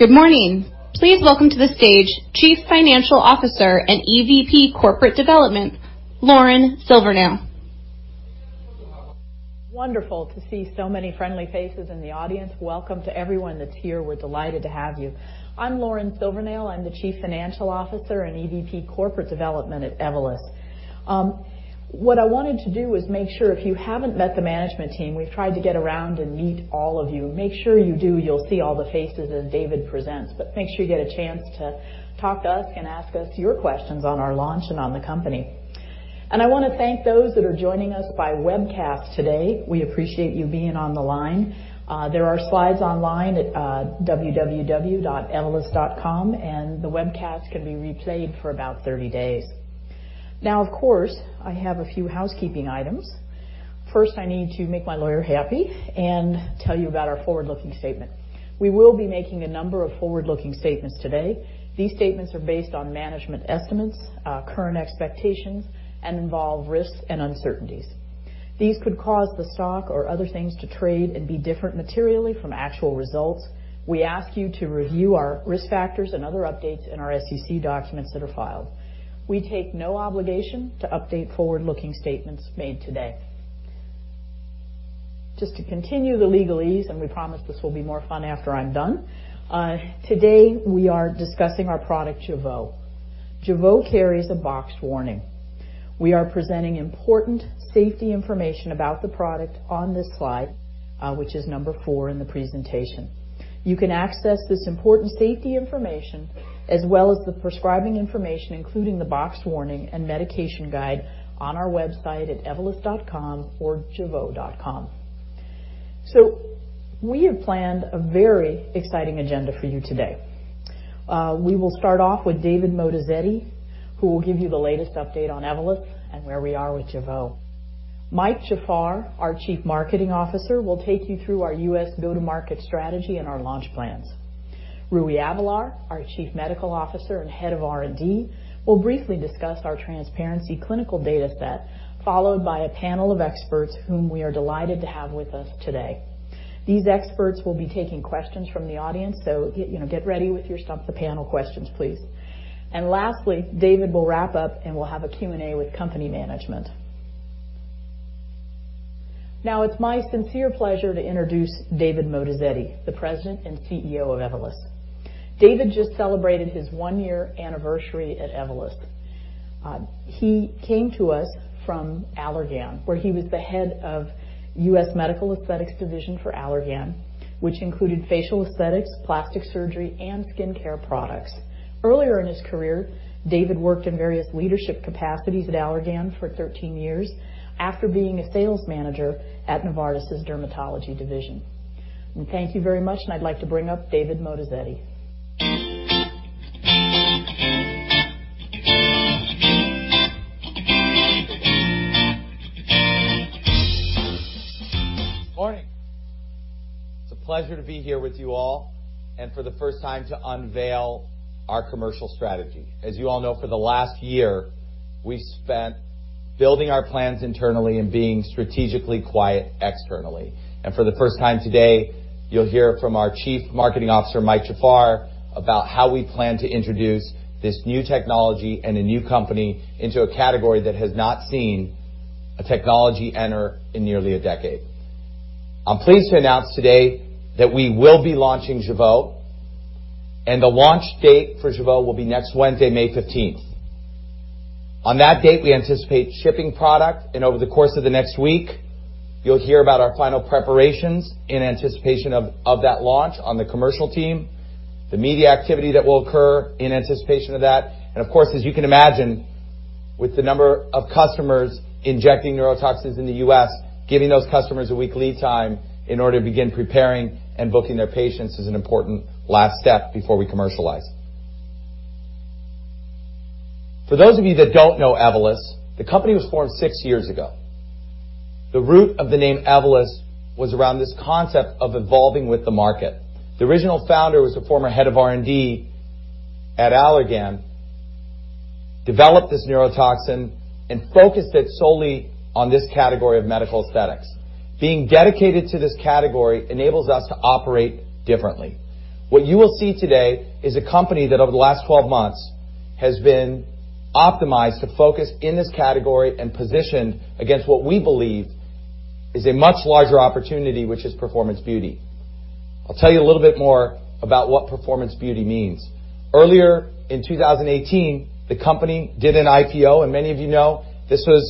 Good morning. Please welcome to the stage Chief Financial Officer and EVP Corporate Development, Lauren Silvernail. Wonderful to see so many friendly faces in the audience. Welcome to everyone that's here. We're delighted to have you. I'm Lauren Silvernail. I'm the Chief Financial Officer and EVP Corporate Development at Evolus. What I wanted to do is make sure if you haven't met the management team, we've tried to get around and meet all of you. Make sure you do, you'll see all the faces as David presents. Make sure you get a chance to talk to us and ask us your questions on our launch and on the company. I want to thank those that are joining us by webcast today. We appreciate you being on the line. There are slides online at www.evolus.com, and the webcast can be replayed for about 30 days. Of course, I have a few housekeeping items. First, I need to make my lawyer happy and tell you about our forward-looking statement. We will be making a number of forward-looking statements today. These statements are based on management estimates, current expectations, and involve risks and uncertainties. These could cause the stock or other things to trade and be different materially from actual results. We ask you to review our risk factors and other updates in our SEC documents that are filed. We take no obligation to update forward-looking statements made today. Just to continue the legalese, we promise this will be more fun after I'm done. Today, we are discussing our product, Jeuveau. Jeuveau carries a box warning. We are presenting important safety information about the product on this slide, which is number four in the presentation. You can access this important safety information as well as the prescribing information, including the box warning and medication guide on our website at evolus.com or jeuveau.com. We have planned a very exciting agenda for you today. We will start off with David Moatazedi, who will give you the latest update on Evolus and where we are with Jeuveau. Michael Jafar, our Chief Marketing Officer, will take you through our U.S. go-to-market strategy and our launch plans. Rui Avelar, our Chief Medical Officer and Head of R&D, will briefly discuss our transparency clinical data set, followed by a panel of experts whom we are delighted to have with us today. These experts will be taking questions from the audience, get ready with your panel questions, please. Lastly, David will wrap up and we'll have a Q&A with company management. Now it's my sincere pleasure to introduce David Moatazedi, the President and CEO of Evolus. David just celebrated his one-year anniversary at Evolus. He came to us from Allergan, where he was the head of U.S. Medical Aesthetics Division for Allergan, which included facial aesthetics, plastic surgery, and skincare products. Earlier in his career, David worked in various leadership capacities at Allergan for 13 years after being a sales manager at Novartis' Dermatology Division. Thank you very much, and I'd like to bring up David Moatazedi. Good morning. It's a pleasure to be here with you all and for the first time to unveil our commercial strategy. As you all know, for the last year, we spent building our plans internally and being strategically quiet externally. For the first time today, you'll hear from our Chief Marketing Officer, Mike Jafar, about how we plan to introduce this new technology and a new company into a category that has not seen a technology enter in nearly a decade. I'm pleased to announce today that we will be launching Jeuveau. The launch date for Jeuveau will be next Wednesday, May 15th. On that date, we anticipate shipping product. Over the course of the next week, you'll hear about our final preparations in anticipation of that launch on the commercial team. The media activity that will occur in anticipation of that. Of course, as you can imagine, with the number of customers injecting neurotoxins in the U.S., giving those customers a week lead time in order to begin preparing and booking their patients is an important last step before we commercialize. For those of you that don't know Evolus, the company was formed six years ago. The root of the name Evolus was around this concept of evolving with the market. The original founder was the former head of R&D at Allergan, developed this neurotoxin and focused it solely on this category of medical aesthetics. Being dedicated to this category enables us to operate differently. What you will see today is a company that over the last 12 months has been optimized to focus in this category and positioned against what we believe is a much larger opportunity, which is performance beauty. I'll tell you a little bit more about what performance beauty means. Earlier in 2018, the company did an IPO. Many of you know this was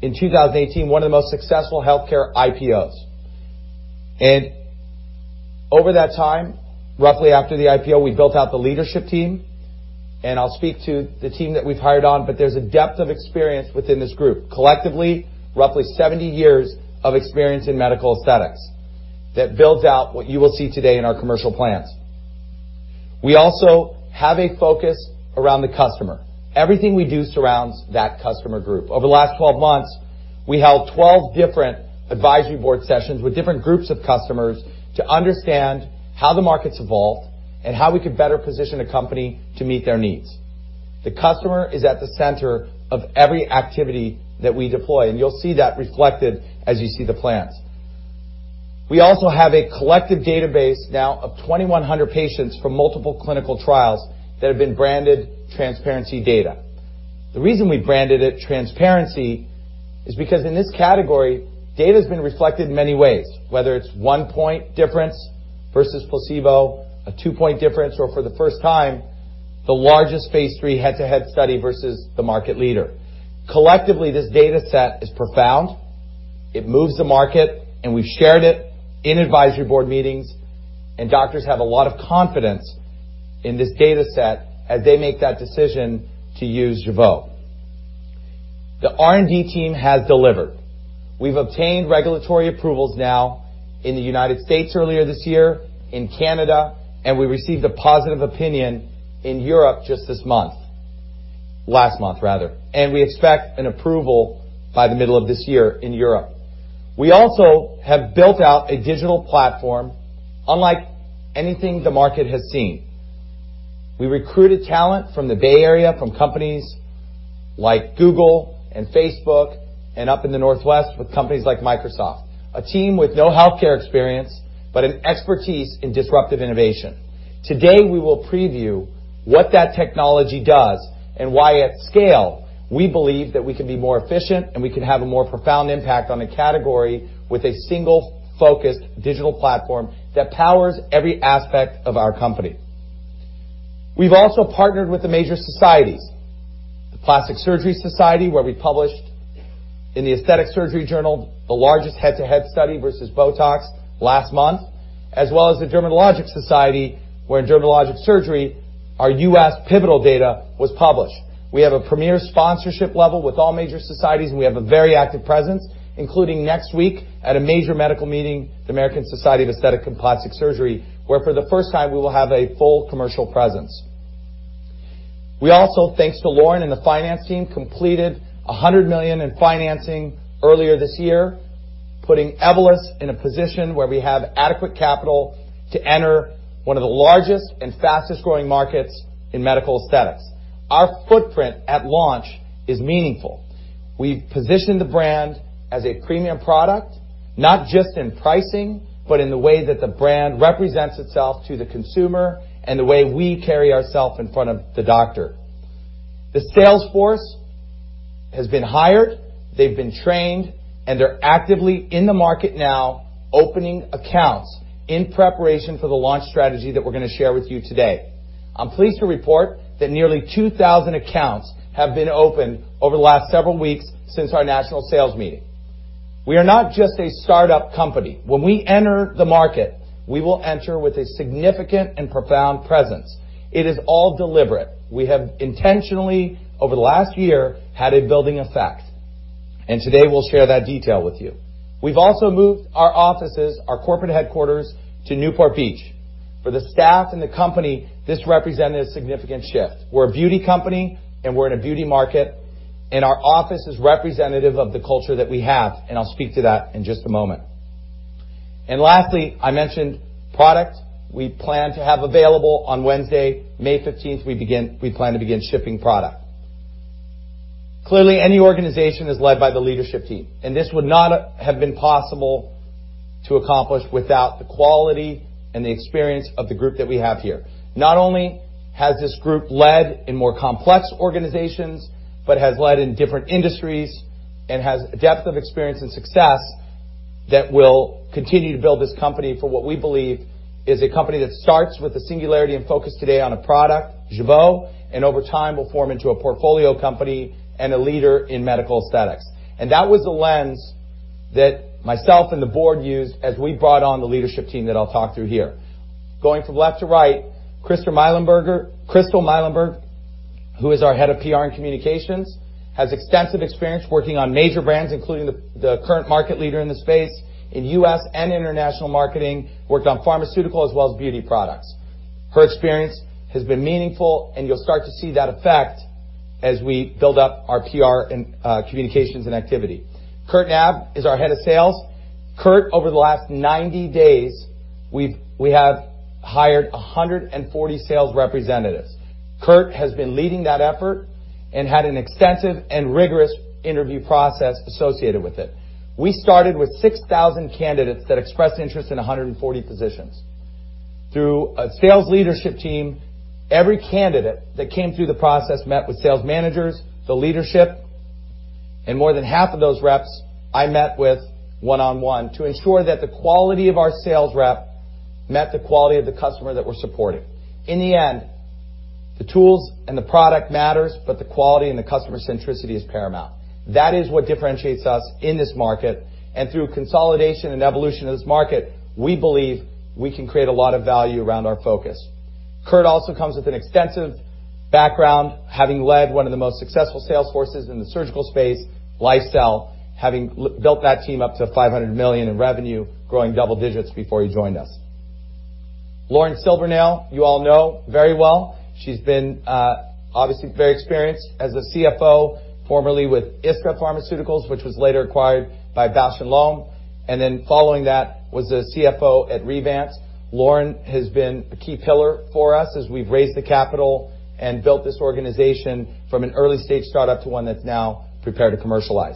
in 2018, one of the most successful healthcare IPOs. Over that time, roughly after the IPO, we built out the leadership team. I'll speak to the team that we've hired on, but there's a depth of experience within this group. Collectively, roughly 70 years of experience in medical aesthetics that builds out what you will see today in our commercial plans. We also have a focus around the customer. Everything we do surrounds that customer group. Over the last 12 months, we held 12 different advisory board sessions with different groups of customers to understand how the market's evolved and how we could better position a company to meet their needs. The customer is at the center of every activity that we deploy, and you'll see that reflected as you see the plans. We also have a collective database now of 2,100 patients from multiple clinical trials that have been branded transparency data. The reason we branded it transparency is because in this category, data's been reflected in many ways, whether it's a one-point difference versus placebo, a two-point difference, or for the first time, the largest phase III head-to-head study versus the market leader. Collectively, this data set is profound. It moves the market, and we've shared it in advisory board meetings, and doctors have a lot of confidence in this data set as they make that decision to use Jeuveau. The R&D team has delivered. We've obtained regulatory approvals now in the United States earlier this year, in Canada, and we received a positive opinion in Europe just this month. Last month, rather. We expect an approval by the middle of this year in Europe. We also have built out a digital platform unlike anything the market has seen. We recruited talent from the Bay Area, from companies like Google and Facebook, and up in the Northwest with companies like Microsoft. A team with no healthcare experience, but an expertise in disruptive innovation. Today, we will preview what that technology does and why at scale, we believe that we can be more efficient and we can have a more profound impact on the category with a single focused digital platform that powers every aspect of our company. We've also partnered with the major societies. The Plastic Surgery Society, where we published in the Aesthetic Surgery Journal, the largest head-to-head study versus BOTOX last month, as well as the Dermatologic Society, where in Dermatologic Surgery, our U.S. pivotal data was published. We have a premier sponsorship level with all major societies, and we have a very active presence, including next week at a major medical meeting, the American Society for Aesthetic Plastic Surgery, where for the first time, we will have a full commercial presence. We also, thanks to Lauren and the finance team, completed $100 million in financing earlier this year, putting Evolus in a position where we have adequate capital to enter one of the largest and fastest-growing markets in medical aesthetics. Our footprint at launch is meaningful. We've positioned the brand as a premium product, not just in pricing, but in the way that the brand represents itself to the consumer and the way we carry ourself in front of the doctor. The sales force has been hired, they've been trained, and they're actively in the market now, opening accounts in preparation for the launch strategy that we're going to share with you today. I'm pleased to report that nearly 2,000 accounts have been opened over the last several weeks since our Evolus national sales meeting. We are not just a startup company. When we enter the market, we will enter with a significant and profound presence. It is all deliberate. We have intentionally, over the last year, had a building effect. Today, we'll share that detail with you. We've also moved our offices, our corporate headquarters, to Newport Beach. For the staff and the company, this represented a significant shift. We're a beauty company and we're in a beauty market, and our office is representative of the culture that we have, and I'll speak to that in just a moment. Lastly, I mentioned product. We plan to have available on Wednesday, May 15th, we plan to begin shipping product. Clearly, any organization is led by the leadership team, and this would not have been possible to accomplish without the quality and the experience of the group that we have here. Not only has this group led in more complex organizations, but has led in different industries and has a depth of experience and success that will continue to build this company for what we believe is a company that starts with the singularity and focus today on a product, Jeuveau, and over time, will form into a portfolio company and a leader in medical aesthetics. That was the lens that myself and the board used as we brought on the leadership team that I'll talk through here. Going from left to right, Crystal Muilenburg, who is our head of PR and communications, has extensive experience working on major brands, including the current market leader in the space in U.S. and international marketing, worked on pharmaceutical as well as beauty products. Her experience has been meaningful and you'll start to see that effect as we build up our PR and communications and activity. Kurt Knab is our head of sales. Kurt, over the last 90 days, we have hired 140 sales representatives. Kurt has been leading that effort and had an extensive and rigorous interview process associated with it. We started with 6,000 candidates that expressed interest in 140 positions. Through a sales leadership team, every candidate that came through the process met with sales managers, the leadership, and more than half of those reps I met with one-on-one to ensure that the quality of our sales rep met the quality of the customer that we're supporting. In the end, the tools and the product matters, but the quality and the customer centricity is paramount. That is what differentiates us in this market, and through consolidation and evolution of this market, we believe we can create a lot of value around our focus. Kurt also comes with an extensive background, having led one of the most successful sales forces in the surgical space, LifeCell, having built that team up to $500 million in revenue, growing double digits before he joined us. Lauren Silvernail, you all know very well. She's been obviously very experienced as a CFO, formerly with ISTA Pharmaceuticals, which was later acquired by Bausch + Lomb. Then following that was the CFO at Revance. Lauren has been a key pillar for us as we've raised the capital and built this organization from an early-stage startup to one that's now prepared to commercialize.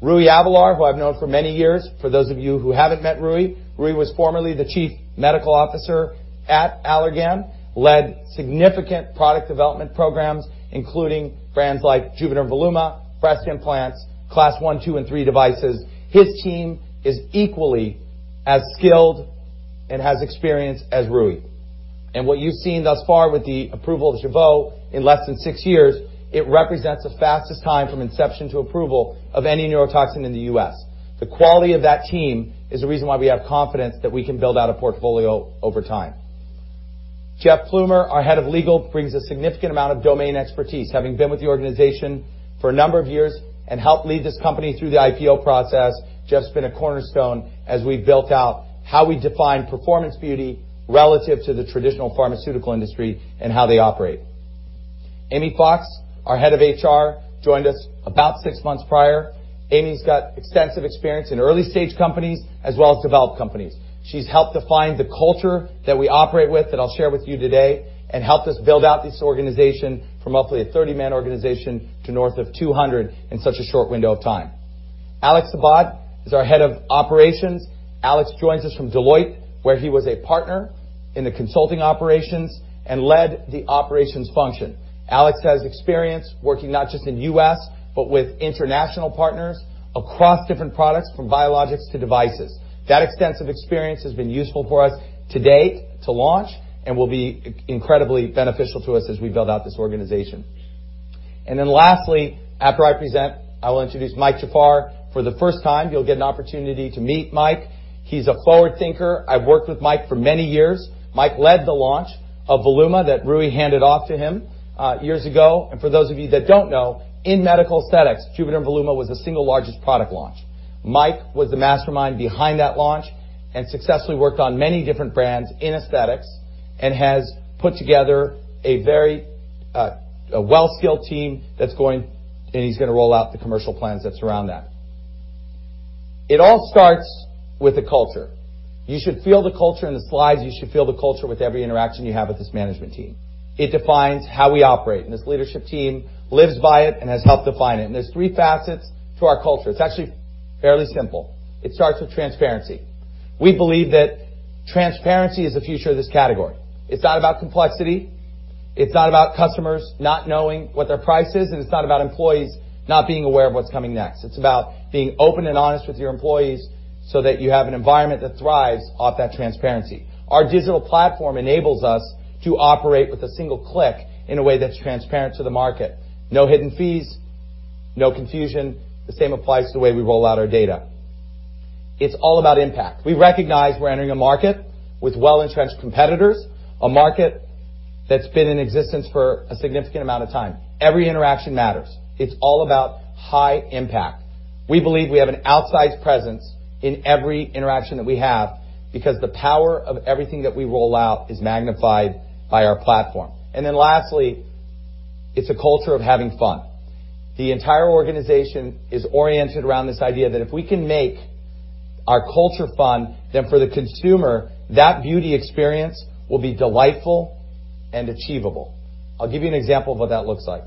Rui Avelar, who I've known for many years, for those of you who haven't met Rui was formerly the Chief Medical Officer at Allergan, led significant product development programs, including brands like JUVÉDERM VOLUMA, breast implants, class 1, 2, and 3 devices. His team is equally as skilled and has experience as Rui. What you've seen thus far with the approval of Jeuveau in less than six years, it represents the fastest time from inception to approval of any neurotoxin in the U.S. The quality of that team is the reason why we have confidence that we can build out a portfolio over time. Jeff Plumer, our Head of Legal, brings a significant amount of domain expertise, having been with the organization for a number of years and helped lead this company through the IPO process. Jeff's been a cornerstone as we've built out how we define performance beauty relative to the traditional pharmaceutical industry and how they operate. Amy Fox, our Head of HR, joined us about six months prior. Amy's got extensive experience in early-stage companies as well as developed companies. She's helped define the culture that we operate with, that I'll share with you today, and helped us build out this organization from roughly a 30-man organization to north of 200 in such a short window of time. Alex Abad is our Head of Operations. Alex joins us from Deloitte, where he was a partner in the consulting operations and led the operations function. Alex has experience working not just in the U.S., but with international partners across different products from biologics to devices. That extensive experience has been useful for us to date to launch and will be incredibly beneficial to us as we build out this organization. Then lastly, after I present, I will introduce Mike Jafar. For the first time, you'll get an opportunity to meet Mike. He's a forward thinker. I've worked with Mike for many years. Mike led the launch of Voluma that Rui handed off to him years ago. For those of you that don't know, in medical aesthetics, JUVÉDERM VOLUMA was the single largest product launch. Mike was the mastermind behind that launch and successfully worked on many different brands in aesthetics and has put together a well-skilled team, and he's going to roll out the commercial plans that surround that. It all starts with the culture. You should feel the culture in the slides. You should feel the culture with every interaction you have with this management team. It defines how we operate, and this leadership team lives by it and has helped define it. There's three facets to our culture. It's actually fairly simple. It starts with transparency. We believe that transparency is the future of this category. It's not about complexity. It's not about customers not knowing what their price is, and it's not about employees not being aware of what's coming next. It's about being open and honest with your employees so that you have an environment that thrives off that transparency. Our digital platform enables us to operate with a single click in a way that's transparent to the market. No hidden fees, no confusion. The same applies to the way we roll out our data. It's all about impact. We recognize we're entering a market with well-entrenched competitors, a market that's been in existence for a significant amount of time. Every interaction matters. It's all about high impact. We believe we have an outsized presence in every interaction that we have because the power of everything that we roll out is magnified by our platform. Lastly, it's a culture of having fun. The entire organization is oriented around this idea that if we can make our culture fun, then for the consumer, that beauty experience will be delightful and achievable. I'll give you an example of what that looks like.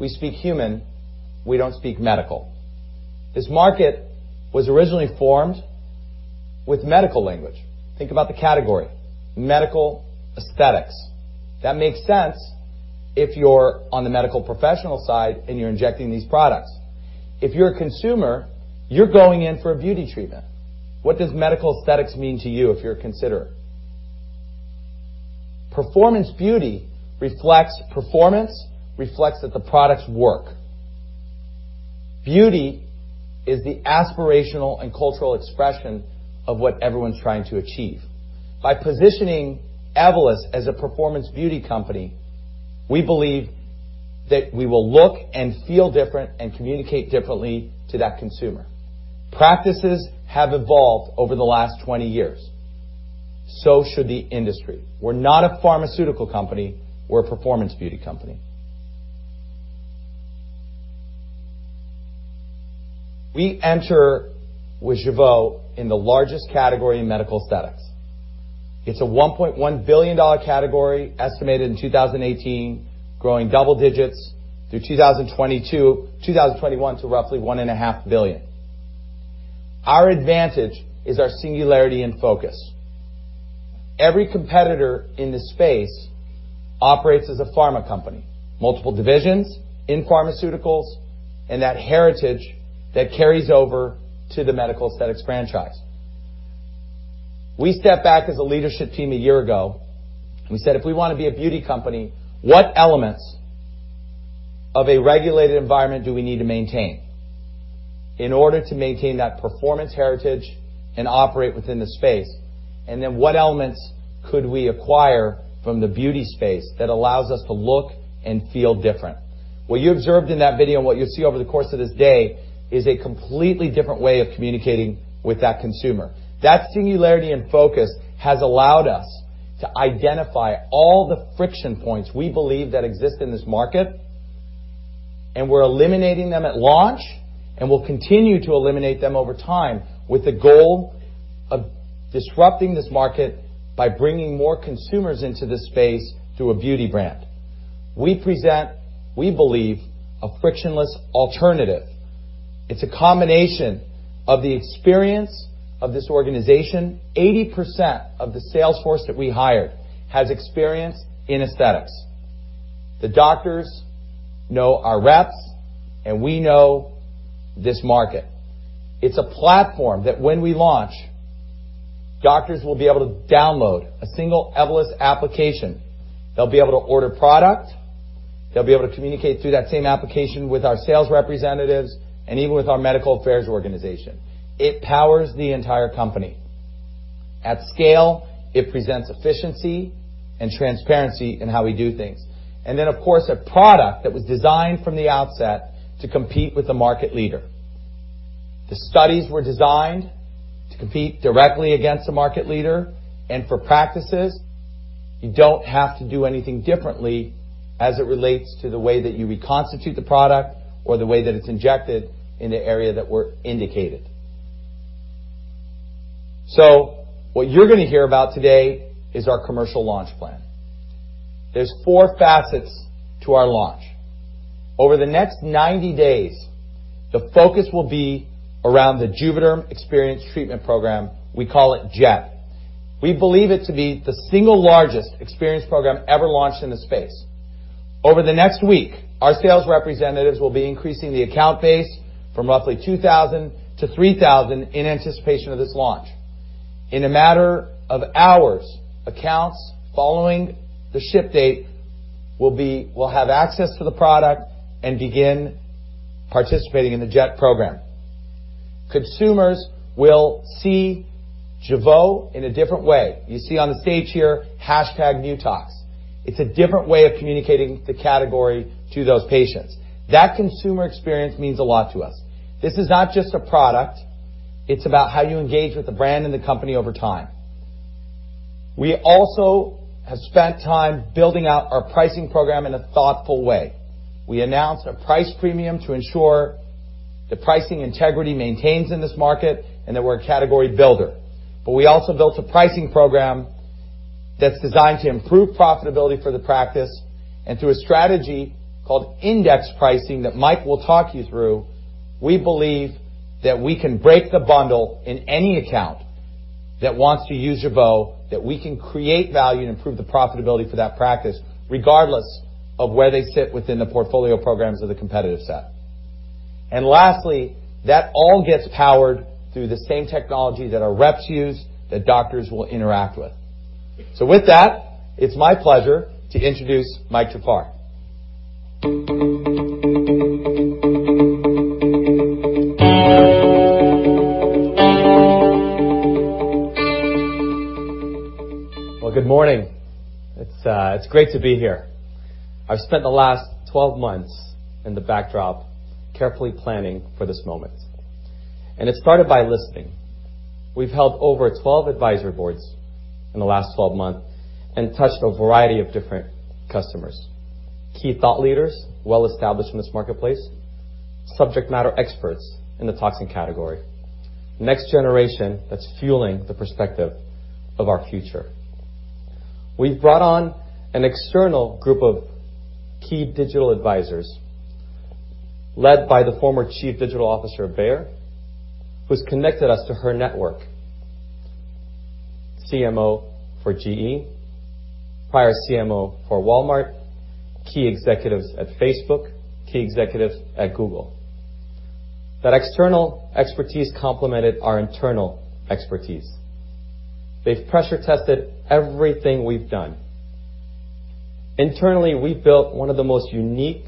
we speak human, we don't speak medical. This market was originally formed with medical language. Think about the category, medical aesthetics. That makes sense if you're on the medical professional side and you're injecting these products. If you're a consumer, you're going in for a beauty treatment. What does medical aesthetics mean to you if you're a considerer? Performance beauty reflects performance, reflects that the products work. Beauty is the aspirational and cultural expression of what everyone's trying to achieve. By positioning Evolus as a performance beauty company, we believe that we will look and feel different and communicate differently to that consumer. Practices have evolved over the last 20 years. Should the industry. We're not a pharmaceutical company, we're a performance beauty company. We enter with Jeuveau in the largest category in medical aesthetics. It's a $1.1 billion category, estimated in 2018, growing double digits through 2022, 2021 to roughly one and a half billion. Our advantage is our singularity and focus. Every competitor in this space operates as a pharma company, multiple divisions in pharmaceuticals, and that heritage that carries over to the medical aesthetics franchise. We stepped back as a leadership team a year ago. We said, "If we want to be a beauty company, what elements of a regulated environment do we need to maintain in order to maintain that performance heritage and operate within the space? What elements could we acquire from the beauty space that allows us to look and feel different?" What you observed in that video and what you'll see over the course of this day is a completely different way of communicating with that consumer. That singularity and focus has allowed us to identify all the friction points we believe that exist in this market. We're eliminating them at launch. We'll continue to eliminate them over time with the goal of disrupting this market by bringing more consumers into this space through a beauty brand. We present, we believe, a frictionless alternative. It's a combination of the experience of this organization. 80% of the sales force that we hired has experience in aesthetics. The doctors know our reps. We know this market. It's a platform that when we launch, doctors will be able to download a single Evolus application. They'll be able to order product. They'll be able to communicate through that same application with our sales representatives. Even with our medical affairs organization, it powers the entire company. At scale, it presents efficiency and transparency in how we do things. Of course, a product that was designed from the outset to compete with the market leader. The studies were designed to compete directly against the market leader and for practices. You don't have to do anything differently as it relates to the way that you reconstitute the product or the way that it's injected in the area that we're indicated. What you're going to hear about today is our commercial launch plan. There's four facets to our launch. Over the next 90 days, the focus will be around the Jeuveau Experience Treatment Program, we call it J.E.T. We believe it to be the single largest experience program ever launched in the space. Over the next week, our sales representatives will be increasing the account base from roughly 2,000 to 3,000 in anticipation of this launch. In a matter of hours, accounts following the ship date will have access to the product and begin participating in the J.E.T program. Consumers will see Jeuveau in a different way. You see on the stage here, #NewTox. It's a different way of communicating the category to those patients. That consumer experience means a lot to us. This is not just a product, it's about how you engage with the brand and the company over time. We also have spent time building out our pricing program in a thoughtful way. We announced a price premium to ensure the pricing integrity maintains in this market and that we're a category builder. We also built a pricing program that's designed to improve profitability for the practice. Through a strategy called index pricing that Mike will talk you through, we believe that we can break the bundle in any account that wants to use Jeuveau, that we can create value and improve the profitability for that practice, regardless of where they sit within the portfolio programs of the competitive set. Lastly, that all gets powered through the same technology that our reps use, that doctors will interact with. With that, it's my pleasure to introduce Mike Jafar. Well, good morning. It's great to be here. I've spent the last 12 months in the backdrop carefully planning for this moment. It started by listening. We've held over 12 advisory boards in the last 12 months, touched a variety of different customers, key thought leaders, well-established in this marketplace, subject matter experts in the toxin category. Next generation that's fueling the perspective of our future. We've brought on an external group of key digital advisors led by the former Chief Digital Officer of Bayer, who's connected us to her network, CMO for GE, prior CMO for Walmart, key executives at Facebook, key executives at Google. That external expertise complemented our internal expertise. They've pressure-tested everything we've done. Internally, we've built one of the most unique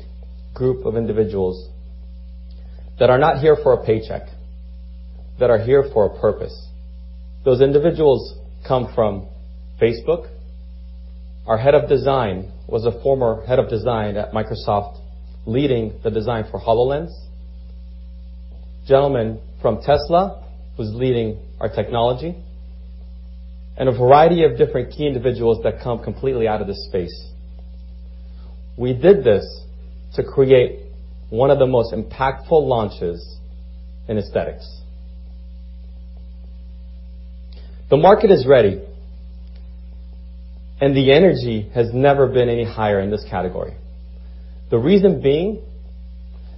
group of individuals that are not here for a paycheck, that are here for a purpose. Those individuals come from Facebook. Our head of design was a former head of design at Microsoft, leading the design for HoloLens. A gentleman from Tesla, who's leading our technology, a variety of different key individuals that come completely out of this space. We did this to create one of the most impactful launches in aesthetics. The market is ready, the energy has never been any higher in this category. The reason being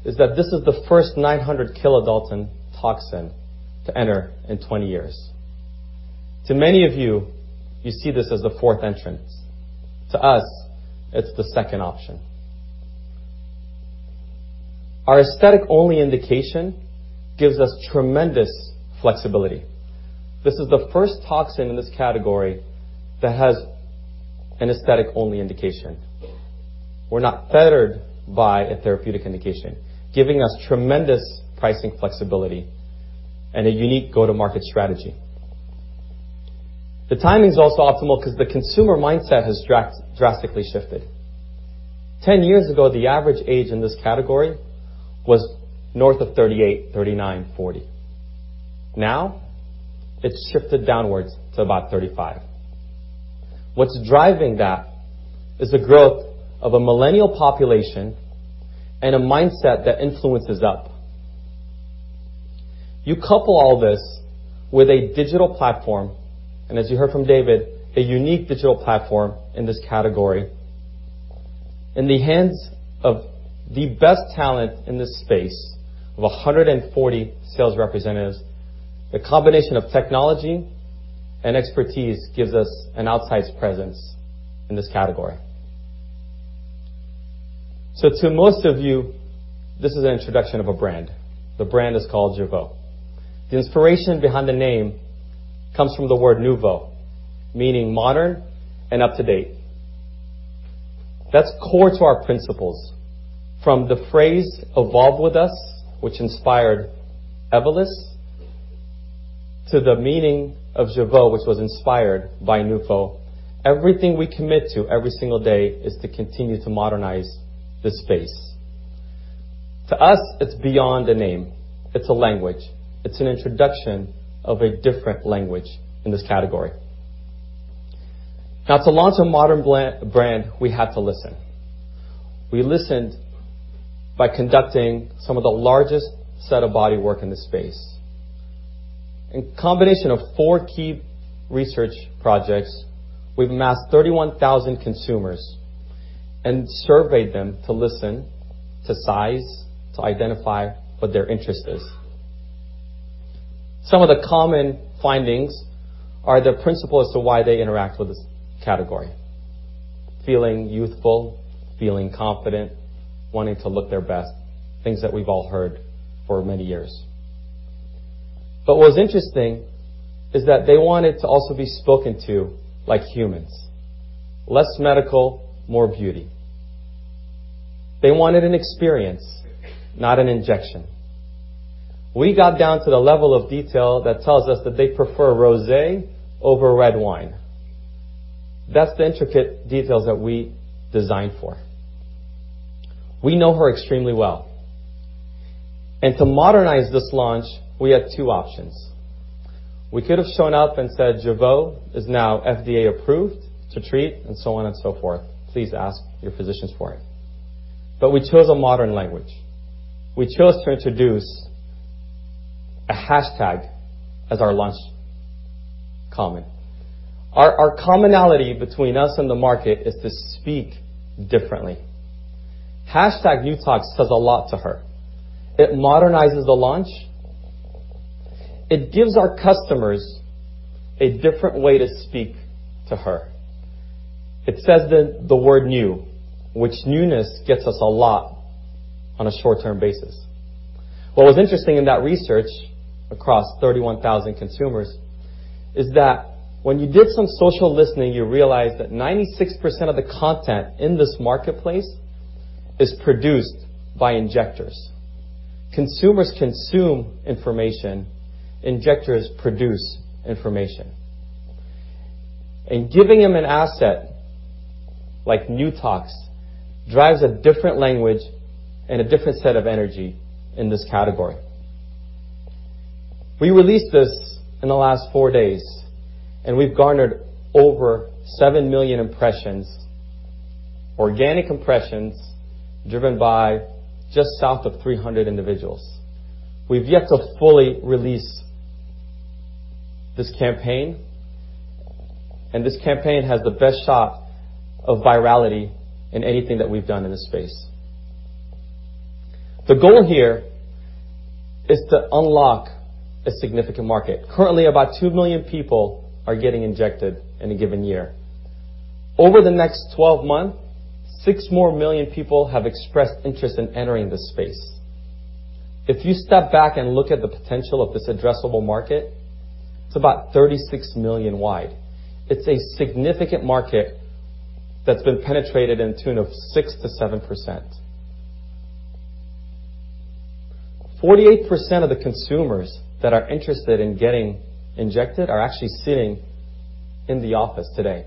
is that this is the first 900 kilodalton toxin to enter in 20 years. To many of you see this as the fourth entrance. To us, it's the second option. Our aesthetic-only indication gives us tremendous flexibility. This is the first toxin in this category that has an aesthetic-only indication. We're not fettered by a therapeutic indication, giving us tremendous pricing flexibility and a unique go-to-market strategy. The timing's also optimal because the consumer mindset has drastically shifted. 10 years ago, the average age in this category was north of 38, 39, 40. Now, it's shifted downwards to about 35. What's driving that is the growth of a millennial population, a mindset that influences up. You couple all this with a digital platform, as you heard from David, a unique digital platform in this category. In the hands of the best talent in this space of 140 sales representatives, the combination of technology and expertise gives us an outsized presence in this category. To most of you, this is an introduction of a brand. The brand is called Jeuveau. The inspiration behind the name comes from the word nouveau, meaning modern and up-to-date. That's core to our principles. From the phrase "evolve with us," which inspired Evolus, to the meaning of Jeuveau, which was inspired by nouveau, everything we commit to every single day is to continue to modernize this space. To us, it's beyond a name. It's a language. It's an introduction of a different language in this category. To launch a modern brand, we had to listen. We listened by conducting some of the largest set of body work in this space. In combination of four key research projects, we've amassed 31,000 consumers and surveyed them to listen, to size, to identify what their interest is. Some of the common findings are the principle as to why they interact with this category. Feeling youthful, feeling confident, wanting to look their best, things that we've all heard for many years. What's interesting is that they wanted to also be spoken to like humans, less medical, more beauty. They wanted an experience, not an injection. We got down to the level of detail that tells us that they prefer rosé over red wine. That's the intricate details that we designed for. We know her extremely well. To modernize this launch, we had two options. We could have shown up and said, "Jeuveau is now FDA-approved to treat," and so on and so forth. "Please ask your physicians for it." We chose a modern language. We chose to introduce a hashtag as our launch comment. Our commonality between us and the market is to speak differently. Hashtag #NewTox says a lot to her. It modernizes the launch. It gives our customers a different way to speak to her. It says the word new, which newness gets us a lot on a short-term basis. What was interesting in that research across 31,000 consumers is that when you did some social listening, you realize that 96% of the content in this marketplace is produced by injectors. Consumers consume information, injectors produce information. Giving them an asset like #NewTox drives a different language and a different set of energy in this category. We released this in the last four days, and we've garnered over seven million impressions, organic impressions, driven by just south of 300 individuals. We've yet to fully release this campaign, and this campaign has the best shot of virality in anything that we've done in this space. The goal here is to unlock a significant market. Currently, about two million people are getting injected in a given year. Over the next 12 months, six more million people have expressed interest in entering this space. If you step back and look at the potential of this addressable market, it's about 36 million wide. It's a significant market that's been penetrated in tune of 6%-7%. 48% of the consumers that are interested in getting injected are actually sitting in the office today.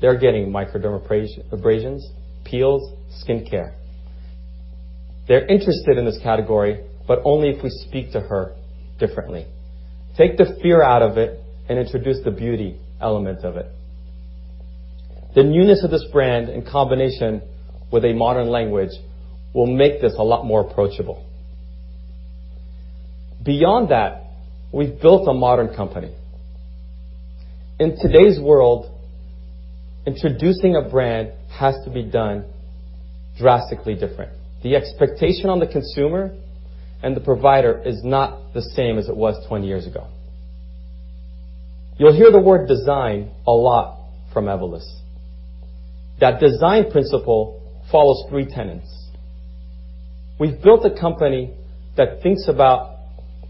They're getting microdermabrasions, peels, skin care. They're interested in this category, but only if we speak to her differently. Take the fear out of it and introduce the beauty element of it. The newness of this brand in combination with a modern language will make this a lot more approachable. Beyond that, we've built a modern company. In today's world, introducing a brand has to be done drastically different. The expectation on the consumer and the provider is not the same as it was 20 years ago. You'll hear the word design a lot from Evolus. That design principle follows three tenets. We've built a company that thinks about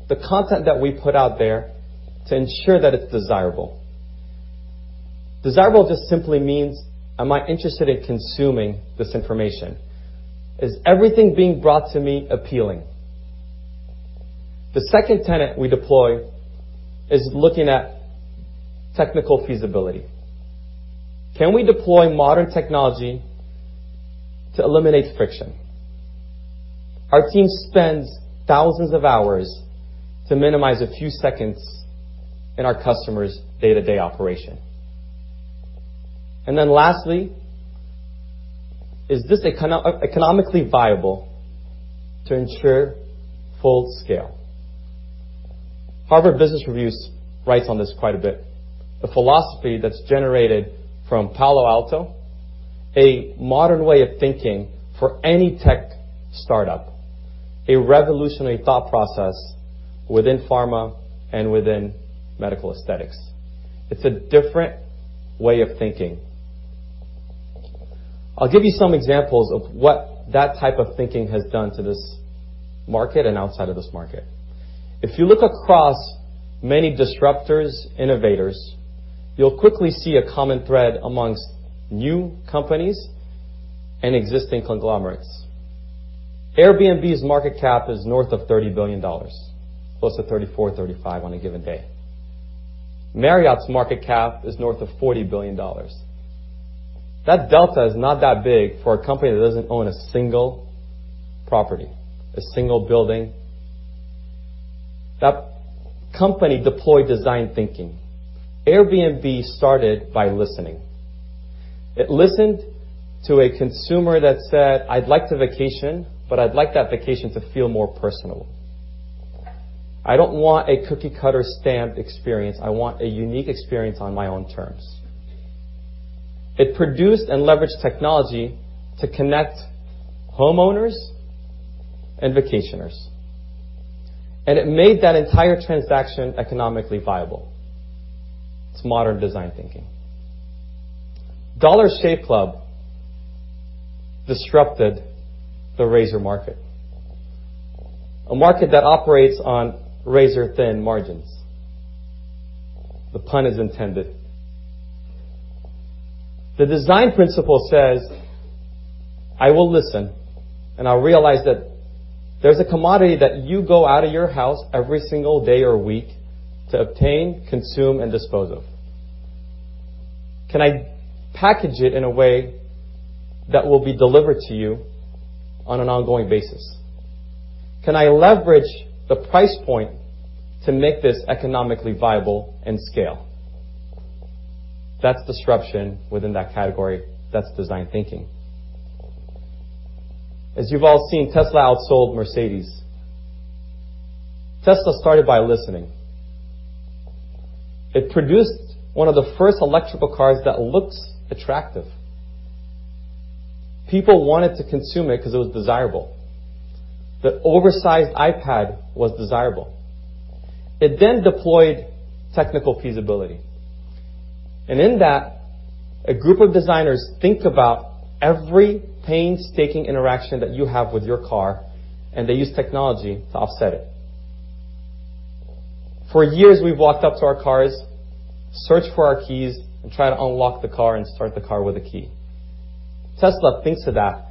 the content that we put out there to ensure that it's desirable. Desirable just simply means, am I interested in consuming this information? Is everything being brought to me appealing? The second tenet we deploy is looking at technical feasibility. Can we deploy modern technology to eliminate friction? Our team spends thousands of hours to minimize a few seconds in our customers' day-to-day operation. Lastly, is this economically viable to ensure full scale? Harvard Business Review writes on this quite a bit. The philosophy that's generated from Palo Alto, a modern way of thinking for any tech startup, a revolutionary thought process within pharma and within medical aesthetics. It's a different way of thinking. I'll give you some examples of what that type of thinking has done to this market and outside of this market. If you look across many disruptors, innovators, you'll quickly see a common thread amongst new companies and existing conglomerates. Airbnb's market cap is north of $30 billion, close to 34, 35 on a given day. Marriott's market cap is north of $40 billion. That delta is not that big for a company that doesn't own a single property, a single building. That company deployed design thinking. Airbnb started by listening. It listened to a consumer that said, "I'd like to vacation, but I'd like that vacation to feel more personal. I don't want a cookie-cutter stamp experience. I want a unique experience on my own terms." It produced and leveraged technology to connect homeowners and vacationers. It made that entire transaction economically viable. It's modern design thinking. Dollar Shave Club disrupted the razor market. A market that operates on razor-thin margins. The pun is intended. The design principle says, I will listen, I'll realize that there's a commodity that you go out of your house every single day or week to obtain, consume and dispose of. Can I package it in a way that will be delivered to you on an ongoing basis? Can I leverage the price point to make this economically viable and scale? That's disruption within that category. That's design thinking. As you've all seen, Tesla outsold Mercedes. Tesla started by listening. It produced one of the first electrical cars that looks attractive. People wanted to consume it because it was desirable. The oversized iPad was desirable. It then deployed technical feasibility. In that, a group of designers think about every painstaking interaction that you have with your car, and they use technology to offset it. For years, we've walked up to our cars, searched for our keys, and tried to unlock the car and start the car with a key. Tesla thinks of that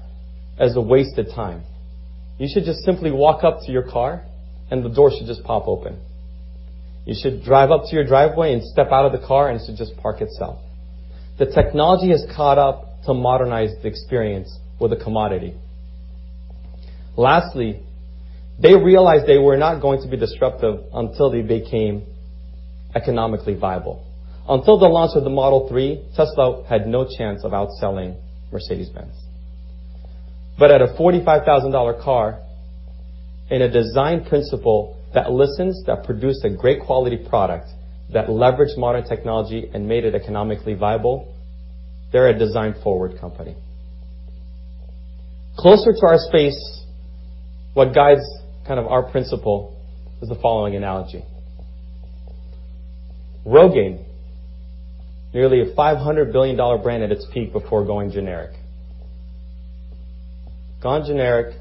as a waste of time. You should just simply walk up to your car and the door should just pop open. You should drive up to your driveway and step out of the car and it should just park itself. The technology has caught up to modernize the experience with a commodity. Lastly, they realized they were not going to be disruptive until they became economically viable. Until the launch of the Model 3, Tesla had no chance of outselling Mercedes-Benz. At a $45,000 car, in a design principle that listens, that produced a great quality product, that leveraged modern technology and made it economically viable. They're a design-forward company. Closer to our space, what guides our principle is the following analogy. ROGAINE, nearly a $500 billion brand at its peak before going generic. Gone generic,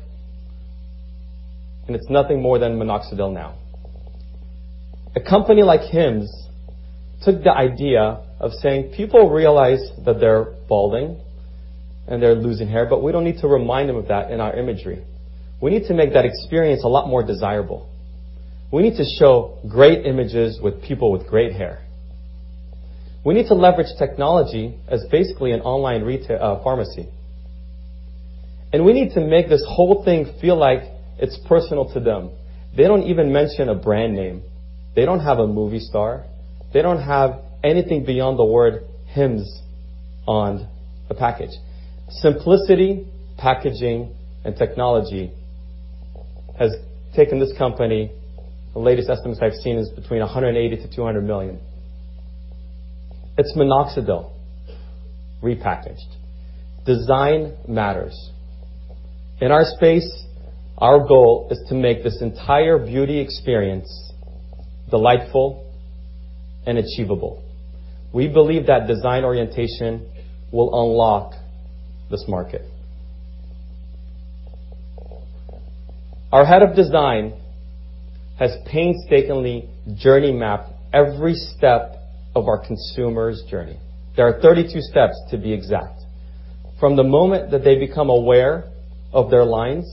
and it's nothing more than minoxidil now. A company like Hims took the idea of saying, people realize that they're balding and they're losing hair, we don't need to remind them of that in our imagery. We need to make that experience a lot more desirable. We need to show great images with people with great hair. We need to leverage technology as basically an online pharmacy. We need to make this whole thing feel like it's personal to them. They don't even mention a brand name. They don't have a movie star. They don't have anything beyond the word Hims on the package. Simplicity, packaging, and technology has taken this company, the latest estimates I've seen is between $180 million to $200 million. It's minoxidil repackaged. Design matters. In our space, our goal is to make this entire beauty experience delightful and achievable. We believe that design orientation will unlock this market. Our head of design has painstakingly journey mapped every step of our consumer's journey. There are 32 steps, to be exact. From the moment that they become aware of their lines,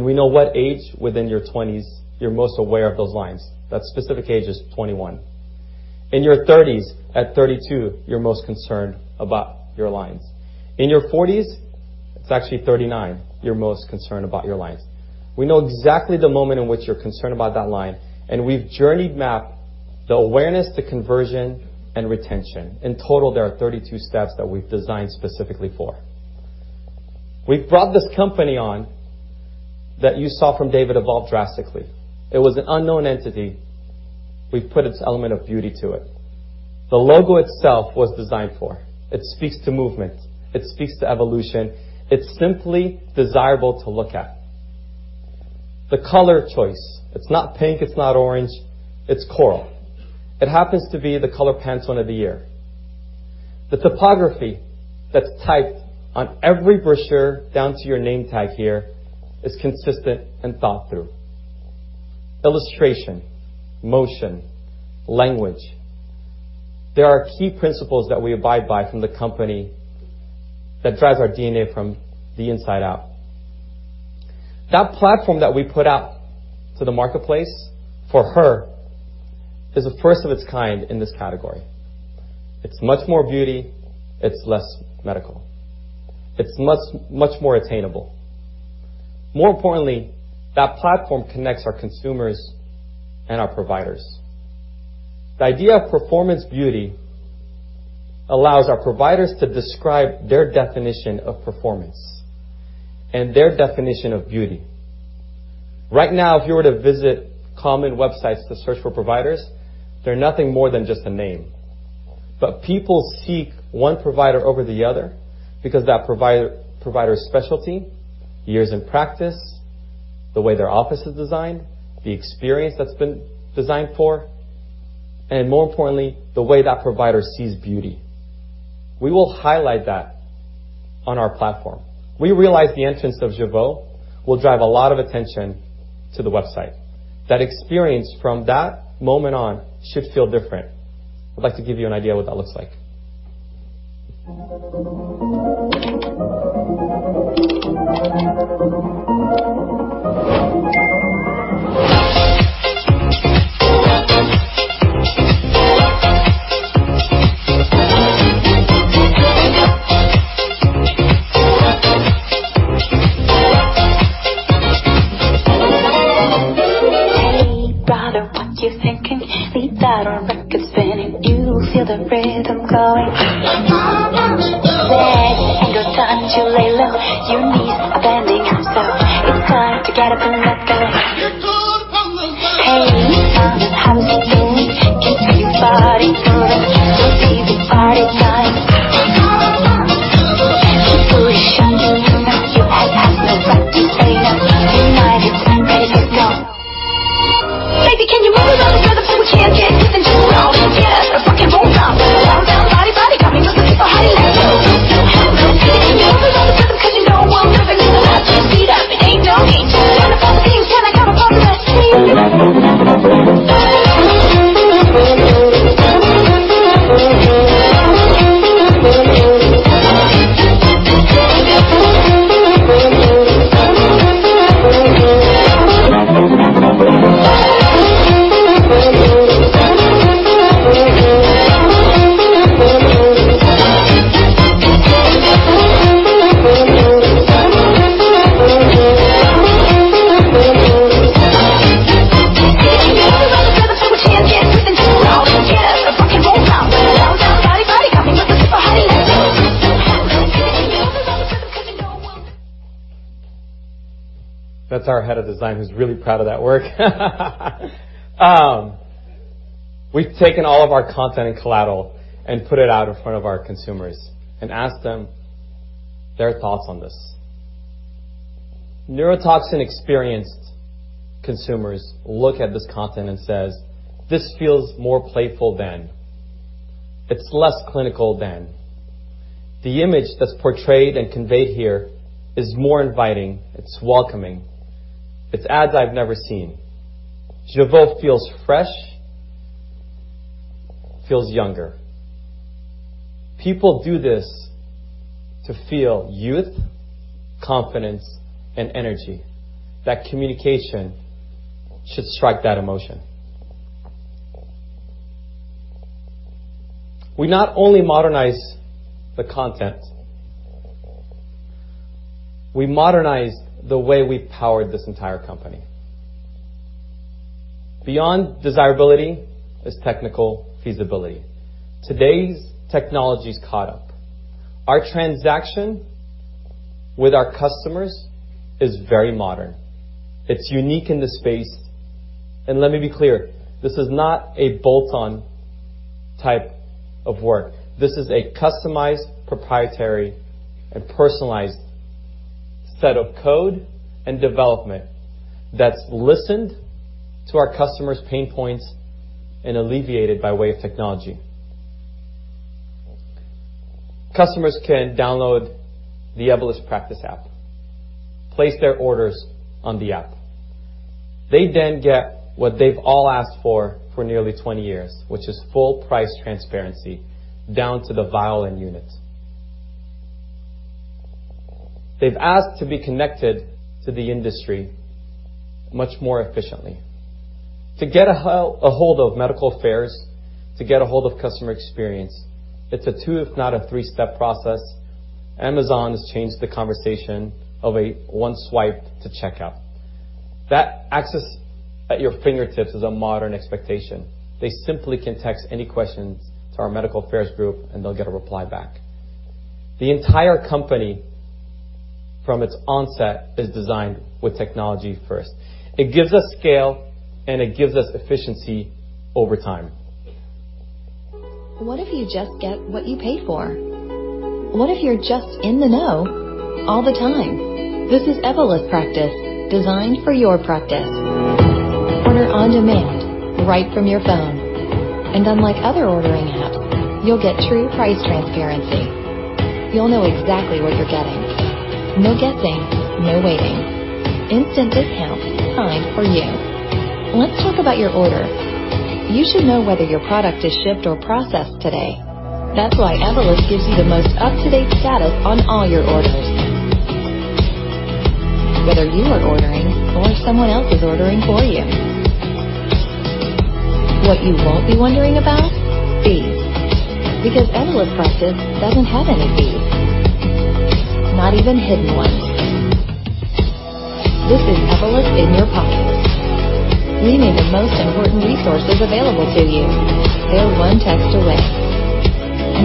we know what age within your 20s you're most aware of those lines. That specific age is 21. In your 30s, at 32, you're most concerned about your lines. In your 40s, it's actually 39, you're most concerned about your lines. We know exactly the moment in which you're concerned about that line, we've journey mapped the awareness, the conversion, and retention. In total, there are 32 steps that we've designed specifically for. We've brought this company on that you saw from David evolve drastically. It was an unknown entity. We've put its element of beauty to it. The logo itself was designed for. It speaks to movement. It speaks to evolution. It's simply desirable to look at. The color choice, it's not pink, it's not orange, it's coral. It happens to be the color Pantone of the year. The typography that's typed on every brochure down to your name tag here is consistent and thought through. Illustration, motion, language. There are key principles that we abide by from the company that drives our DNA from the inside out. That platform that we put out to the marketplace for Her is the first of its kind in this category. It's much more beauty, it's less medical. It's much more attainable. More importantly, that platform connects our consumers and our providers. The idea of performance beauty allows our providers to describe their definition of performance and their definition of beauty. Right now, if you were to visit common websites to search for providers, they're nothing more than just a name. People seek one provider over the other because that provider's specialty, years in practice, the way their office is designed, the experience that's been designed for, and more importantly, the way that provider sees beauty. We will highlight that on our platform. We realize the entrance of Jeuveau will drive a lot of attention to the website. That experience from that moment on should feel different. I'd like to give you an idea what that looks like. Hey, brother, what you thinking? Beneath that old record spinning. You feel the rhythm going. Get down on it now. Legs ain't got time to lay low. Your knees are bending low. It's time to get up It's ads I've never seen. Jeuveau feels fresh, feels younger." People do this to feel youth, confidence, and energy. That communication should strike that emotion. We not only modernize the content, we modernize the way we've powered this entire company. Beyond desirability is technical feasibility. Today's technology's caught up. Our transaction with our customers is very modern. It's unique in the space. Let me be clear, this is not a bolt-on type of work. This is a customized, proprietary, and personalized set of code and development that's listened to our customers' pain points and alleviated by way of technology. Customers can download the Evolus Practice app, place their orders on the app. They then get what they've all asked for for nearly 20 years, which is full price transparency, down to the vial and unit. They've asked to be connected to the industry much more efficiently. To get a hold of medical affairs, to get a hold of customer experience, it's a two, if not a three-step process. Amazon has changed the conversation of a one swipe to checkout. That access at your fingertips is a modern expectation. They simply can text any questions to our medical affairs group and they'll get a reply back. The entire company, from its onset, is designed with technology first. It gives us scale and it gives us efficiency over time. What if you just get what you pay for? What if you're just in the know all the time? This is Evolus Practice, designed for your practice. Order on demand right from your phone. Unlike other ordering apps, you'll get true price transparency. You'll know exactly what you're getting. No guessing, no waiting. Instant discounts, timed for you. Let's talk about your order. You should know whether your product is shipped or processed today. That's why Evolus gives you the most up-to-date status on all your orders, whether you are ordering or someone else is ordering for you. What you won't be wondering about? Fees. Because Evolus Practice doesn't have any fees, not even hidden ones. This is Evolus in your pocket, meaning the most important resources available to you. They're one text away.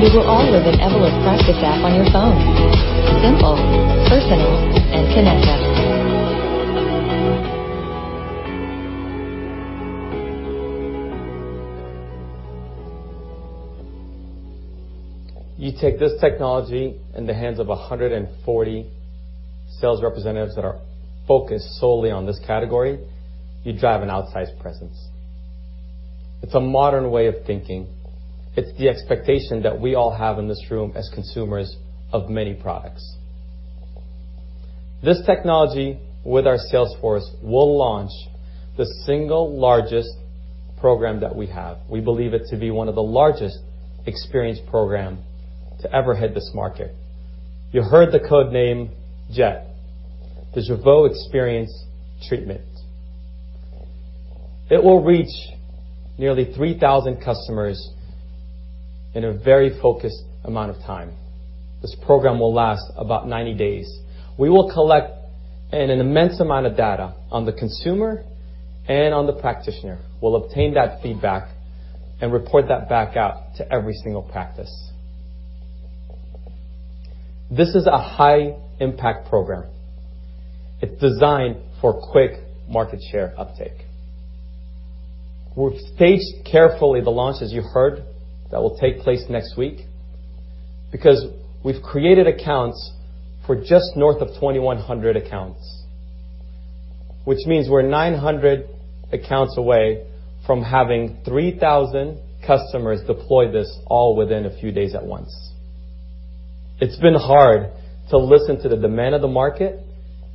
It will all live in Evolus Practice app on your phone. Simple, personal, and connected. You take this technology in the hands of 140 sales representatives that are focused solely on this category, you drive an outsized presence. It's a modern way of thinking. It's the expectation that we all have in this room as consumers of many products. This technology with our sales force will launch the single largest program that we have. We believe it to be one of the largest experience program to ever hit this market. You heard the code name J.E.T., the Jeuveau Experience Treatment. It will reach nearly 3,000 customers in a very focused amount of time. This program will last about 90 days. We will collect an immense amount of data on the consumer and on the practitioner. We'll obtain that feedback and report that back out to every single practice. This is a high impact program. It's designed for quick market share uptake. We've spaced carefully the launches you heard that will take place next week because we've created accounts for just north of 2,100 accounts. Which means we're 900 accounts away from having 3,000 customers deploy this all within a few days at once. It's been hard to listen to the demand of the market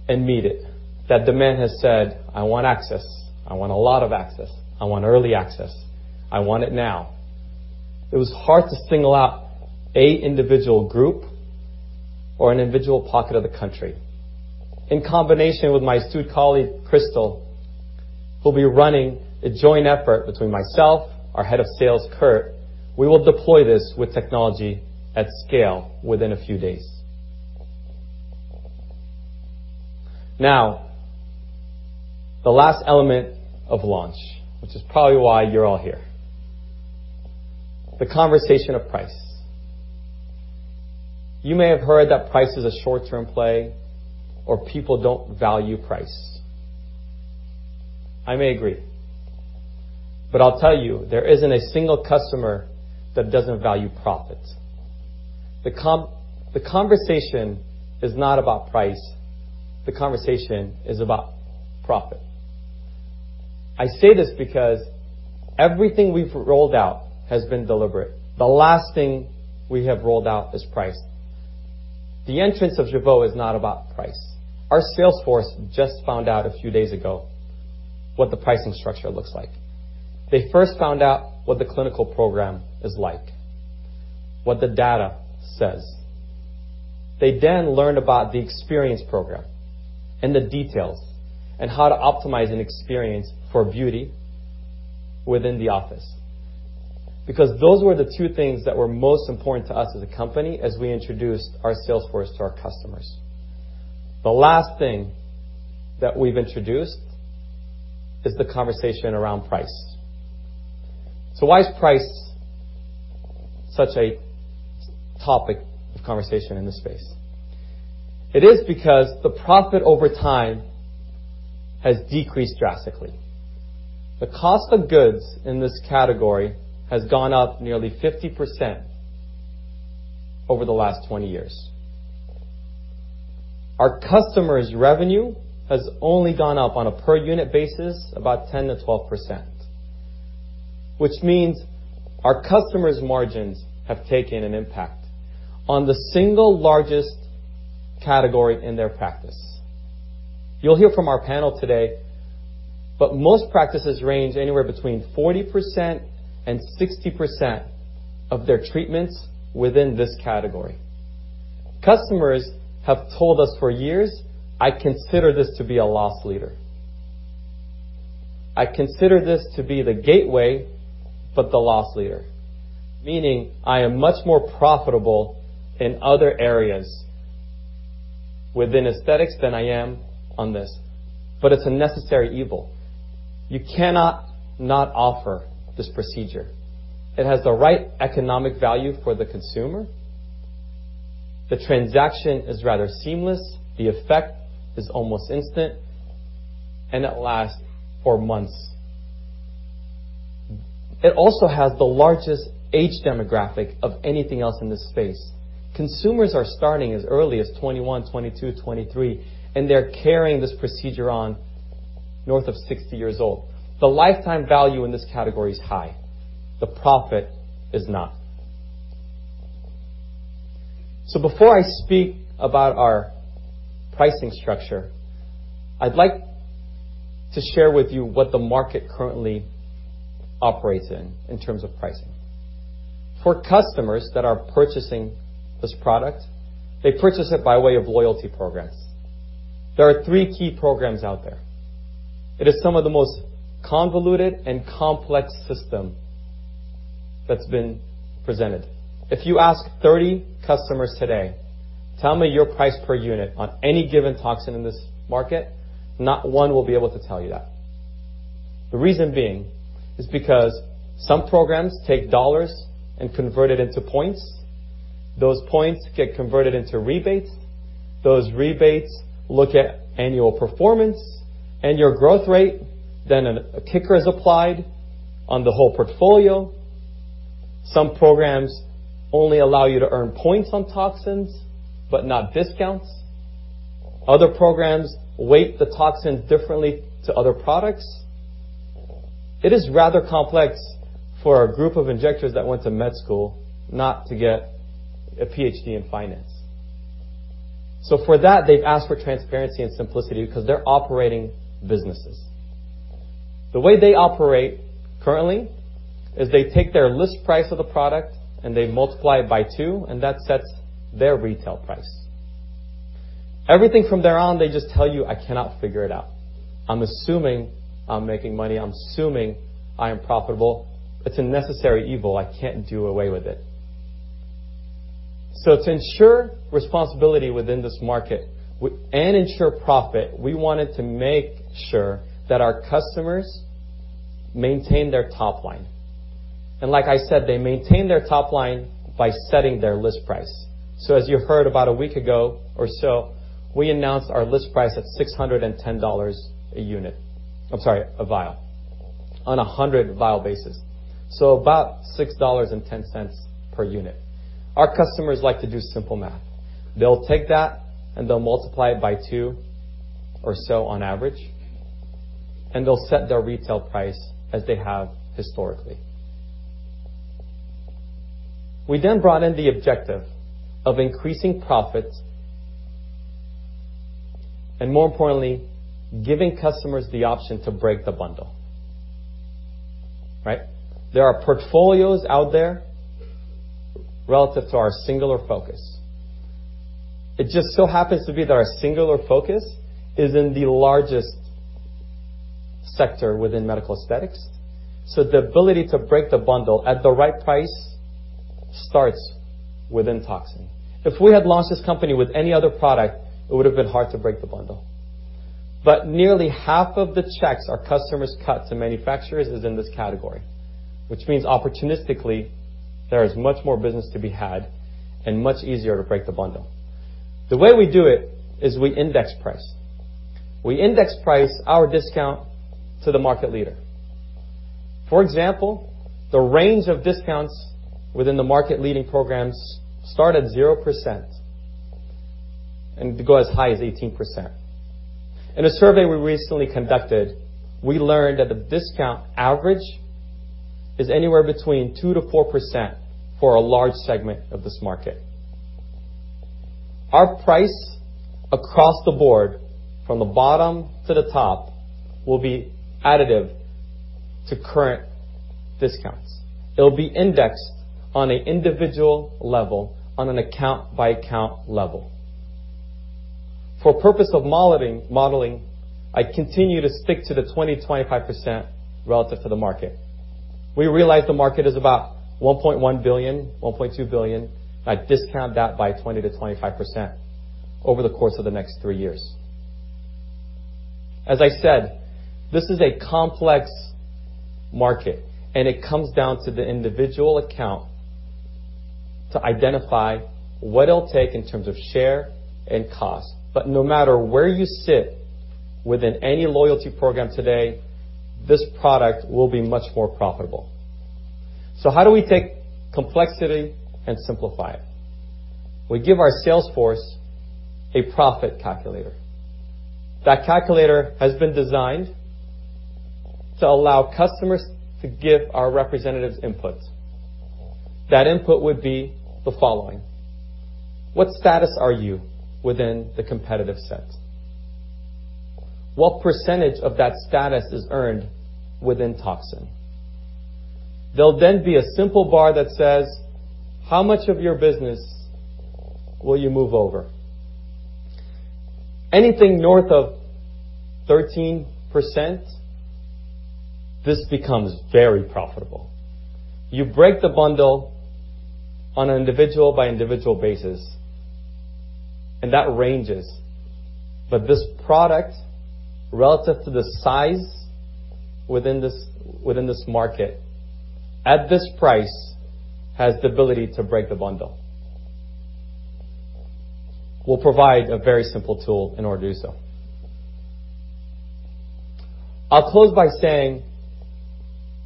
and meet it. That demand has said, "I want access. I want a lot of access. I want early access. I want it now." It was hard to single out an individual group or an individual pocket of the country. In combination with my astute colleague, Crystal, who'll be running a joint effort between myself, our head of sales, Kurt, we will deploy this with technology at scale within a few days. The last element of launch, which is probably why you're all here. The conversation of price. You may have heard that price is a short-term play or people don't value price. I may agree, I'll tell you, there isn't a single customer that doesn't value profits. The conversation is not about price. The conversation is about profit. I say this because everything we've rolled out has been deliberate. The last thing we have rolled out is price. The entrance of Jeuveau is not about price. Our sales force just found out a few days ago what the pricing structure looks like. They first found out what the clinical program is like, what the data says. They learned about the experience program and the details, and how to optimize an experience for beauty within the office. Those were the two things that were most important to us as a company as we introduced our sales force to our customers. The last thing that we've introduced is the conversation around price. Why is price such a topic of conversation in this space? It is because the profit over time has decreased drastically. The cost of goods in this category has gone up nearly 50% over the last 20 years. Our customers' revenue has only gone up on a per unit basis about 10%-12%, which means our customers' margins have taken an impact on the single largest category in their practice. You'll hear from our panel today, most practices range anywhere between 40%-60% of their treatments within this category. Customers have told us for years, "I consider this to be a loss leader. I consider this to be the gateway, but the loss leader," meaning I am much more profitable in other areas within aesthetics than I am on this. It's a necessary evil. You cannot not offer this procedure. It has the right economic value for the consumer. The transaction is rather seamless, the effect is almost instant, and it lasts for months. It also has the largest age demographic of anything else in this space. Consumers are starting as early as 21, 22, 23, and they're carrying this procedure on north of 60 years old. The lifetime value in this category is high. The profit is not. Before I speak about our pricing structure, I'd like to share with you what the market currently operates in terms of pricing. For customers that are purchasing this product, they purchase it by way of loyalty programs. There are three key programs out there. It is some of the most convoluted and complex system that's been presented. If you ask 30 customers today, "Tell me your price per unit on any given toxin in this market," not one will be able to tell you that. The reason being is because some programs take dollars and convert it into points. Those points get converted into rebates. Those rebates look at annual performance and your growth rate. A kicker is applied on the whole portfolio. Some programs only allow you to earn points on toxins, but not discounts. Other programs weight the toxins differently to other products. It is rather complex for a group of injectors that went to med school not to get a PhD in finance. For that, they've asked for transparency and simplicity because they're operating businesses. The way they operate currently is they take their list price of the product and they multiply it by two, and that sets their retail price. Everything from there on, they just tell you, "I cannot figure it out. I'm assuming I'm making money. I'm assuming I am profitable. It's a necessary evil. I can't do away with it." To ensure responsibility within this market and ensure profit, we wanted to make sure that our customers maintain their top line. Like I said, they maintain their top line by setting their list price. As you heard about a week ago or so, we announced our list price at $610 a unit. I'm sorry, a vial, on 100 vial basis. About $6.10 per unit. Our customers like to do simple math. They'll take that and they'll multiply it by two or so on average, and they'll set their retail price as they have historically. We brought in the objective of increasing profits and, more importantly, giving customers the option to break the bundle. Right? There are portfolios out there relative to our singular focus. It just so happens to be that our singular focus is in the largest sector within medical aesthetics. The ability to break the bundle at the right price starts within toxin. If we had launched this company with any other product, it would have been hard to break the bundle. Nearly half of the checks our customers cut to manufacturers is in this category, which means opportunistically, there is much more business to be had and much easier to break the bundle. The way we do it is we index price. We index price our discount to the market leader. For example, the range of discounts within the market-leading programs start at 0% and go as high as 18%. In a survey we recently conducted, we learned that the discount average is anywhere between 2%-4% for a large segment of this market. Our price across the board, from the bottom to the top, will be additive to current discounts. It'll be indexed on an individual level, on an account-by-account level. For purpose of modeling, I continue to stick to the 20%-25% relative to the market. We realize the market is about $1.1 billion, $1.2 billion. I discount that by 20%-25% over the course of the next three years. As I said, this is a complex market, and it comes down to the individual account to identify what it'll take in terms of share and cost. No matter where you sit within any loyalty program today, this product will be much more profitable. How do we take complexity and simplify it? We give our sales force a profit calculator. That calculator has been designed to allow customers to give our representatives inputs. That input would be the following. What status are you within the competitive set? What percentage of that status is earned within Toxin? There'll then be a simple bar that says, "How much of your business will you move over?" Anything north of 13%, this becomes very profitable. You break the bundle on an individual-by-individual basis, and that ranges. This product, relative to the size within this market, at this price, has the ability to break the bundle. We'll provide a very simple tool in order to do so. I'll close by saying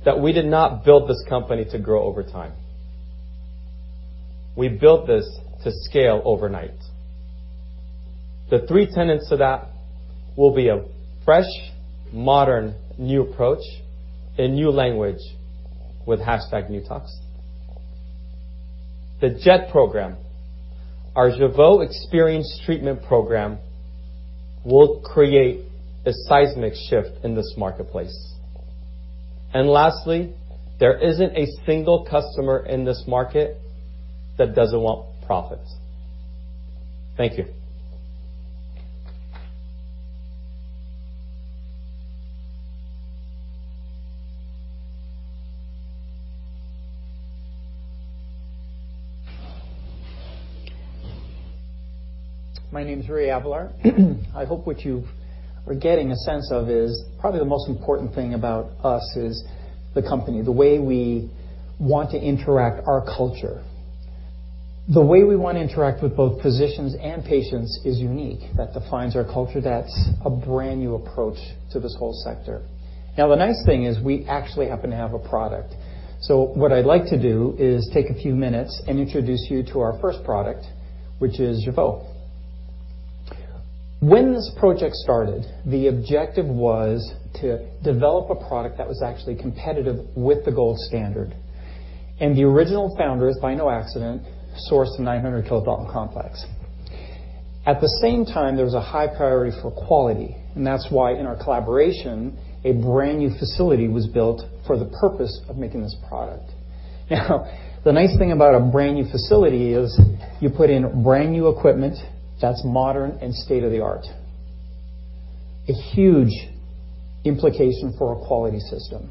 that we did not build this company to grow over time. We built this to scale overnight. The three tenets to that will be a fresh, modern, new approach, a new language with #NewTox. The J.E.T program, our Jeuveau Experience Treatment Program, will create a seismic shift in this marketplace. Lastly, there isn't a single customer in this market that doesn't want profits. Thank you. My name is Rui Avelar. I hope what you are getting a sense of is probably the most important thing about us is the company, the way we want to interact, our culture. The way we want to interact with both physicians and patients is unique. That defines our culture. That's a brand-new approach to this whole sector. Now, the nice thing is we actually happen to have a product. What I'd like to do is take a few minutes and introduce you to our first product, which is Jeuveau. When this project started, the objective was to develop a product that was actually competitive with the gold standard. The original founders, by no accident, sourced the 900 kilodalton complex. At the same time, there was a high priority for quality, and that's why in our collaboration, a brand-new facility was built for the purpose of making this product. The nice thing about a brand-new facility is you put in brand-new equipment that's modern and state-of-the-art. A huge implication for a quality system.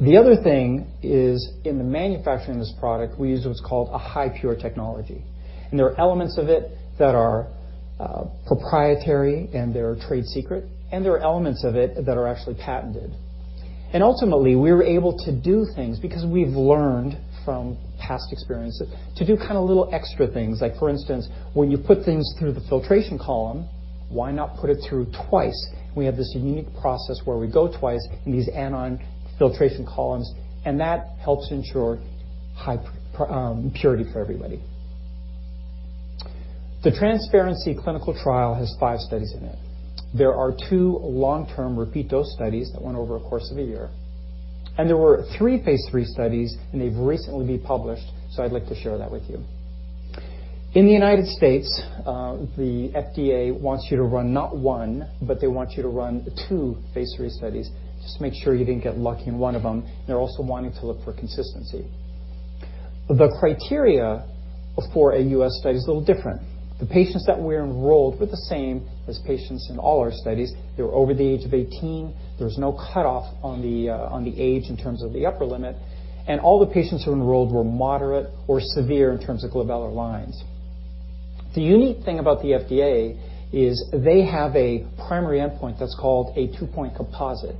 The other thing is in the manufacturing of this product, we use what's called a high pure technology, and there are elements of it that are proprietary and they're a trade secret, and there are elements of it that are actually patented. Ultimately, we were able to do things because we've learned from past experiences to do kind of little extra things. For instance, when you put things through the filtration column, why not put it through twice? We have this unique process where we go twice in these anion exchange columns, and that helps ensure high purity for everybody. The transparency clinical trial has five studies in it. There are two long-term repeat dose studies that went over a course of a year. There were three phase III studies, and they've recently been published, I'd like to share that with you. In the U.S., the FDA wants you to run not one, but they want you to run two phase III studies just to make sure you didn't get lucky in one of them. They're also wanting to look for consistency. The criteria for a U.S. study is a little different. The patients that we enrolled were the same as patients in all our studies. They were over the age of 18. There was no cutoff on the age in terms of the upper limit. All the patients who enrolled were moderate or severe in terms of glabellar lines. The unique thing about the FDA is they have a primary endpoint that's called a two-point composite.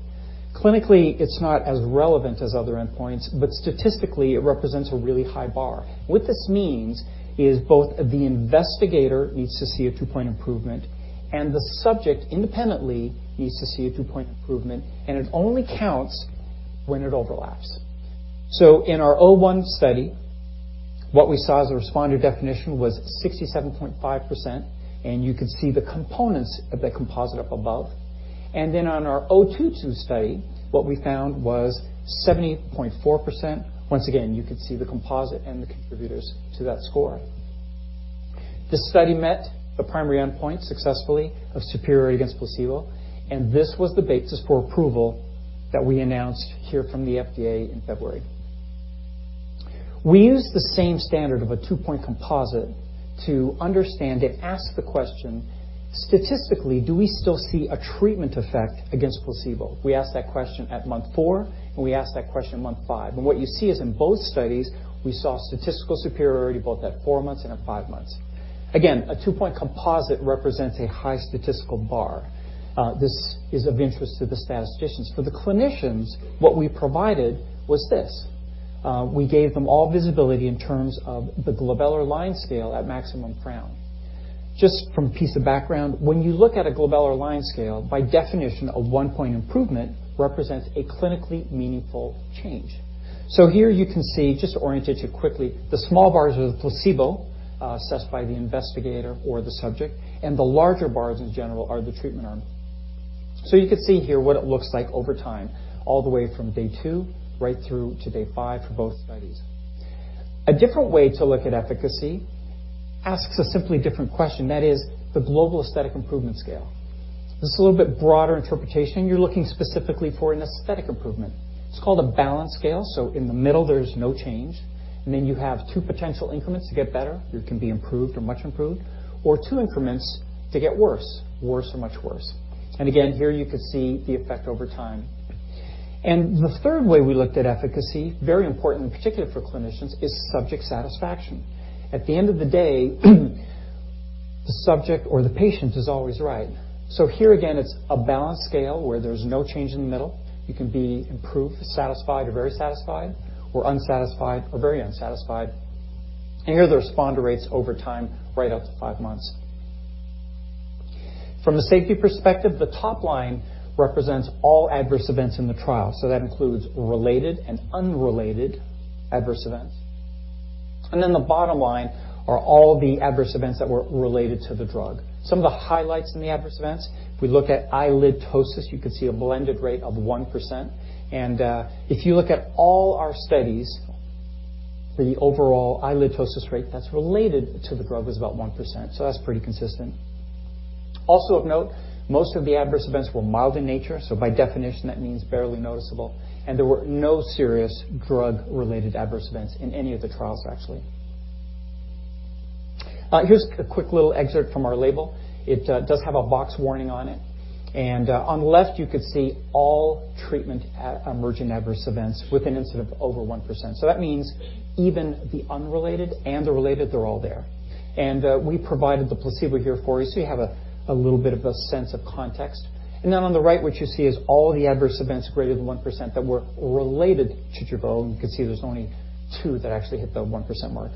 Clinically, it's not as relevant as other endpoints, but statistically, it represents a really high bar. What this means is both the investigator needs to see a two-point improvement, and the subject independently needs to see a two-point improvement, and it only counts when it overlaps. In our 01 study, what we saw as a responder definition was 67.5%. You could see the components of that composite up above. On our 022 study, what we found was 78.4%. Once again, you could see the composite and the contributors to that score. The study met the primary endpoint successfully of superiority against placebo. This was the basis for approval that we announced here from the FDA in February. We used the same standard of a two-point composite to understand and ask the question, statistically, do we still see a treatment effect against placebo? We asked that question at month four. We asked that question at month five. What you see is in both studies, we saw statistical superiority, both at four months and at five months. Again, a two-point composite represents a high statistical bar. This is of interest to the statisticians. For the clinicians, what we provided was this. We gave them all visibility in terms of the glabellar line scale at maximum frown. Just from a piece of background, when you look at a glabellar line scale, by definition, a one-point improvement represents a clinically meaningful change. Here you can see, just to orientate you quickly, the small bars are the placebo, assessed by the investigator or the subject, and the larger bars, in general, are the treatment arm. You could see here what it looks like over time, all the way from day two right through to day five for both studies. A different way to look at efficacy asks a simply different question, that is the Global Aesthetic Improvement Scale. This is a little bit broader interpretation. You're looking specifically for an aesthetic improvement. It's called a balance scale, so in the middle, there's no change, and then you have two potential increments to get better. You can be improved or much improved, or two increments to get worse or much worse. Again, here you could see the effect over time. The third way we looked at efficacy, very important, particularly for clinicians, is subject satisfaction. At the end of the day, the subject or the patient is always right. Here again, it's a balanced scale where there's no change in the middle. You can be improved, satisfied, or very satisfied, or unsatisfied or very unsatisfied. Here are the responder rates over time, right up to five months. From a safety perspective, the top line represents all adverse events in the trial. That includes related and unrelated adverse events. Then the bottom line are all the adverse events that were related to the drug. Some of the highlights in the adverse events, if we look at eyelid ptosis, you could see a blended rate of 1%. If you look at all our studies, the overall eyelid ptosis rate that's related to the drug was about 1%. That's pretty consistent. Also of note, most of the adverse events were mild in nature, so by definition, that means barely noticeable, and there were no serious drug-related adverse events in any of the trials, actually. Here's a quick little excerpt from our label. It does have a box warning on it. On the left, you could see all treatment emerging adverse events with an incident of over 1%. That means even the unrelated and the related, they're all there. We provided the placebo here for you, so you have a little bit of a sense of context. Then on the right, what you see is all the adverse events greater than 1% that were related to Jeuveau, and you can see there's only two that actually hit the 1% mark.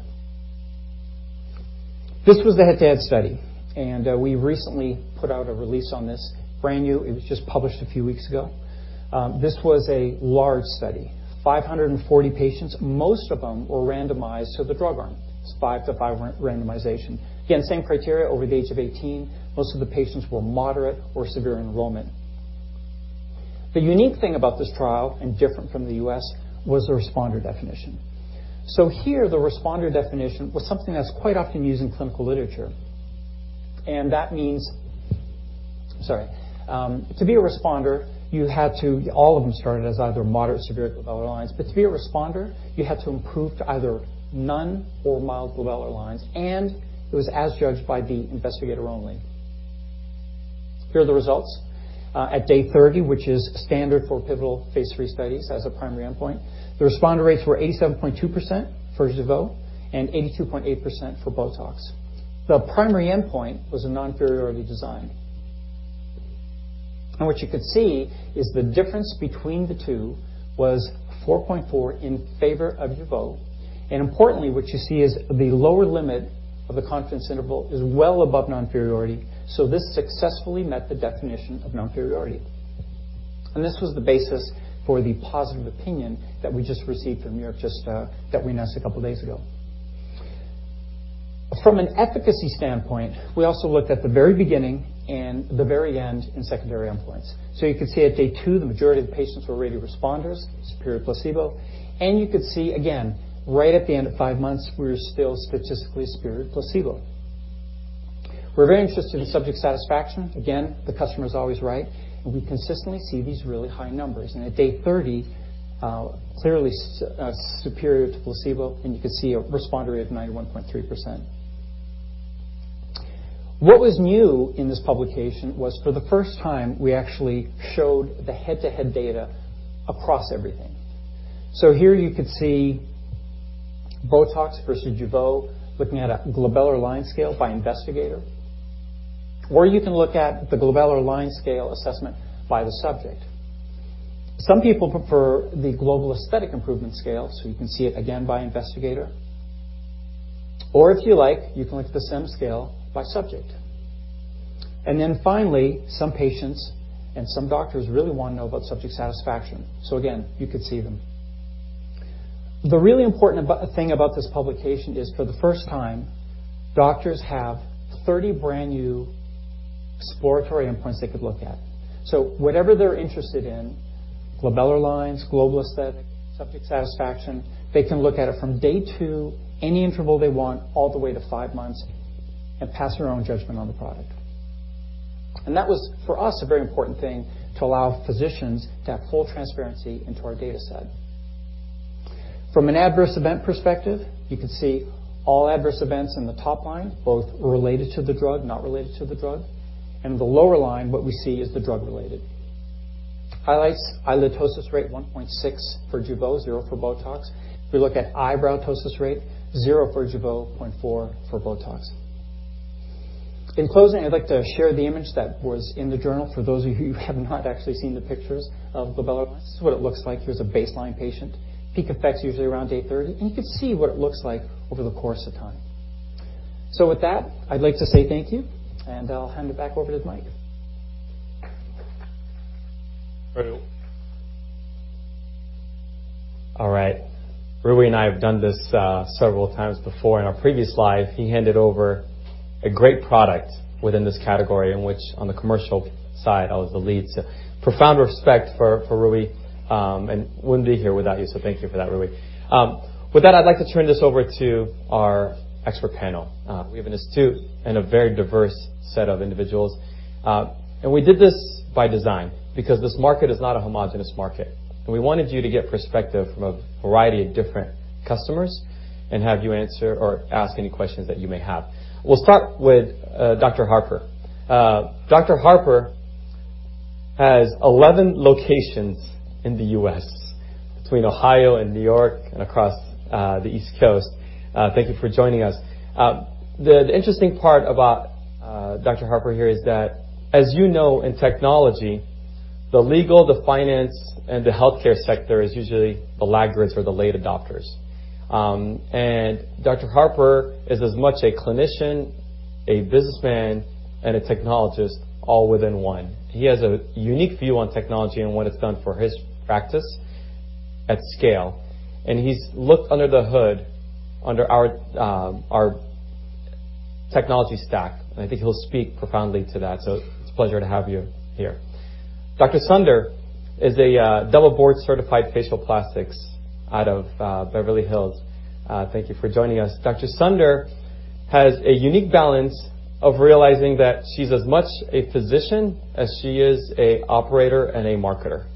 This was the head-to-head study, we recently put out a release on this. Brand new. It was just published a few weeks ago. This was a large study, 540 patients. Most of them were randomized to the drug arm. It's 5 to 5 randomization. Again, same criteria. Over the age of 18, most of the patients were moderate or severe enrollment. The unique thing about this trial, and different from the U.S., was the responder definition. Here, the responder definition was something that's quite often used in clinical literature. That means Sorry. To be a responder, you had to All of them started as either moderate, severe glabellar lines. To be a responder, you had to improve to either none or mild glabellar lines, and it was as judged by the investigator only. Here are the results. At day 30, which is standard for pivotal phase III studies as a primary endpoint, the responder rates were 87.2% for Jeuveau and 82.8% for BOTOX. What you could see is the difference between the two was 4.4 in favor of Jeuveau. Importantly, what you see is the lower limit of the confidence interval is well above non-inferiority. This successfully met the definition of non-inferiority. This was the basis for the positive opinion that we just received from Europe, that we announced a couple of days ago. From an efficacy standpoint, we also looked at the very beginning and the very end in secondary endpoints. You could see at day two, the majority of the patients were already responders, superior to placebo. You could see, again, right at the end of five months, we were still statistically superior to placebo. We are very interested in subject satisfaction. Again, the customer is always right, and we consistently see these really high numbers. At day 30, clearly superior to placebo, and you could see a responder rate of 91.3%. What was new in this publication was for the first time, we actually showed the head-to-head data across everything. Here you could see BOTOX versus Jeuveau looking at a glabellar line scale by investigator. Or you can look at the glabellar line scale assessment by the subject. Some people prefer the Global Aesthetic Improvement Scale, so you can see it again by investigator. Or if you like, you can look at the SEM scale by subject. Finally, some patients and some doctors really want to know about subject satisfaction. Again, you could see them. The really important thing about this publication is, for the first time, doctors have 30 brand-new exploratory endpoints they could look at. Whatever they're interested in, glabellar lines, Global Aesthetic, subject satisfaction, they can look at it from day two, any interval they want, all the way to five months and pass their own judgment on the product. That was, for us, a very important thing to allow physicians to have full transparency into our data set. From an adverse event perspective, you can see all adverse events in the top line, both related to the drug, not related to the drug. The lower line, what we see is the drug-related. Highlights, eyelid ptosis rate 1.6 for Jeuveau, zero for BOTOX. If we look at eyebrow ptosis rate, zero for Jeuveau, 0.4 for BOTOX. In closing, I'd like to share the image that was in the journal for those of you who have not actually seen the pictures of glabellar lines. This is what it looks like. Here's a baseline patient. Peak effect's usually around day 30, and you can see what it looks like over the course of time. With that, I'd like to say thank you, and I'll hand it back over to Mike. Great. All right. Rui and I have done this several times before. In our previous life, he handed over a great product within this category, in which, on the commercial side, I was the lead. Profound respect for Rui, and wouldn't be here without you, so thank you for that, Rui. With that, I'd like to turn this over to our expert panel. We have an astute and a very diverse set of individuals. We did this by design because this market is not a homogenous market. We wanted you to get perspective from a variety of different customers and have you answer or ask any questions that you may have. We'll start with Dr. Harper. Dr. Harper has 11 locations in the U.S., between Ohio and New York and across the East Coast. Thank you for joining us. The interesting part about Dr. Harper here is that as you know, in technology, the legal, the finance, and the healthcare sector is usually the laggards or the late adopters. Dr. Harper is as much a clinician, a businessman, and a technologist all within one. He has a unique view on technology and what it's done for his practice at scale. He's looked under the hood, under our technology stack, and I think he'll speak profoundly to that. It's a pleasure to have you here. Dr. Sunder is a double board-certified facial plastics out of Beverly Hills. Thank you for joining us. Dr. Sunder has a unique balance of realizing that she's as much a physician as she is a operator and a marketer.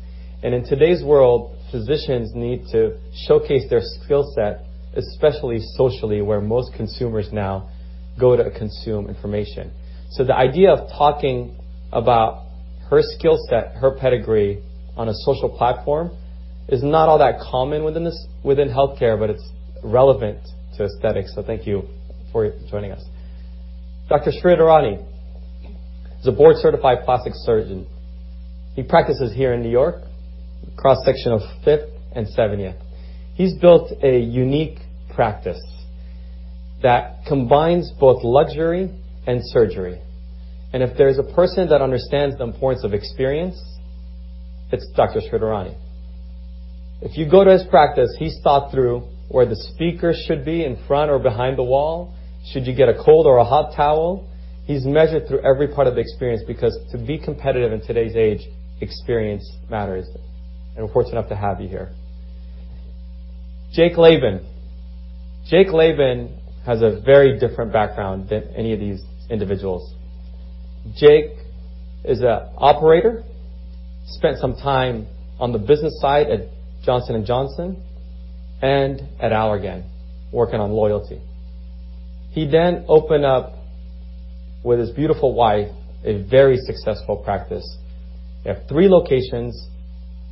In today's world, physicians need to showcase their skill set, especially socially, where most consumers now go to consume information. The idea of talking about her skill set, her pedigree on a social platform is not all that common within healthcare, but it's relevant to aesthetics, so thank you for joining us. Dr. Shridharani is a board-certified plastic surgeon. He practices here in New York, cross section of 5th and 7th. He's built a unique practice that combines both luxury and surgery. If there's a person that understands the importance of experience, it's Dr. Shridharani. If you go to his practice, he's thought through where the speaker should be, in front or behind the wall. Should you get a cold or a hot towel? He's measured through every part of the experience because to be competitive in today's age, experience matters. We're fortunate enough to have you here. Jake Lavin. Jake Lavin has a very different background than any of these individuals. Jake is a operator, spent some time on the business side at Johnson & Johnson and at Allergan, working on loyalty. He then opened up, with his beautiful wife, a very successful practice. They have three locations.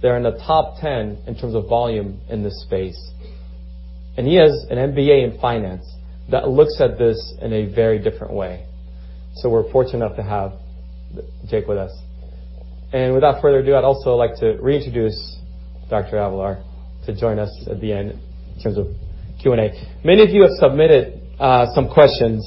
They're in the top 10 in terms of volume in this space. He has an MBA in finance that looks at this in a very different way. We're fortunate enough to have Jake with us. Without further ado, I'd also like to reintroduce Dr. Avelar to join us at the end in terms of Q&A. Many of you have submitted some questions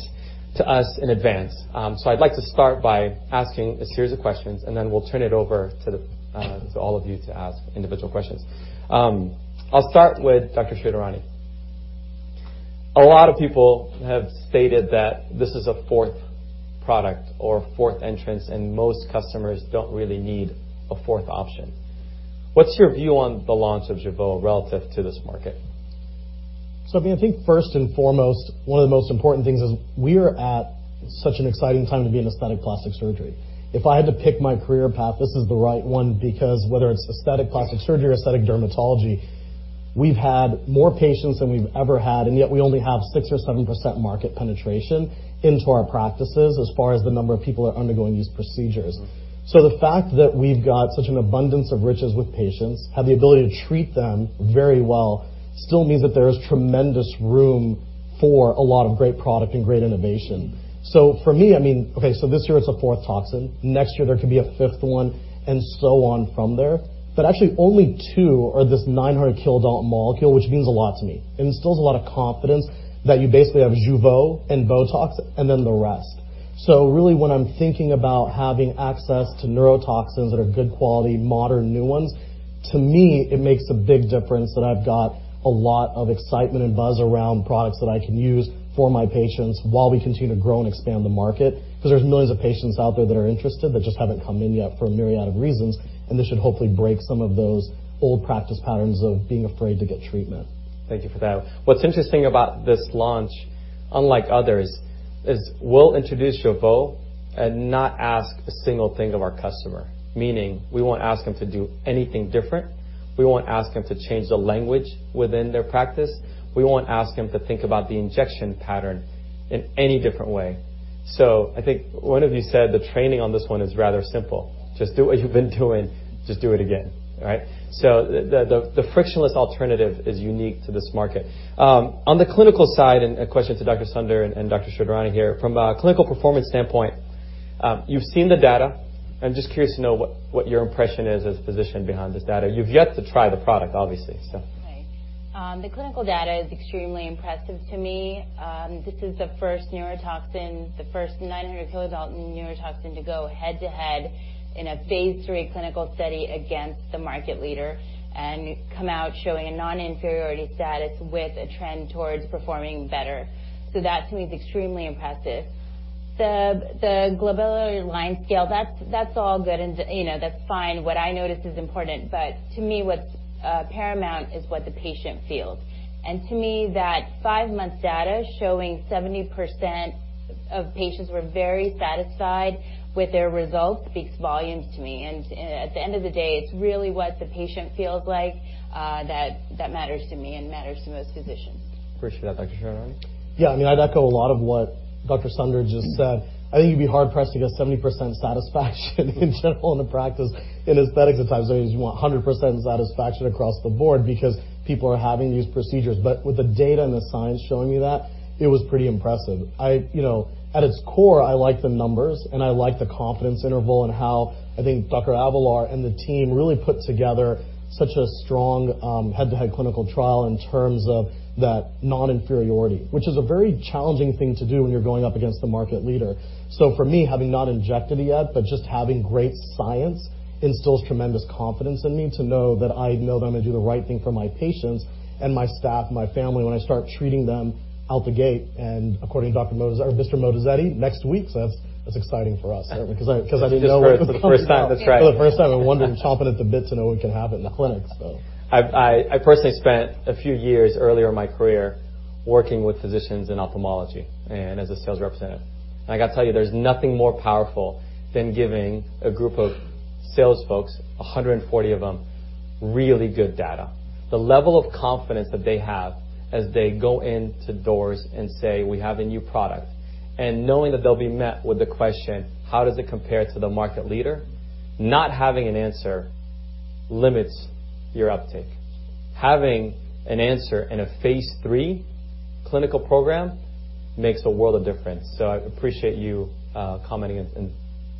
to us in advance. I'd like to start by asking a series of questions, and then we'll turn it over to all of you to ask individual questions. I'll start with Dr. Shridharani. A lot of people have stated that this is a fourth product or fourth entrance, most customers don't really need a fourth option. What's your view on the launch of Jeuveau relative to this market? I think first and foremost, one of the most important things is we are at such an exciting time to be in aesthetic plastic surgery. If I had to pick my career path, this is the right one because whether it's aesthetic plastic surgery or aesthetic dermatology, we've had more patients than we've ever had, yet we only have 6% or 7% market penetration into our practices as far as the number of people that are undergoing these procedures. The fact that we've got such an abundance of riches with patients, have the ability to treat them very well, still means that there is tremendous room For a lot of great product and great innovation. For me, okay, this year it's a fourth toxin. Next year there could be a fifth one, so on from there. Actually, only two are this 900 kilodalton molecule, which means a lot to me. It instills a lot of confidence that you basically have Jeuveau and BOTOX, and then the rest. Really, when I'm thinking about having access to neurotoxins that are good quality, modern new ones, to me, it makes a big difference that I've got a lot of excitement and buzz around products that I can use for my patients while we continue to grow and expand the market, because there's millions of patients out there that are interested but just haven't come in yet for a myriad of reasons, this should hopefully break some of those old practice patterns of being afraid to get treatment. Thank you for that. What's interesting about this launch, unlike others, is we'll introduce Jeuveau and not ask a single thing of our customer, meaning we won't ask them to do anything different. We won't ask them to change the language within their practice. We won't ask them to think about the injection pattern in any different way. I think one of you said the training on this one is rather simple. Just do what you've been doing. Just do it again. Right? The frictionless alternative is unique to this market. On the clinical side, and a question to Dr. Sunder and Dr. Shridharani here, from a clinical performance standpoint, you've seen the data. I'm just curious to know what your impression is as a physician behind this data. You've yet to try the product, obviously. Right. The clinical data is extremely impressive to me. This is the first 900 kilodalton neurotoxin to go head-to-head in a phase III clinical study against the market leader, and come out showing a non-inferiority status with a trend towards performing better. That, to me, is extremely impressive. The glabellar line scale, that's all good and that's fine. What I notice is important, but to me, what's paramount is what the patient feels. To me, that five-month data showing 70% of patients were very satisfied with their results speaks volumes to me. At the end of the day, it's really what the patient feels like that matters to me and matters to most physicians. Appreciate that. Dr. Shridharani? I'd echo a lot of what Dr. Sunder just said. I think you'd be hard-pressed to get 70% satisfaction in general in a practice in aesthetics at times, because you want 100% satisfaction across the board because people are having these procedures. With the data and the science showing me that, it was pretty impressive. At its core, I like the numbers, and I like the confidence interval and how I think Dr. Avelar and the team really put together such a strong head-to-head clinical trial in terms of that non-inferiority, which is a very challenging thing to do when you're going up against the market leader. For me, having not injected it yet, but just having great science instills tremendous confidence in me to know that I'm going to do the right thing for my patients and my staff, my family, when I start treating them out the gate. According to Mr. Moatazedi, next week, that's exciting for us, certainly, because I didn't know. Just for the first time. That's right. For the first time, I'm wondering, chomping at the bit to know when we can have it in the clinic. I personally spent a few years earlier in my career working with physicians in ophthalmology and as a sales representative. I got to tell you, there's nothing more powerful than giving a group of sales folks, 140 of them, really good data. The level of confidence that they have as they go into doors and say, "We have a new product," and knowing that they'll be met with the question, "How does it compare to the market leader?" Not having an answer limits your uptake. Having an answer in a phase III clinical program makes a world of difference. I appreciate you commenting.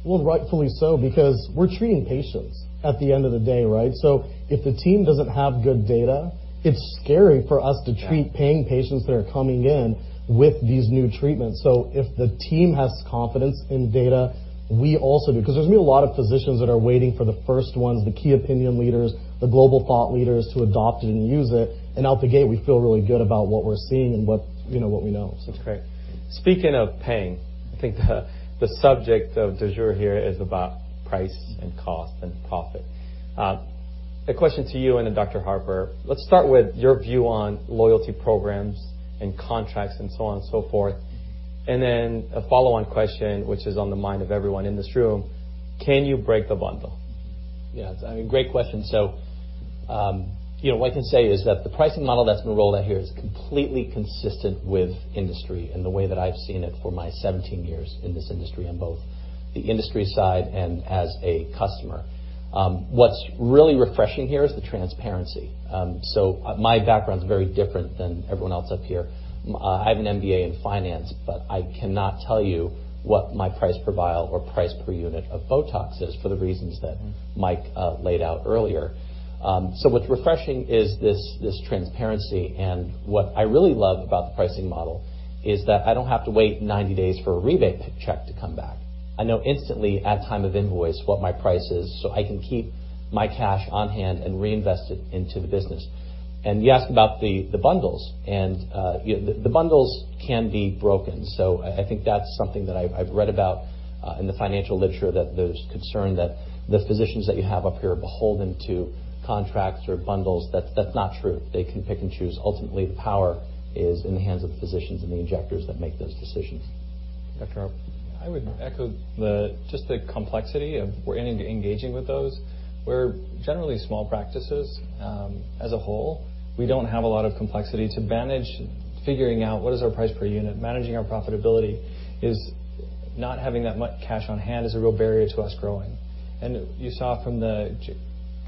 Rightfully so, because we're treating patients at the end of the day. If the team doesn't have good data, it's scary for us to treat paying patients that are coming in with these new treatments. If the team has confidence in data, we also do, because there's going to be a lot of physicians that are waiting for the first ones, the key opinion leaders, the global thought leaders who adopt it and use it. Out the gate, we feel really good about what we're seeing and what we know. That's great. Speaking of paying, I think the subject of du jour here is about price and cost and profit. A question to you and then Dr. Harper. Let's start with your view on loyalty programs and contracts and so on and so forth. Then a follow-on question, which is on the mind of everyone in this room, can you break the bundle? Yes, great question. What I can say is that the pricing model that's been rolled out here is completely consistent with industry and the way that I've seen it for my 17 years in this industry on both the industry side and as a customer. What's really refreshing here is the transparency. My background's very different than everyone else up here. I have an MBA in finance, but I cannot tell you what my price per vial or price per unit of BOTOX is for the reasons that Mike laid out earlier. What's refreshing is this transparency, and what I really love about the pricing model is that I don't have to wait 90 days for a rebate check to come back. I know instantly at time of invoice what my price is, so I can keep my cash on hand and reinvest it into the business. You asked about the bundles, and the bundles can be broken. I think that's something that I've read about in the financial literature, that there's concern that the physicians that you have up here are beholden to contracts or bundles. That's not true. They can pick and choose. Ultimately, the power is in the hands of the physicians and the injectors that make those decisions. Dr. Harper? I would echo just the complexity of we're engaging with those. We're generally small practices as a whole. We don't have a lot of complexity to manage figuring out what is our price per unit. Managing our profitability, not having that much cash on hand is a real barrier to us growing. You saw from the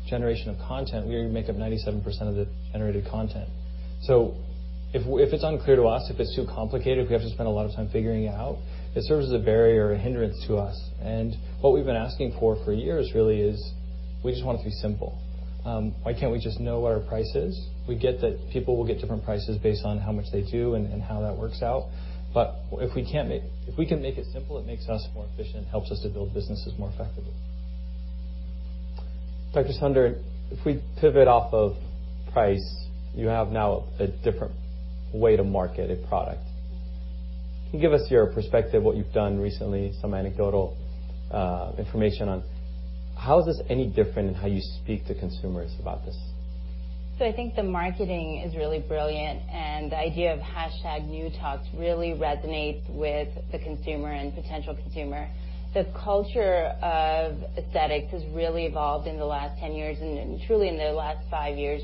generation of content, we make up 97% of the generated content. If it's unclear to us, if it's too complicated, we have to spend a lot of time figuring it out, it serves as a barrier, a hindrance to us. What we've been asking for years really is, we just want it to be simple. Why can't we just know what our price is? We get that people will get different prices based on how much they do and how that works out. If we can make it simple, it makes us more efficient, helps us to build businesses more effectively. Dr. Sunder, if we pivot off of price, you have now a different way to market a product. Can you give us your perspective, what you've done recently, some anecdotal information on how is this any different in how you speak to consumers about this? I think the marketing is really brilliant, and the idea of #NewTox really resonates with the consumer and potential consumer. The culture of aesthetics has really evolved in the last 10 years, and truly in the last five years,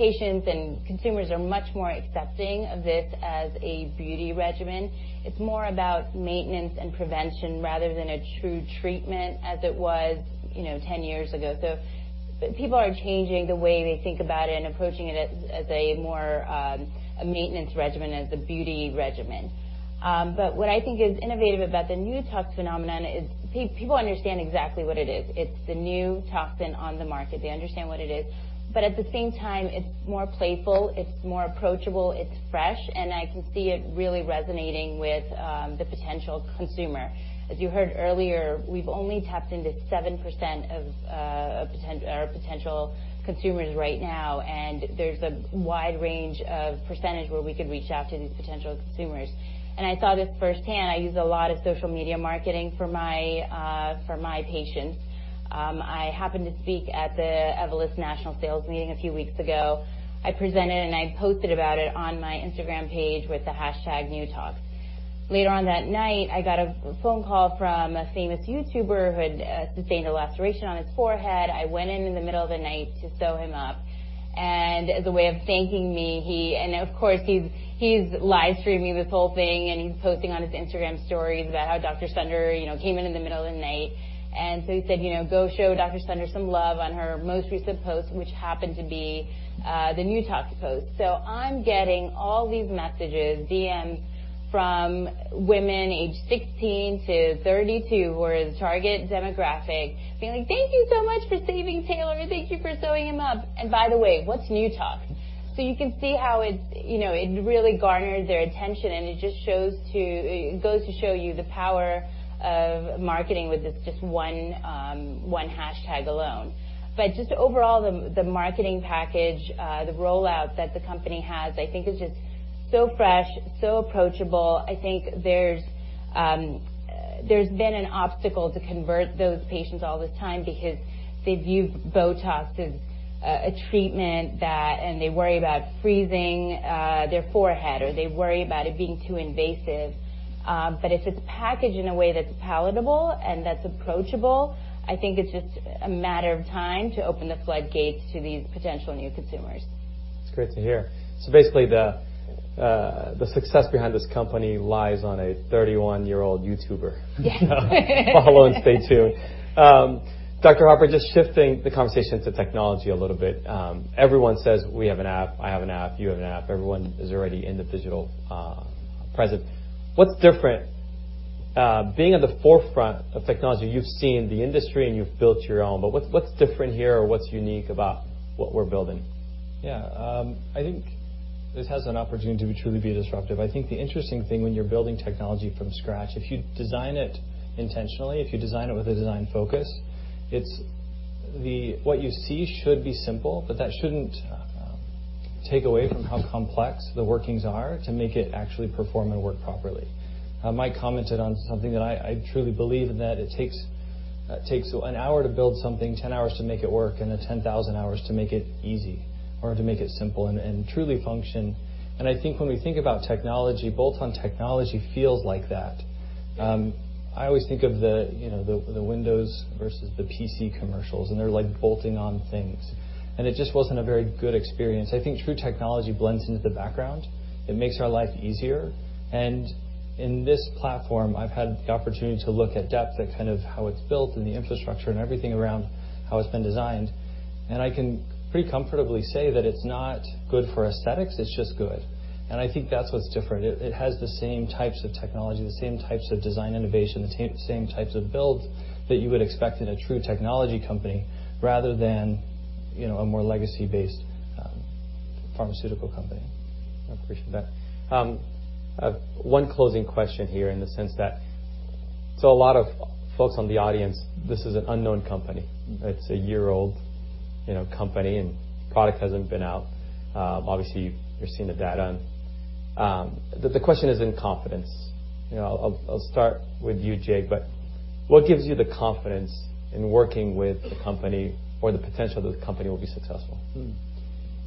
where patients and consumers are much more accepting of this as a beauty regimen. It's more about maintenance and prevention rather than a true treatment as it was 10 years ago. People are changing the way they think about it and approaching it as a more maintenance regimen as the beauty regimen. What I think is innovative about the #NewTox phenomenon is people understand exactly what it is. It's the new toxin on the market. They understand what it is, but at the same time, it's more playful, it's more approachable, it's fresh, and I can see it really resonating with the potential consumer. As you heard earlier, we've only tapped into 7% of our potential consumers right now, and there's a wide range of percentage where we could reach out to these potential consumers. I saw this firsthand. I use a lot of social media marketing for my patients. I happened to speak at the Evolus national sales meeting a few weeks ago. I presented and I posted about it on my Instagram page with the hashtag #NewTox. Later on that night, I got a phone call from a famous YouTuber who had sustained a laceration on his forehead. I went in in the middle of the night to sew him up, and as a way of thanking me, he and of course, he's live streaming this whole thing, and he's posting on his Instagram stories about how Dr. Sunder came in in the middle of the night. He said, "Go show Dr. Sunder some love on her most recent post," which happened to be the #NewTox post. I'm getting all these messages, DMs from women aged 16 to 32 who are the target demographic being like, "Thank you so much for saving Taylor. Thank you for sewing him up. By the way, what's #NewTox?" You can see how it really garnered their attention, and it goes to show you the power of marketing with this just one hashtag alone. Just overall, the marketing package, the rollout that the company has, I think is just so fresh, so approachable. I think there's been an obstacle to convert those patients all the time because they view BOTOX as a treatment that and they worry about freezing their forehead, or they worry about it being too invasive. If it's packaged in a way that's palatable and that's approachable, I think it's just a matter of time to open the floodgates to these potential new consumers. It's great to hear. Basically, the success behind this company lies on a 31-year-old YouTuber. Yeah. Follow and stay tuned. Dr. Harper, just shifting the conversation to technology a little bit. Everyone says we have an app, I have an app, you have an app. Everyone is already in the digital present. What's different being at the forefront of technology, you've seen the industry and you've built your own, what's different here or what's unique about what we're building? Yeah. I think this has an opportunity to truly be disruptive. I think the interesting thing when you're building technology from scratch, if you design it intentionally, if you design it with a design focus, what you see should be simple, but that shouldn't take away from how complex the workings are to make it actually perform and work properly. Mike commented on something that I truly believe in, that it takes an hour to build something, 10 hours to make it work, then 10,000 hours to make it easy or to make it simple and truly function. I think when we think about technology, bolt-on technology feels like that. I always think of the Windows versus the PC commercials, they're like bolting on things, it just wasn't a very good experience. I think true technology blends into the background. It makes our life easier. In this platform, I've had the opportunity to look at depth at kind of how it's built and the infrastructure and everything around how it's been designed. I can pretty comfortably say that it's not good for aesthetics, it's just good. I think that's what's different. It has the same types of technology, the same types of design innovation, the same types of builds that you would expect in a true technology company rather than a more legacy-based pharmaceutical company. I appreciate that. One closing question here in the sense that, a lot of folks on the audience, this is an unknown company. It's a year old company and product hasn't been out. Obviously you're seeing the data. The question is in confidence. I'll start with you, Jake, but what gives you the confidence in working with the company or the potential that the company will be successful?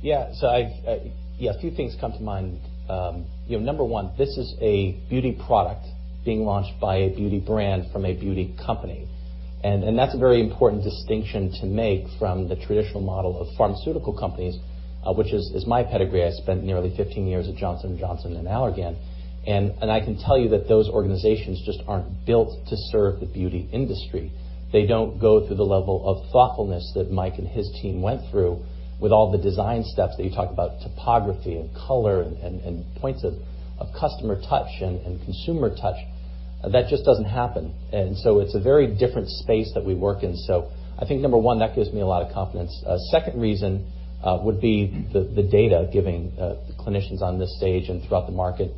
Yeah. A few things come to mind. Number 1, this is a beauty product being launched by a beauty brand from a beauty company. That's a very important distinction to make from the traditional model of pharmaceutical companies, which is my pedigree. I spent nearly 15 years at Johnson & Johnson and Allergan, and I can tell you that those organizations just aren't built to serve the beauty industry. They don't go through the level of thoughtfulness that Mike and his team went through with all the design steps that you talked about, topography and color and points of customer touch and consumer touch. That just doesn't happen. It's a very different space that we work in. I think number 1, that gives me a lot of confidence. Second reason would be the data giving, the clinicians on this stage and throughout the market,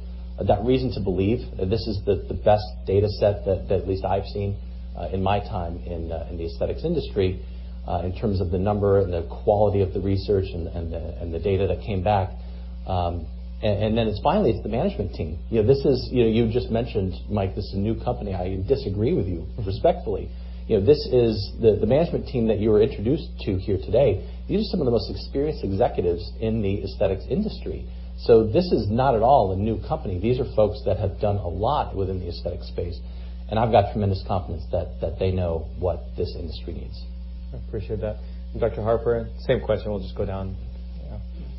that reason to believe this is the best data set that at least I've seen in my time in the aesthetics industry, in terms of the number and the quality of the research and the data that came back. It's finally, it's the management team. You just mentioned, Mike, this is a new company. I disagree with you respectfully. The management team that you were introduced to here today, these are some of the most experienced executives in the aesthetics industry. This is not at all a new company. These are folks that have done a lot within the aesthetic space, and I've got tremendous confidence that they know what this industry needs. I appreciate that. Dr. Harper, same question, we'll just go down.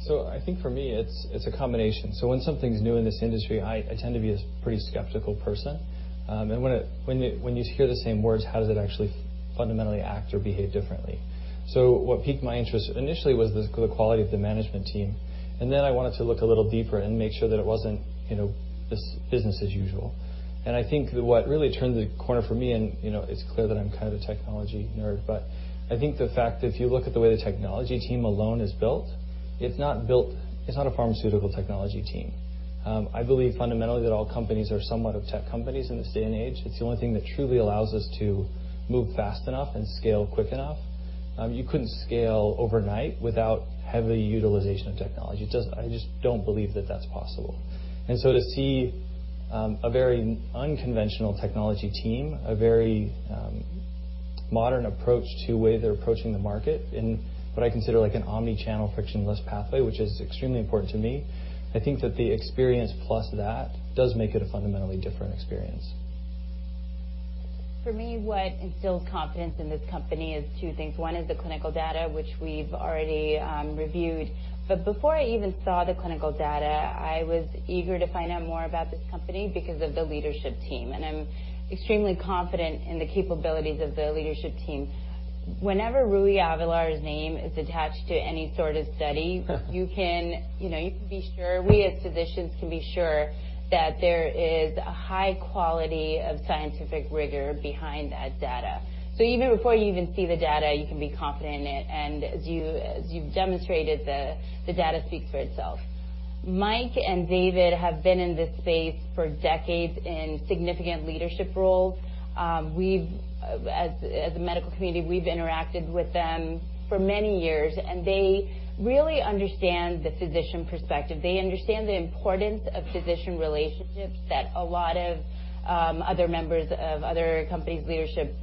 I think for me, it's a combination. When something's new in this industry, I tend to be a pretty skeptical person. When you hear the same words, how does it actually fundamentally act or behave differently? What piqued my interest initially was the quality of the management team, then I wanted to look a little deeper and make sure that it wasn't just business as usual. I think what really turned the corner for me, and it's clear that I'm kind of a technology nerd, I think the fact that if you look at the way the technology team alone is built, it's not a pharmaceutical technology team. I believe fundamentally that all companies are somewhat of tech companies in this day and age. It's the only thing that truly allows us to move fast enough and scale quick enough. You couldn't scale overnight without heavy utilization of technology. I just don't believe that that's possible. To see a very unconventional technology team, a very modern approach to the way they're approaching the market in what I consider like an omni-channel frictionless pathway, which is extremely important to me. I think that the experience plus that does make it a fundamentally different experience. For me, what instills confidence in this company is two things. One is the clinical data, which we've already reviewed. Before I even saw the clinical data, I was eager to find out more about this company because of the leadership team, I'm extremely confident in the capabilities of the leadership team. Whenever Rui Avelar's name is attached to any sort of study, you can be sure, we as physicians can be sure that there is a high quality of scientific rigor behind that data. Even before you even see the data, you can be confident in it. As you've demonstrated, the data speaks for itself. Mike and David have been in this space for decades in significant leadership roles. As a medical community, we've interacted with them for many years, they really understand the physician perspective. They understand the importance of physician relationships that a lot of other members of other companies' leadership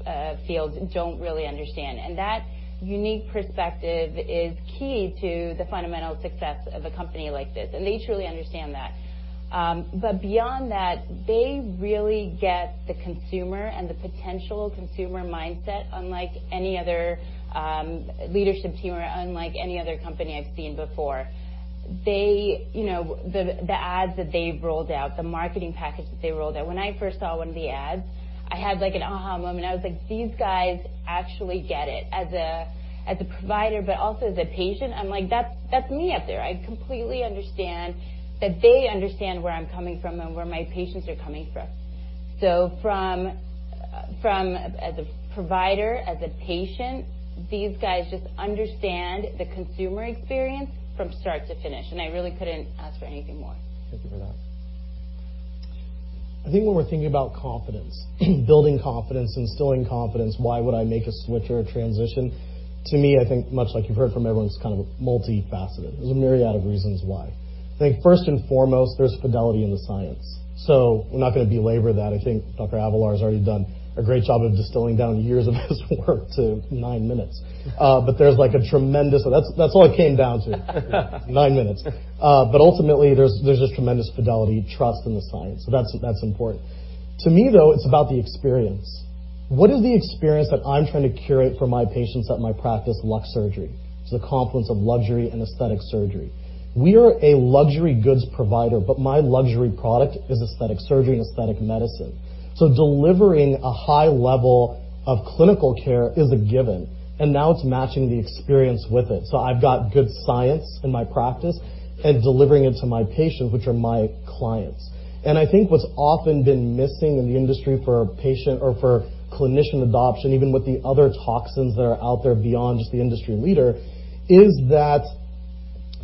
fields don't really understand. That unique perspective is key to the fundamental success of a company like this, they truly understand that. Beyond that, they really get the consumer and the potential consumer mindset unlike any other leadership team or unlike any other company I've seen before. The ads that they've rolled out, the marketing package that they rolled out, when I first saw one of the ads, I had like an aha moment. I was like, "These guys actually get it." As a provider, also as a patient, I'm like, "That's me up there." I completely understand that they understand where I'm coming from and where my patients are coming from. From, as a provider, as a patient, these guys just understand the consumer experience from start to finish, and I really couldn't ask for anything more. Thank you for that. I think when we're thinking about confidence, building confidence, instilling confidence, why would I make a switch or a transition? To me, I think much like you've heard from everyone, it's kind of multifaceted. There's a myriad of reasons why. I think first and foremost, there's fidelity in the science. I'm not going to belabor that. I think Dr. Avelar has already done a great job of distilling down years of his work to nine minutes. That's all it came down to. Nine minutes. Ultimately, there's just tremendous fidelity, trust in the science. That's important. To me, though, it's about the experience. What is the experience that I'm trying to curate for my patients at my practice, LUXURGERY? It's the confluence of luxury and aesthetic surgery. We are a luxury goods provider, but my luxury product is aesthetic surgery and aesthetic medicine. Delivering a high level of clinical care is a given, and now it's matching the experience with it. I've got good science in my practice and delivering it to my patients, which are my clients. I think what's often been missing in the industry for a patient or for clinician adoption, even with the other toxins that are out there beyond just the industry leader, is that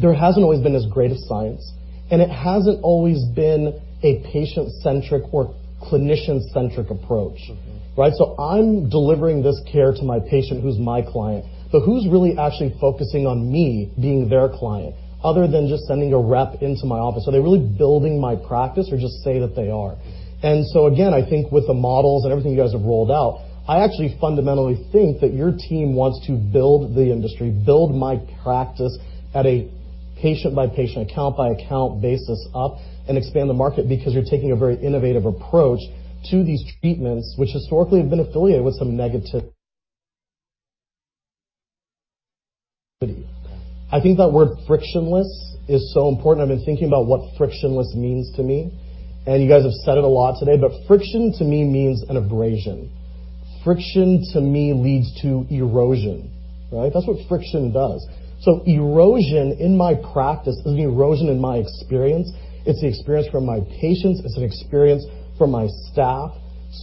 there hasn't always been as great of science, and it hasn't always been a patient-centric or clinician-centric approach. Right? I'm delivering this care to my patient who's my client. Who's really actually focusing on me being their client other than just sending a rep into my office? Are they really building my practice or just say that they are? Again, I think with the models and everything you guys have rolled out, I actually fundamentally think that your team wants to build the industry, build my practice at a patient by patient, account by account basis up and expand the market because you're taking a very innovative approach to these treatments, which historically have been affiliated with some negativity. I think that word frictionless is so important. I've been thinking about what frictionless means to me, and you guys have said it a lot today, but friction to me means an abrasion. Friction to me leads to erosion, right? That's what friction does. Erosion in my practice is erosion in my experience. It's the experience from my patients. It's an experience from my staff.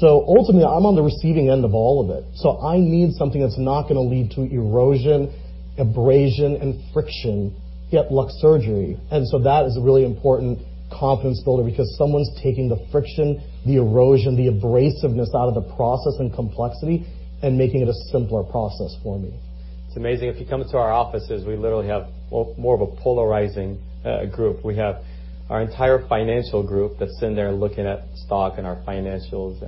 Ultimately, I'm on the receiving end of all of it. I need something that's not going to lead to erosion, abrasion, and friction, yet LUXURGERY. That is a really important confidence builder because someone's taking the friction, the erosion, the abrasiveness out of the process and complexity and making it a simpler process for me. It's amazing. If you come into our offices, we literally have more of a polarizing group. We have our entire financial group that's in there looking at stock and our financials,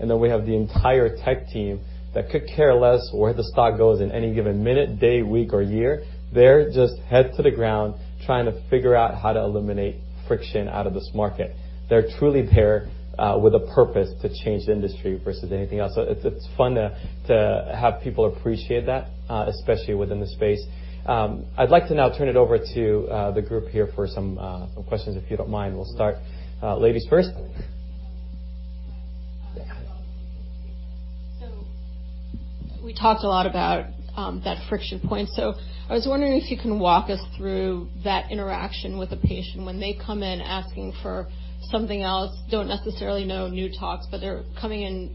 then we have the entire tech team that could care less where the stock goes in any given minute, day, week, or year. They're just head to the ground trying to figure out how to eliminate friction out of this market. They're truly there with a purpose to change the industry versus anything else. It's fun to have people appreciate that, especially within the space. I'd like to now turn it over to the group here for some questions, if you don't mind. We'll start ladies first. We talked a lot about that friction point. I was wondering if you can walk us through that interaction with a patient when they come in asking for something else, don't necessarily know #NewTox, but they're coming in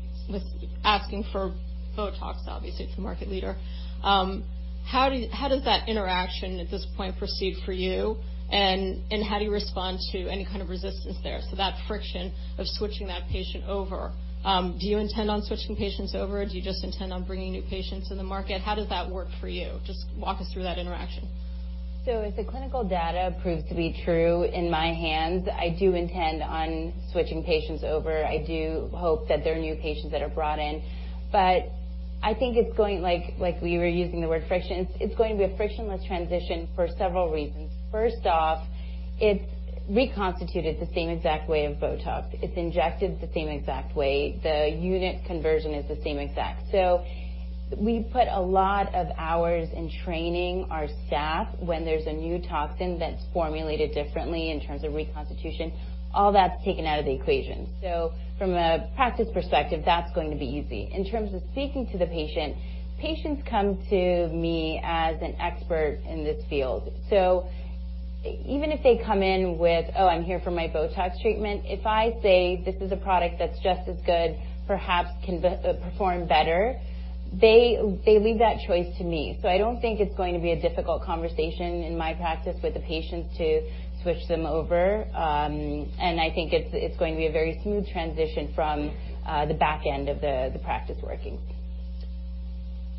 asking for BOTOX, obviously, it's a market leader. How does that interaction at this point proceed for you? How do you respond to any kind of resistance there? That friction of switching that patient over. Do you intend on switching patients over? Do you just intend on bringing new patients to the market? How does that work for you? Just walk us through that interaction. If the clinical data proves to be true in my hands, I do intend on switching patients over. I do hope that there are new patients that are brought in. I think it's going like, we were using the word friction. It's going to be a frictionless transition for several reasons. First off, it's reconstituted the same exact way of BOTOX. It's injected the same exact way. The unit conversion is the same exact. We put a lot of hours in training our staff when there's a new toxin that's formulated differently in terms of reconstitution. All that's taken out of the equation. From a practice perspective, that's going to be easy. In terms of speaking to the patient, patients come to me as an expert in this field. Even if they come in with, "Oh, I'm here for my BOTOX treatment," if I say, "This is a product that's just as good, perhaps can perform better," they leave that choice to me. I don't think it's going to be a difficult conversation in my practice with the patients to switch them over. I think it's going to be a very smooth transition from the back end of the practice working.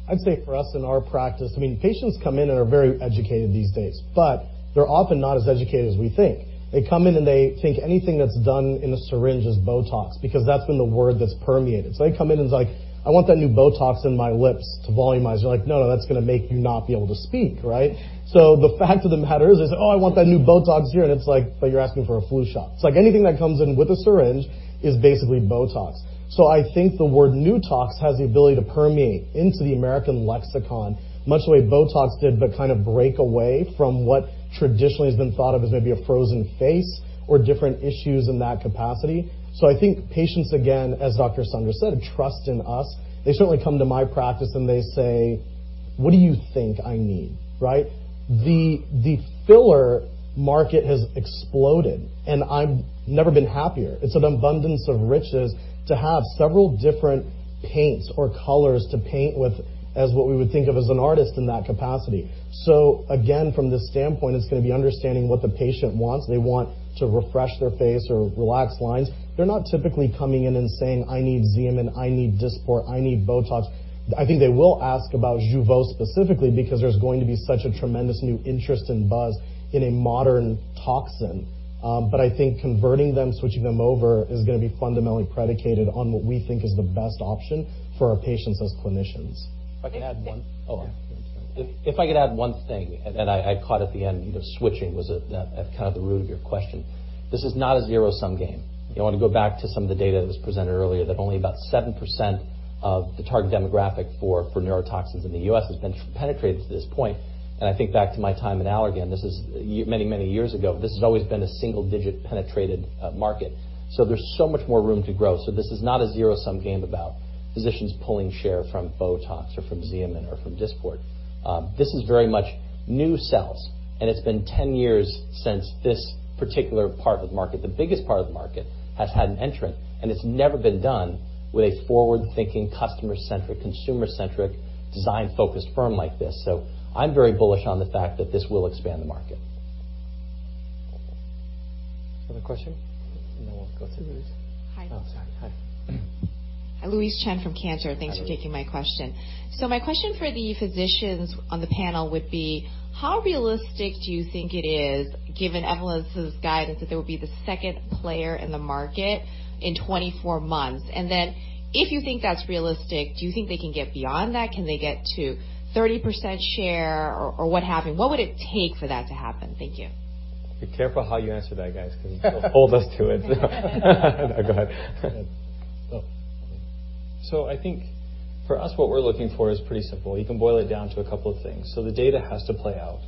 I'd say for us in our practice, patients come in and are very educated these days, but they're often not as educated as we think. They come in and they take anything that's done in a syringe as BOTOX because that's been the word that's permeated. They come in and it's like, "I want that new BOTOX in my lips to volumize." You're like, "No, that's going to make you not be able to speak," right? The fact of the matter is, they say, "Oh, I want that new BOTOX here." It's like, "But you're asking for a flu shot." Like anything that comes in with a syringe is basically BOTOX. I think the word NewTox has the ability to permeate into the American lexicon, much the way BOTOX did, kind of break away from what traditionally has been thought of as maybe a frozen face or different issues in that capacity. I think patients, again, as Dr. Avellar said, trust in us. They certainly come to my practice and they say, "What do you think I need?" Right? The filler market has exploded, I've never been happier. It's an abundance of riches to have several different paints or colors to paint with as what we would think of as an artist in that capacity. Again, from this standpoint, it's going to be understanding what the patient wants. They want to refresh their face or relax lines. They're not typically coming in and saying, "I need Xeomin, I need Dysport, I need BOTOX." I think they will ask about Jeuveau specifically because there's going to be such a tremendous new interest and buzz in a modern toxin. I think converting them, switching them over is going to be fundamentally predicated on what we think is the best option for our patients as clinicians. If I could add one- Yeah. Oh. If I could add one thing, and I caught at the end, switching was at kind of the root of your question. This is not a zero-sum game. I want to go back to some of the data that was presented earlier that only about 7% of the target demographic for neurotoxins in the U.S. has been penetrated to this point. I think back to my time at Allergan, this is many years ago. This has always been a single digit penetrated market. There's so much more room to grow. This is not a zero-sum game about physicians pulling share from BOTOX or from Xeomin or from Dysport. This is very much new sales, it's been 10 years since this particular part of the market, the biggest part of the market, has had an entrant, it's never been done with a forward-thinking, customer-centric, consumer-centric, design-focused firm like this. I'm very bullish on the fact that this will expand the market. Another question, we'll go through these. Hi. Oh, sorry. Hi. Louise Chen from Cantor. Hi, Louise. Thanks for taking my question. My question for the physicians on the panel would be, how realistic do you think it is given Evolus's guidance that they will be the second player in the market in 24 months? If you think that's realistic, do you think they can get beyond that? Can they get to 30% share or what would it take for that to happen? Thank you. Be careful how you answer that, guys, because you'll hold us to it. Go ahead. I think for us, what we're looking for is pretty simple. You can boil it down to a couple of things. The data has to play out.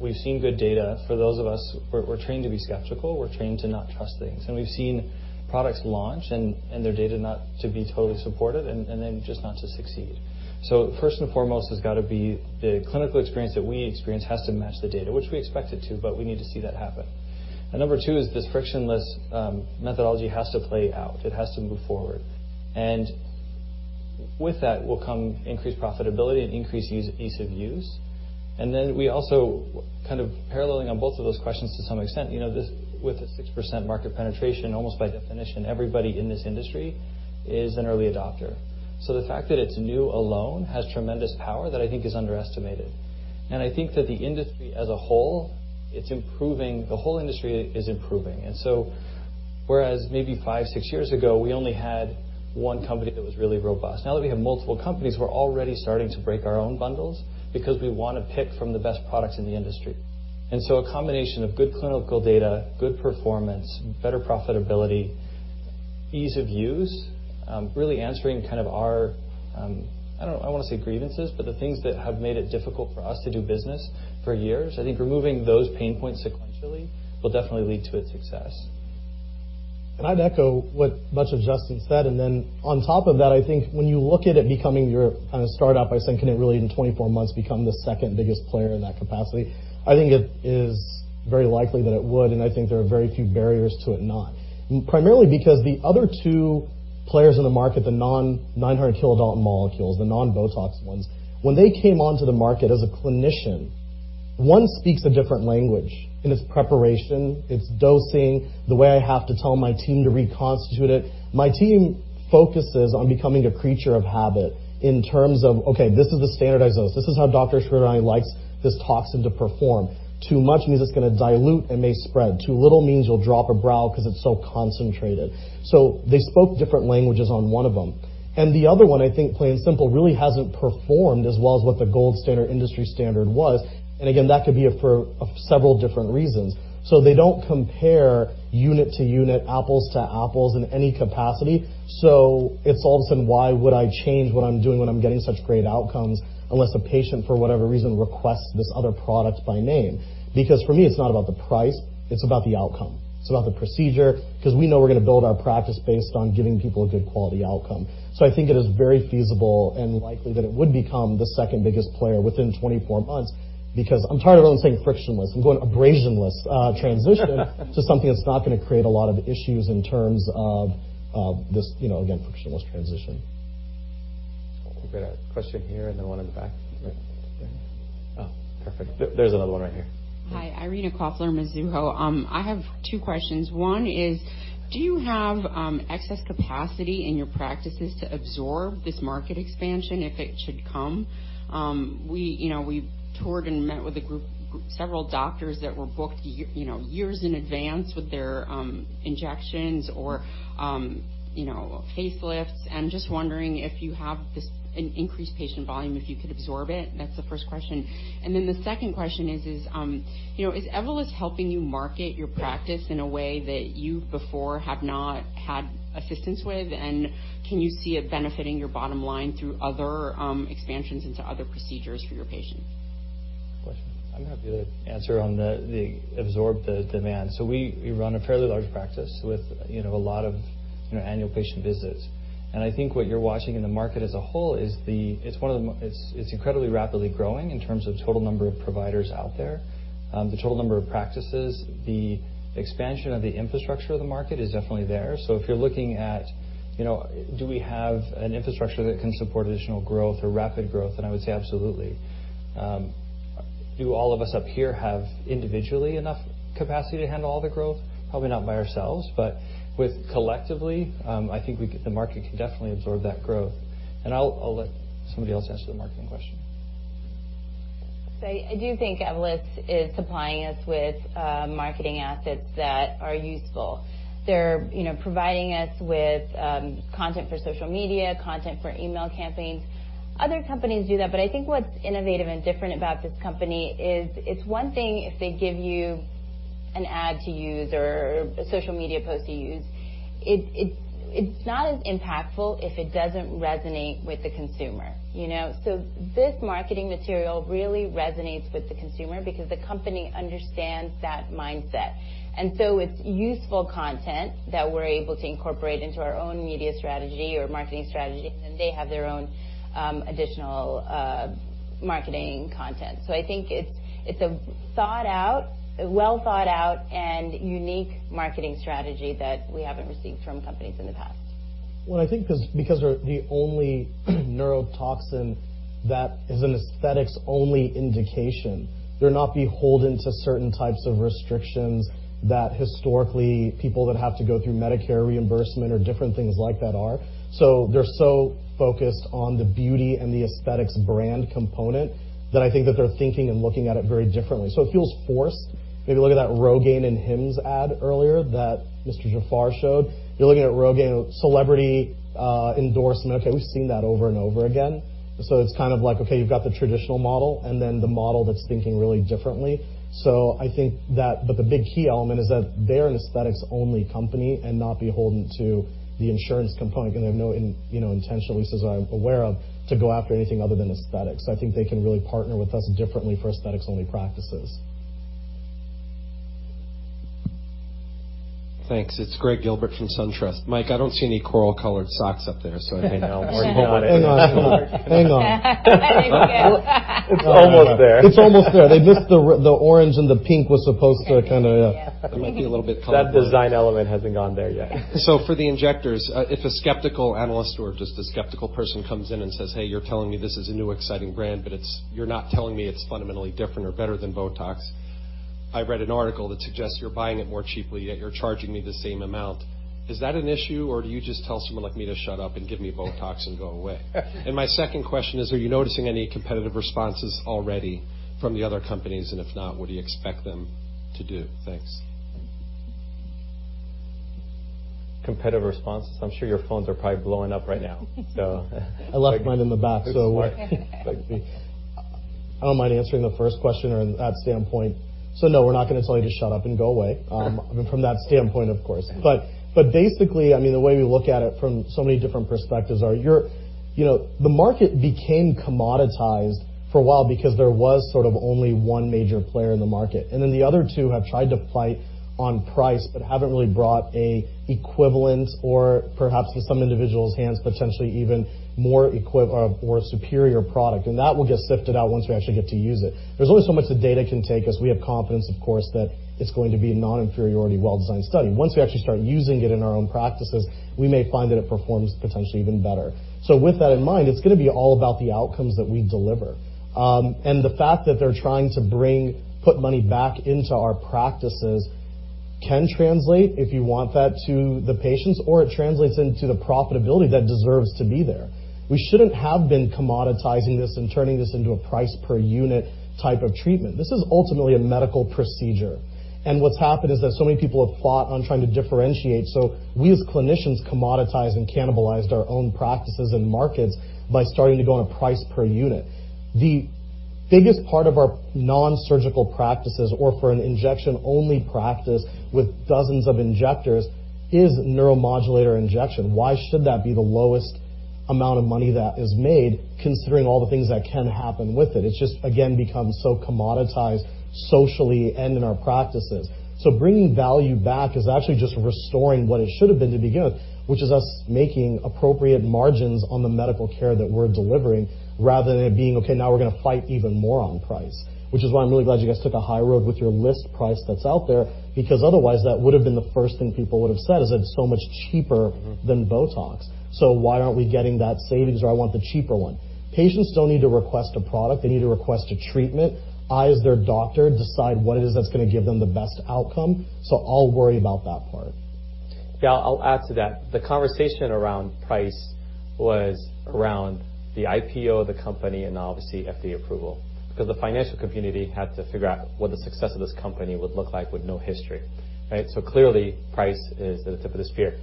We've seen good data. For those of us, we're trained to be skeptical, we're trained to not trust things. We've seen products launch and their data not to be totally supported and then just not to succeed. First and foremost, the clinical experience that we experience has to match the data, which we expect it to, but we need to see that happen. Number 2 is this frictionless methodology has to play out. It has to move forward. With that will come increased profitability and increased ease of use. We also, kind of paralleling on both of those questions to some extent, with the 6% market penetration, almost by definition, everybody in this industry is an early adopter. The fact that it's new alone has tremendous power that I think is underestimated. I think that the industry as a whole, it's improving. The whole industry is improving. Whereas maybe five, six years ago, we only had one company that was really robust. Now that we have multiple companies, we're already starting to break our own bundles because we want to pick from the best products in the industry. A combination of good clinical data, good performance, better profitability, ease of use, really answering kind of our, I don't want to say grievances, but the things that have made it difficult for us to do business for years, I think removing those pain points sequentially will definitely lead to its success. I'd echo what much of Justin said. On top of that, I think when you look at it becoming your kind of startup by saying, can it really in 24 months become the second biggest player in that capacity? I think it is very likely that it would, and I think there are very few barriers to it not. Primarily because the other two players in the market, the non-900 kilodalton molecules, the non-BOTOX ones, when they came onto the market as a clinician, one speaks a different language in its preparation, its dosing, the way I have to tell my team to reconstitute it. My team focuses on becoming a creature of habit in terms of, okay, this is the standardized dose. This is how Dr. Shridharani likes this toxin to perform. Too much means it's going to dilute and may spread. Too little means you'll drop a brow because it's so concentrated. They spoke different languages on one of them. The other one, I think, plain and simple, really hasn't performed as well as what the gold standard industry standard was. Again, that could be for several different reasons. They don't compare unit to unit, apples to apples in any capacity. It's all of a sudden, why would I change what I'm doing when I'm getting such great outcomes unless a patient, for whatever reason, requests this other product by name? Because for me, it's not about the price, it's about the outcome. It's about the procedure, because we know we're going to build our practice based on giving people a good quality outcome. I think it is very feasible and likely that it would become the second biggest player within 24 months, because I'm tired of everyone saying frictionless. I'm going abrasionless transition to something that's not going to create a lot of issues in terms of this, again, frictionless transition. We've got a question here and then one in the back. Oh, perfect. There's another one right here. Hi, Irina Koffler, Mizuho. I have two questions. One is, do you have excess capacity in your practices to absorb this market expansion if it should come? We toured and met with a group, several doctors that were booked years in advance with their injections or facelifts. Just wondering if you have an increased patient volume, if you could absorb it. That's the first question. The second question is Evolus helping you market your practice in a way that you before have not had assistance with? Can you see it benefiting your bottom line through other expansions into other procedures for your patients? Good question. I'm happy to answer on the absorb the demand. We run a fairly large practice with a lot of annual patient visits. I think what you're watching in the market as a whole is the, it's incredibly rapidly growing in terms of total number of providers out there, the total number of practices. The expansion of the infrastructure of the market is definitely there. If you're looking at do we have an infrastructure that can support additional growth or rapid growth? I would say absolutely. Do all of us up here have individually enough capacity to handle all the growth? Probably not by ourselves, but collectively, I think the market can definitely absorb that growth. I'll let somebody else answer the marketing question. I do think Evolus is supplying us with marketing assets that are useful. They're providing us with content for social media, content for email campaigns. Other companies do that, I think what's innovative and different about this company is it's one thing if they give you an ad to use or a social media post to use. It's not as impactful if it doesn't resonate with the consumer. This marketing material really resonates with the consumer because the company understands that mindset. It's useful content that we're able to incorporate into our own media strategy or marketing strategy, and then they have their own additional marketing content. I think it's a thought out, a well thought out, and unique marketing strategy that we haven't received from companies in the past. Well, I think because they're the only neurotoxin that is an aesthetics-only indication, they're not beholden to certain types of restrictions that historically people that have to go through Medicare reimbursement or different things like that are. They're so focused on the beauty and the aesthetics brand component that I think that they're thinking and looking at it very differently. It feels forced. Maybe look at that ROGAINE and Hims ad earlier that Mr. Jafar showed. You're looking at ROGAINE celebrity endorsement. Okay, we've seen that over and over again. It's kind of like, okay, you've got the traditional model and then the model that's thinking really differently. I think that, the big key element is that they're an aesthetics-only company and not beholden to the insurance component because they have no intention, at least as I'm aware of, to go after anything other than aesthetics. I think they can really partner with us differently for aesthetics-only practices. Thanks. It's Gregg Gilbert from SunTrust. Mike, I don't see any coral-colored socks up there. Hang on. Hang on. It's almost there. It's almost there. The orange and the pink was supposed to kind of. Yeah. It might be a little bit closer. That design element hasn't gone there yet. For the injectors, if a skeptical analyst or just a skeptical person comes in and says, "Hey, you're telling me this is a new, exciting brand, but you're not telling me it's fundamentally different or better than BOTOX. I read an article that suggests you're buying it more cheaply, yet you're charging me the same amount." Is that an issue, or do you just tell someone like me to shut up and give me BOTOX and go away? My second question is, are you noticing any competitive responses already from the other companies? If not, what do you expect them to do? Thanks. Competitive responses. I'm sure your phones are probably blowing up right now. I left mine in the back. It's like I don't mind answering the first question or that standpoint. No, we're not going to tell you to shut up and go away from that standpoint, of course. Basically, the way we look at it from so many different perspectives are, the market became commoditized for a while because there was sort of only one major player in the market. Then the other two have tried to fight on price but haven't really brought an equivalent or perhaps in some individuals' hands, potentially even more equivalent or a superior product. That will get sifted out once we actually get to use it. There's only so much the data can take us. We have confidence, of course, that it's going to be a non-inferiority well-designed study. Once we actually start using it in our own practices, we may find that it performs potentially even better. With that in mind, it's going to be all about the outcomes that we deliver. The fact that they're trying to put money back into our practices can translate, if you want that to the patients, or it translates into the profitability that deserves to be there. We shouldn't have been commoditizing this and turning this into a price per unit type of treatment. This is ultimately a medical procedure. What's happened is that so many people have fought on trying to differentiate. We, as clinicians, commoditized and cannibalized our own practices and markets by starting to go on a price per unit. The biggest part of our non-surgical practices or for an injection-only practice with dozens of injectors is neuromodulator injection. Why should that be the lowest amount of money that is made, considering all the things that can happen with it? It's just, again, become so commoditized socially and in our practices. Bringing value back is actually just restoring what it should have been to begin with, which is us making appropriate margins on the medical care that we're delivering rather than it being, okay, now we're going to fight even more on price. I am really glad you guys took a high road with your list price that's out there, because otherwise, that would have been the first thing people would have said is that it's so much cheaper than BOTOX. Why aren't we getting that savings or I want the cheaper one? Patients don't need to request a product. They need to request a treatment. I, as their doctor, decide what it is that's going to give them the best outcome. I'll worry about that part. Yeah, I'll add to that. The conversation around price was around the IPO of the company and obviously FDA approval because the financial community had to figure out what the success of this company would look like with no history, right? Clearly, price is at the tip of the spear.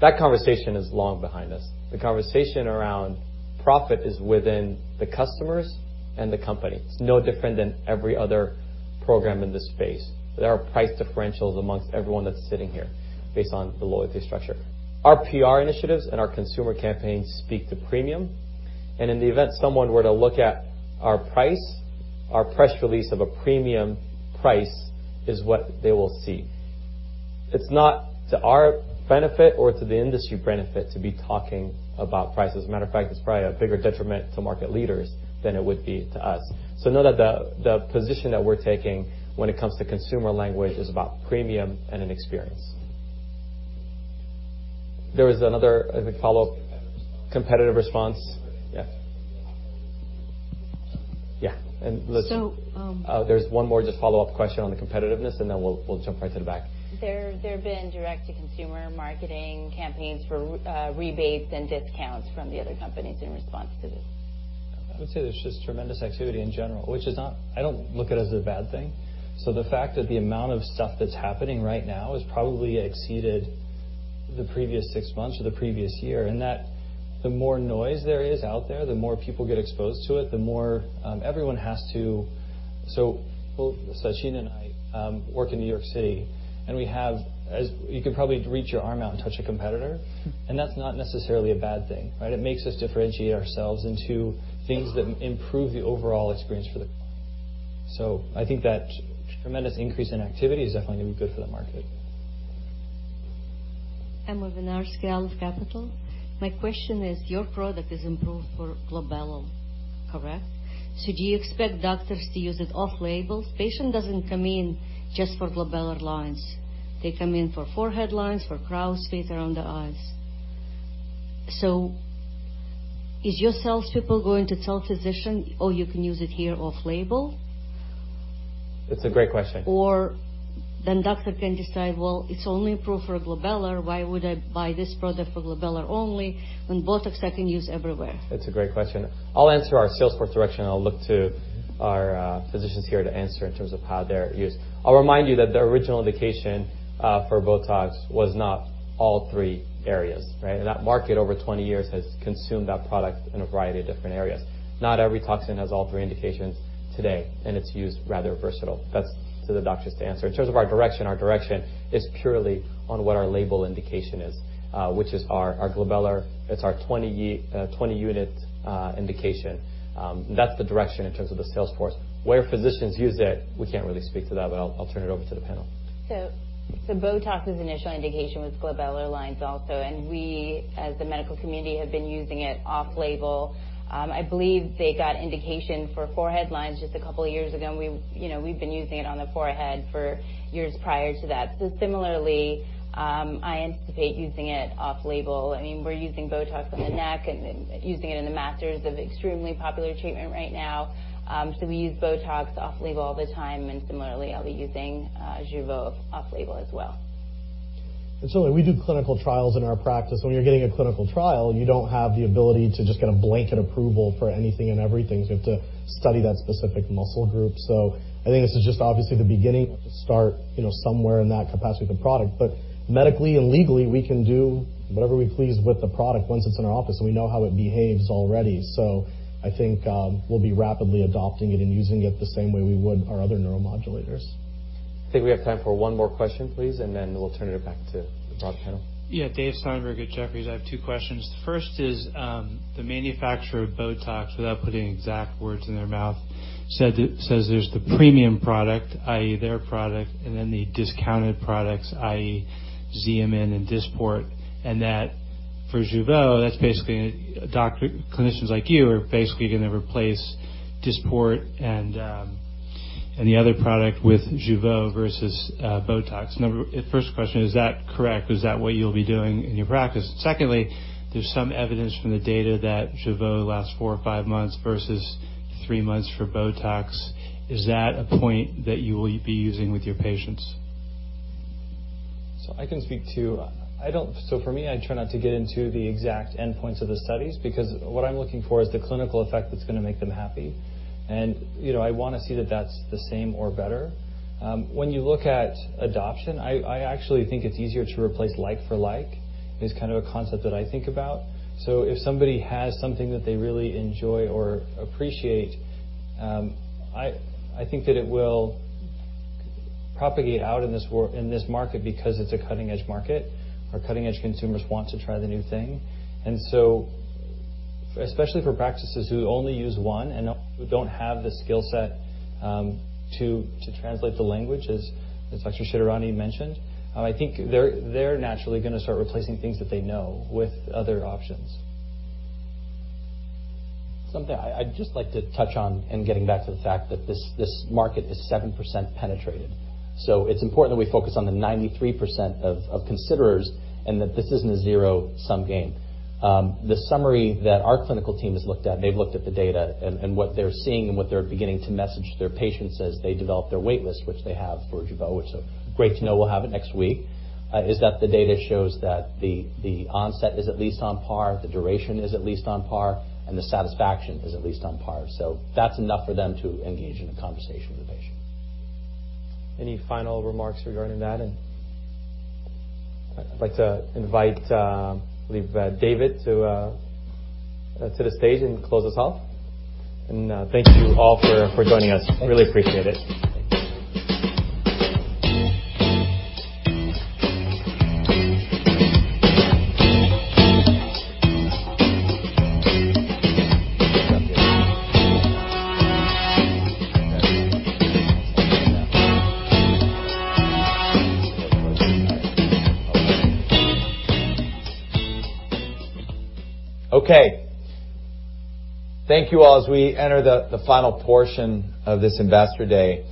That conversation is long behind us. The conversation around profit is within the customers and the company. It's no different than every other program in this space. There are price differentials amongst everyone that's sitting here based on the loyalty structure. Our PR initiatives and our consumer campaigns speak to premium. In the event someone were to look at our price, our press release of a premium price is what they will see. It's not to our benefit or to the industry benefit to be talking about price. As a matter of fact, it's probably a bigger detriment to market leaders than it would be to us. Know that the position that we're taking when it comes to consumer language is about premium and an experience. There was another, I think, follow-up. Competitive response competitive response. Yeah. Yeah. So, um- There's one more just follow-up question on the competitiveness, and then we'll jump right to the back. There have been direct-to-consumer marketing campaigns for rebates and discounts from the other companies in response to this. I would say there's just tremendous activity in general, which is not I don't look at it as a bad thing. The fact that the amount of stuff that's happening right now has probably exceeded the previous six months or the previous year, that the more noise there is out there, the more people get exposed to it, the more everyone has to Sachin and I work in New York City, we have, as you could probably reach your arm out and touch a competitor, and that's not necessarily a bad thing, right? It makes us differentiate ourselves into things that improve the overall experience. I think that tremendous increase in activity is definitely going to be good for the market. Emma Vernarskala of Capital. My question is, your product is improved for glabella, correct? Do you expect doctors to use it off-label? Patient doesn't come in just for glabellar lines. They come in for forehead lines, for crow's feet around the eyes. Is your salespeople going to tell physician, "Oh, you can use it here off-label? It's a great question. Doctor can decide, well, it's only approved for glabellar. Why would I buy this product for glabellar only when BOTOX I can use everywhere? It's a great question. I'll answer our sales force direction, and I'll look to our physicians here to answer in terms of how they're used. I'll remind you that the original indication for BOTOX was not all three areas, right? That market over 20 years has consumed that product in a variety of different areas. Not every toxin has all three indications today, and it's used rather versatile. That's to the doctors to answer. In terms of our direction, our direction is purely on what our label indication is, which is our glabellar. It's our 20 unit indication. That's the direction in terms of the sales force. Where physicians use it, we can't really speak to that, but I'll turn it over to the panel. BOTOX's initial indication was glabellar lines also, and we as the medical community have been using it off-label. I believe they got indication for forehead lines just a couple of years ago, and we've been using it on the forehead for years prior to that. Similarly, I anticipate using it off-label. We're using BOTOX on the neck and using it in the masseters of extremely popular treatment right now. We use BOTOX off-label all the time, and similarly, I'll be using Jeuveau off-label as well. We do clinical trials in our practice. When you're getting a clinical trial, you don't have the ability to just get a blanket approval for anything and everything. You have to study that specific muscle group. I think this is just obviously the beginning, start somewhere in that capacity of the product. Medically and legally, we can do whatever we please with the product once it's in our office and we know how it behaves already. I think we'll be rapidly adopting it and using it the same way we would our other neuromodulators. I think we have time for one more question, please, and then we'll turn it back to the broad panel. Yeah. David Amsellem at Jefferies. I have two questions. The first is, the manufacturer of BOTOX, without putting exact words in their mouth, says there's the premium product, i.e., their product, and then the discounted products, i.e., XEOMIN and DYSPORT, and that for Jeuveau, that's basically clinicians like you are basically going to replace DYSPORT and the other product with Jeuveau versus BOTOX. First question, is that correct? Is that what you'll be doing in your practice? Secondly, there's some evidence from the data that Jeuveau lasts four or five months versus three months for BOTOX. Is that a point that you will be using with your patients? I can speak to. For me, I try not to get into the exact endpoints of the studies, because what I'm looking for is the clinical effect that's going to make them happy. I want to see that that's the same or better. When you look at adoption, I actually think it's easier to replace like for like, is kind of a concept that I think about. If somebody has something that they really enjoy or appreciate, I think that it will propagate out in this market because it's a cutting edge market. Our cutting edge consumers want to try the new thing. Especially for practices who only use one and who don't have the skill set to translate the language as Dr. Shridharani mentioned, I think they're naturally going to start replacing things that they know with other options. Something I'd just like to touch on in getting back to the fact that this market is 7% penetrated. It's important that we focus on the 93% of considerers and that this isn't a zero-sum game. The summary that our clinical team has looked at, they've looked at the data and what they're seeing and what they're beginning to message their patients as they develop their wait list, which they have for Jeuveau, which is great to know we'll have it next week, is that the data shows that the onset is at least on par, the duration is at least on par, and the satisfaction is at least on par. That's enough for them to engage in a conversation with a patient. Any final remarks regarding that? I'd like to invite, I believe, David to the stage and close us off. Thank you all for joining us. Really appreciate it. Okay. Thank you all. As we enter the final portion of this Investor Day,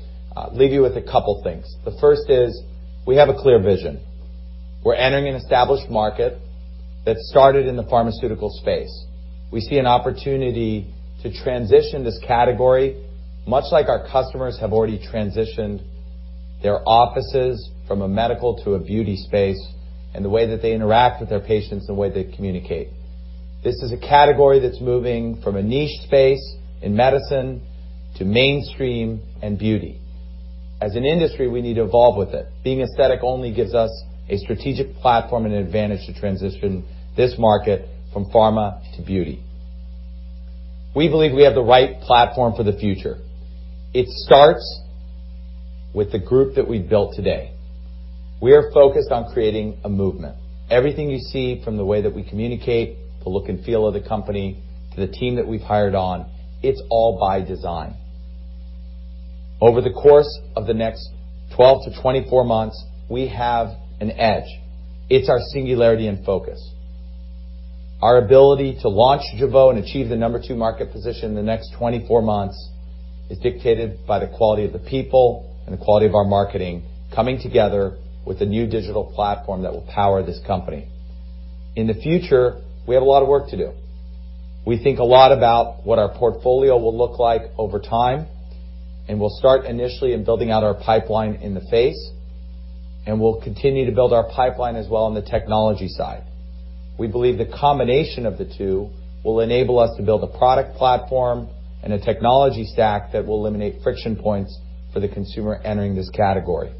leave you with a couple things. The first is we have a clear vision. We're entering an established market that started in the pharmaceutical space. We see an opportunity to transition this category, much like our customers have already transitioned their offices from a medical to a beauty space, and the way that they interact with their patients and the way they communicate. This is a category that's moving from a niched space in medicine to mainstream and beauty. As an industry, we need to evolve with it. Being aesthetic only gives us a strategic platform and an advantage to transition this market from pharma to beauty. We believe we have the right platform for the future. It starts with the group that we've built today. We are focused on creating a movement. Everything you see, from the way that we communicate, the look and feel of the company, to the team that we've hired on, it's all by design. Over the course of the next 12 to 24 months, we have an edge. It's our singularity and focus. Our ability to launch Jeuveau and achieve the number 2 market position in the next 24 months is dictated by the quality of the people and the quality of our marketing coming together with the new digital platform that will power this company. In the future, we have a lot of work to do. We think a lot about what our portfolio will look like over time, and we'll start initially in building out our pipeline in the face, and we'll continue to build our pipeline as well on the technology side. We believe the combination of the two will enable us to build a product platform and a technology stack that will eliminate friction points for the consumer entering this category.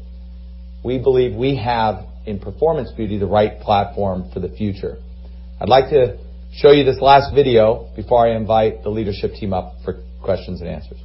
We believe we have, in performance beauty, the right platform for the future. I'd like to show you this last video before I invite the leadership team up for questions and answers.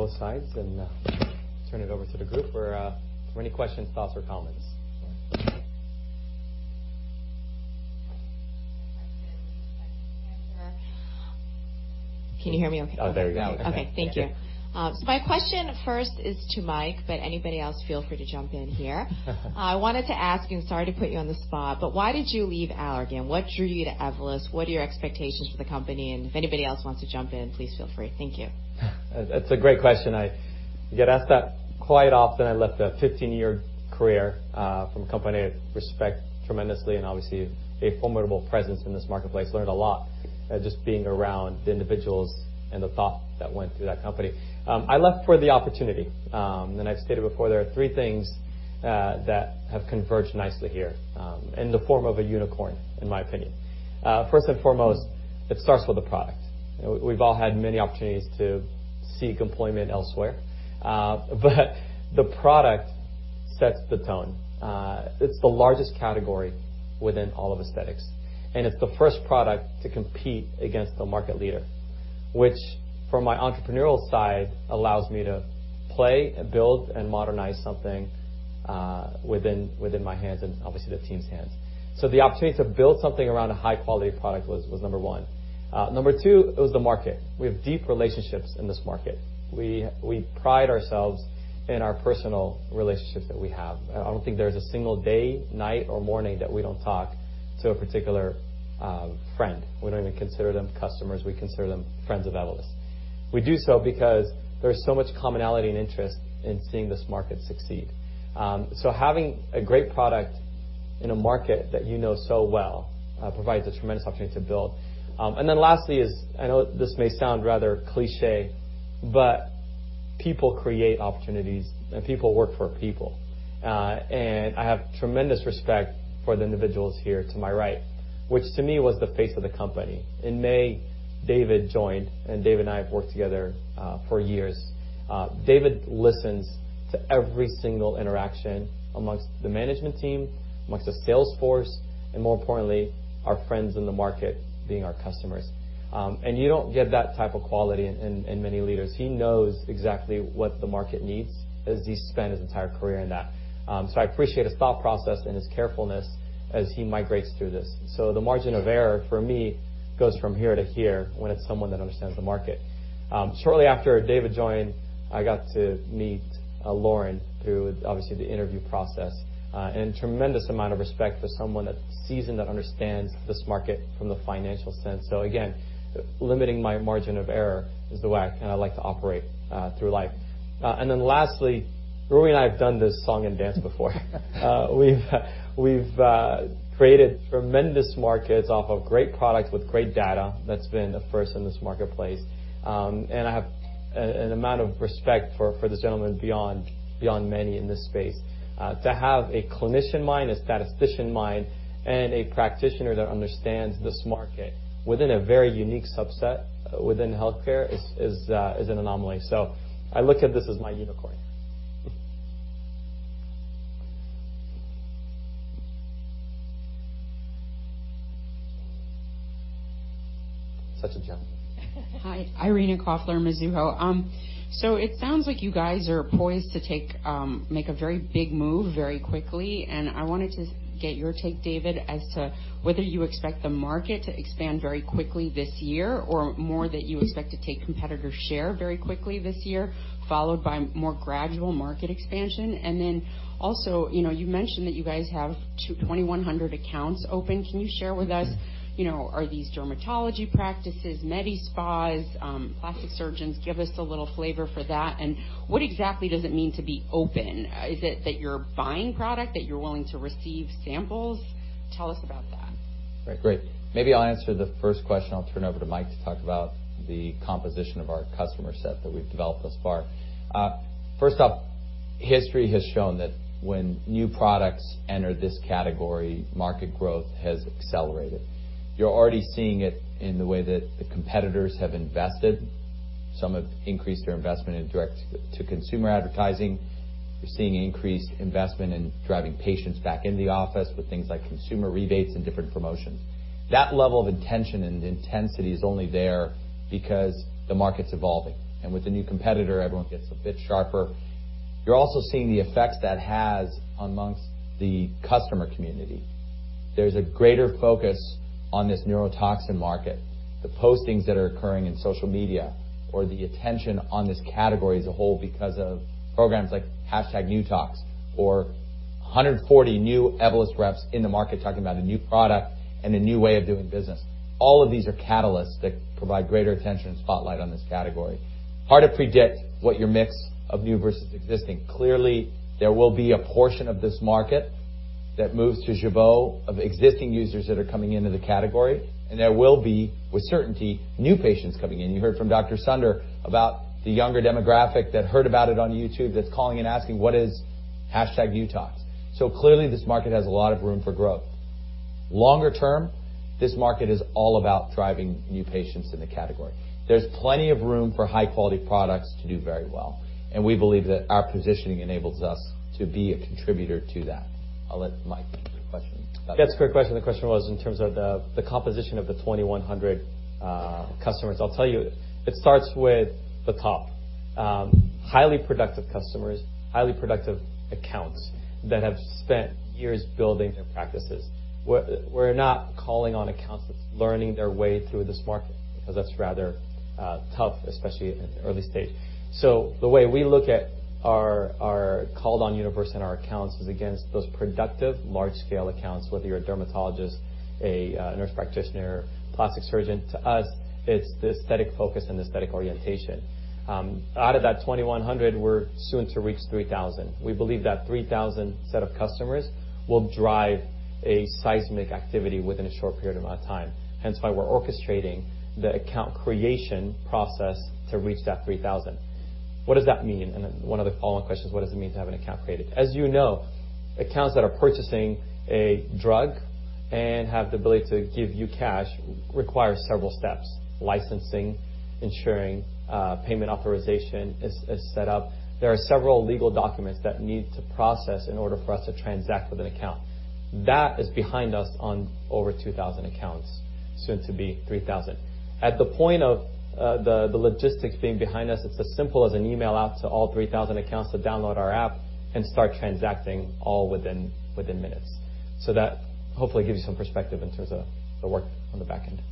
All right. We have some mics, I believe, on both sides, and turn it over to the group for any questions, thoughts, or comments. Can you hear me okay? Oh, very well. Okay. Thank you. Thank you. My question first is to Mike, anybody else feel free to jump in here. I wanted to ask you, sorry to put you on the spot, why did you leave Allergan? What drew you to Evolus? What are your expectations for the company? If anybody else wants to jump in, please feel free. Thank you. That's a great question. I get asked that quite often. I left a 15-year career, from a company I respect tremendously and obviously a formidable presence in this marketplace. Learned a lot just being around the individuals and the thought that went through that company. I left for the opportunity. I've stated before, there are 3 things that have converged nicely here, in the form of a unicorn, in my opinion. First and foremost, it starts with the product. We've all had many opportunities to seek employment elsewhere. The product sets the tone. It's the largest category within all of aesthetics, and it's the first product to compete against the market leader, which from my entrepreneurial side, allows me to play, build, and modernize something within my hands and obviously the team's hands. The opportunity to build something around a high-quality product was number 1. Number 2, it was the market. We have deep relationships in this market. We pride ourselves in our personal relationships that we have. I don't think there's a single day, night, or morning that we don't talk to a particular friend. We don't even consider them customers. We consider them friends of Evolus. We do so because there's so much commonality and interest in seeing this market succeed. Having a great product in a market that you know so well, provides a tremendous opportunity to build. Lastly is, I know this may sound rather cliché, people create opportunities and people work for people. I have tremendous respect for the individuals here to my right, which to me was the face of the company. In May, David joined, David and I have worked together for years. David listens to every single interaction amongst the management team, amongst the sales force, and more importantly, our friends in the market being our customers. You don't get that type of quality in many leaders. He knows exactly what the market needs as he spent his entire career in that. I appreciate his thought process and his carefulness as he migrates through this. The margin of error for me goes from here to here when it's someone that understands the market. Shortly after David joined, I got to meet Lauren through, obviously, the interview process, and a tremendous amount of respect for someone that's seasoned, that understands this market from the financial sense. Again, limiting my margin of error is the way I like to operate through life. Lastly, Rui and I have done this song and dance before. We've created tremendous markets off of great products with great data that's been a first in this marketplace. I have an amount of respect for this gentleman beyond many in this space. To have a clinician mind, a statistician mind, and a practitioner that understands this market within a very unique subset within healthcare is an anomaly. I look at this as my unicorn. Such a gentleman. Hi, Irina Koffler, Mizuho. It sounds like you guys are poised to make a very big move very quickly, and I wanted to get your take, David, as to whether you expect the market to expand very quickly this year or more that you expect to take competitor share very quickly this year, followed by more gradual market expansion. Also, you mentioned that you guys have 2,100 accounts open. Can you share with us, are these dermatology practices, medi spas, plastic surgeons? Give us a little flavor for that. What exactly does it mean to be open? Is it that you're buying product, that you're willing to receive samples? Tell us about that. Right. Great. Maybe I'll answer the first question. I'll turn over to Mike to talk about the composition of our customer set that we've developed thus far. First off, history has shown that when new products enter this category, market growth has accelerated. You're already seeing it in the way that the competitors have invested. Some have increased their investment in direct-to-consumer advertising. You're seeing increased investment in driving patients back into the office with things like consumer rebates and different promotions. That level of intention and intensity is only there because the market's evolving, and with the new competitor, everyone gets a bit sharper. You're also seeing the effects that has amongst the customer community. There's a greater focus on this neurotoxin market. The postings that are occurring in social media or the attention on this category as a whole because of programs like #NewTox or 140 new Evolus reps in the market talking about a new product and a new way of doing business. All of these are catalysts that provide greater attention and spotlight on this category. Hard to predict what your mix of new versus existing. Clearly, there will be a portion of this market that moves to Jeuveau of existing users that are coming into the category, and there will be, with certainty, new patients coming in. You heard from Dr. Sunder about the younger demographic that heard about it on YouTube that's calling and asking what is #NewTox. Clearly this market has a lot of room for growth. Longer term, this market is all about driving new patients in the category. There's plenty of room for high-quality products to do very well, and we believe that our positioning enables us to be a contributor to that. I'll let Mike take your question. That's a great question. The question was in terms of the composition of the 2,100 customers. I'll tell you, it starts with the top. Highly productive customers, highly productive accounts that have spent years building their practices. We're not calling on accounts that's learning their way through this market because that's rather tough, especially at an early stage. The way we look at our called on universe and our accounts is against those productive large-scale accounts. Whether you're a dermatologist, a nurse practitioner, plastic surgeon, to us, it's the aesthetic focus and aesthetic orientation. Out of that 2,100, we're soon to reach 3,000. We believe that 3,000 set of customers will drive a seismic activity within a short period amount of time. Hence why we're orchestrating the account creation process to reach that 3,000. What does that mean? One of the follow-on questions, what does it mean to have an account created? As you know, accounts that are purchasing a drug and have the ability to give you cash require several steps. Licensing, ensuring payment authorization is set up. There are several legal documents that need to process in order for us to transact with an account. That is behind us on over 2,000 accounts, soon to be 3,000. At the point of the logistics being behind us, it's as simple as an email out to all 3,000 accounts to download our app and start transacting all within minutes. That hopefully gives you some perspective in terms of the work on the back end.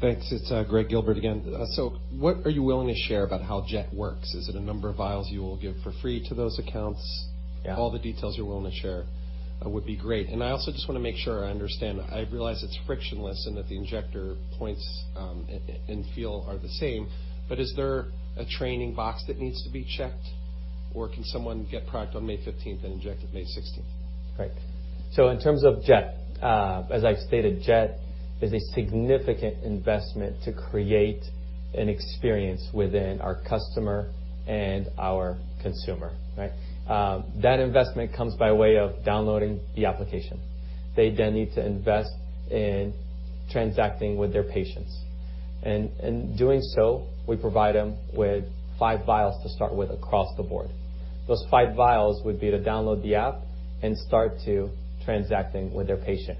Thanks. It's Gregg Gilbert again. What are you willing to share about how J.E.T. works? Is it a number of vials you will give for free to those accounts? Yeah. All the details you're willing to share would be great. I also just want to make sure I understand. I realize it's frictionless and that the injector points and feel are the same. Is there a training box that needs to be checked, or can someone get product on May 15th and inject it May 16th? Right. In terms of J.E.T., as I stated, J.E.T. is a significant investment to create an experience within our customer and our consumer. That investment comes by way of downloading the application. They need to invest in transacting with their patients. In doing so, we provide them with five vials to start with across the board. Those five vials would be to download the app and start to transacting with their patient.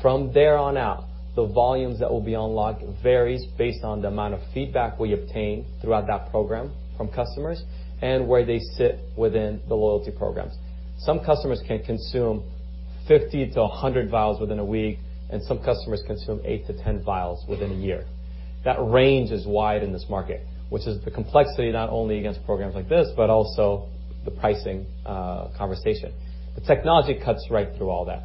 From there on out, the volumes that will be unlocked varies based on the amount of feedback we obtain throughout that program from customers and where they sit within the loyalty programs. Some customers can consume 50-100 vials within a week, and some customers consume 8-10 vials within a year. That range is wide in this market, which is the complexity not only against programs like this, but also the pricing conversation. The technology cuts right through all that.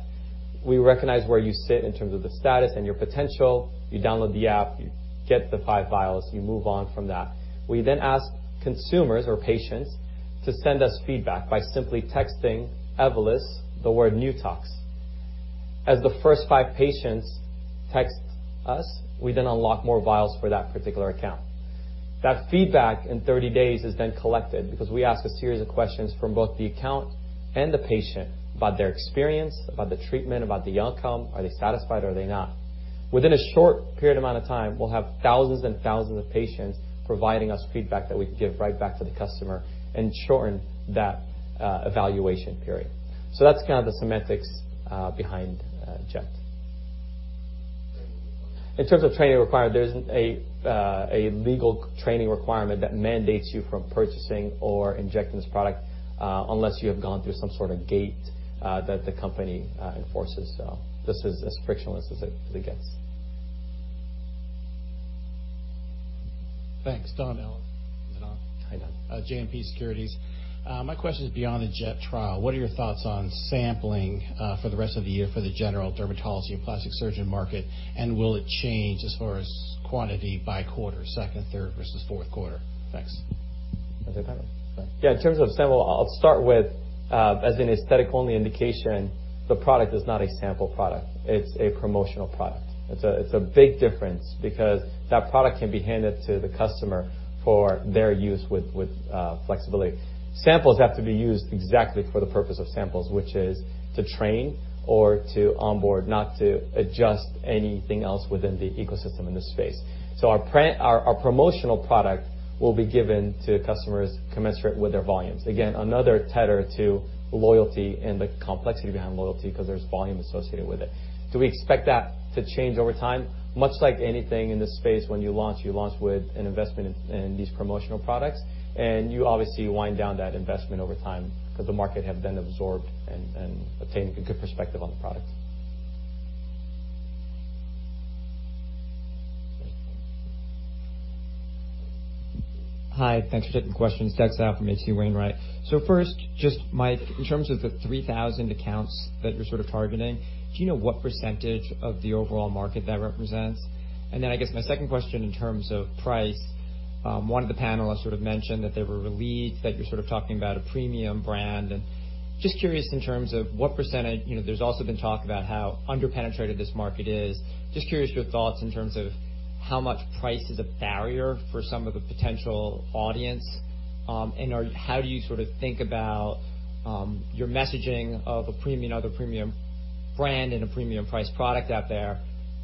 We recognize where you sit in terms of the status and your potential. You download the app. You get the five vials. You move on from that. We ask consumers or patients to send us feedback by simply texting Evolus the word #NewTox. As the first five patients text us, we unlock more vials for that particular account. That feedback in 30 days is collected because we ask a series of questions from both the account and the patient about their experience, about the treatment, about the outcome. Are they satisfied or are they not? Within a short period amount of time, we'll have thousands and thousands of patients providing us feedback that we can give right back to the customer and shorten that evaluation period. That's kind of the semantics behind J.E.T. Training required? In terms of training required, there isn't a legal training requirement that mandates you from purchasing or injecting this product unless you have gone through some sort of gate that the company enforces. This is as frictionless as it gets. Thanks. Don Allen. Is it on? Hi, Don. JMP Securities. My question is beyond the J.E.T. trial. What are your thoughts on sampling for the rest of the year for the general dermatology and plastic surgeon market, and will it change as far as quantity by quarter, second, third versus fourth quarter? Thanks. You want this one? Go ahead. Yeah, in terms of sample, I'll start with as an aesthetic-only indication, the product is not a sample product. It's a promotional product. It's a big difference because that product can be handed to the customer for their use with flexibility. Samples have to be used exactly for the purpose of samples, which is to train or to onboard, not to adjust anything else within the ecosystem in this space. Our promotional product will be given to customers commensurate with their volumes. Again, another tether to loyalty and the complexity behind loyalty because there's volume associated with it. Do we expect that to change over time? Much like anything in this space, when you launch, you launch with an investment in these promotional products, and you obviously wind down that investment over time because the market have then absorbed and attained a good perspective on the product. First, just Mike, in terms of the 3,000 accounts that you're sort of targeting, do you know what % of the overall market that represents? I guess my second question in terms of price, one of the panelists sort of mentioned that they were relieved that you're sort of talking about a premium brand. There's also been talk about how under-penetrated this market is. Just curious your thoughts in terms of how much price is a barrier for some of the potential audience. How do you sort of think about your messaging of a premium brand and a premium price product out there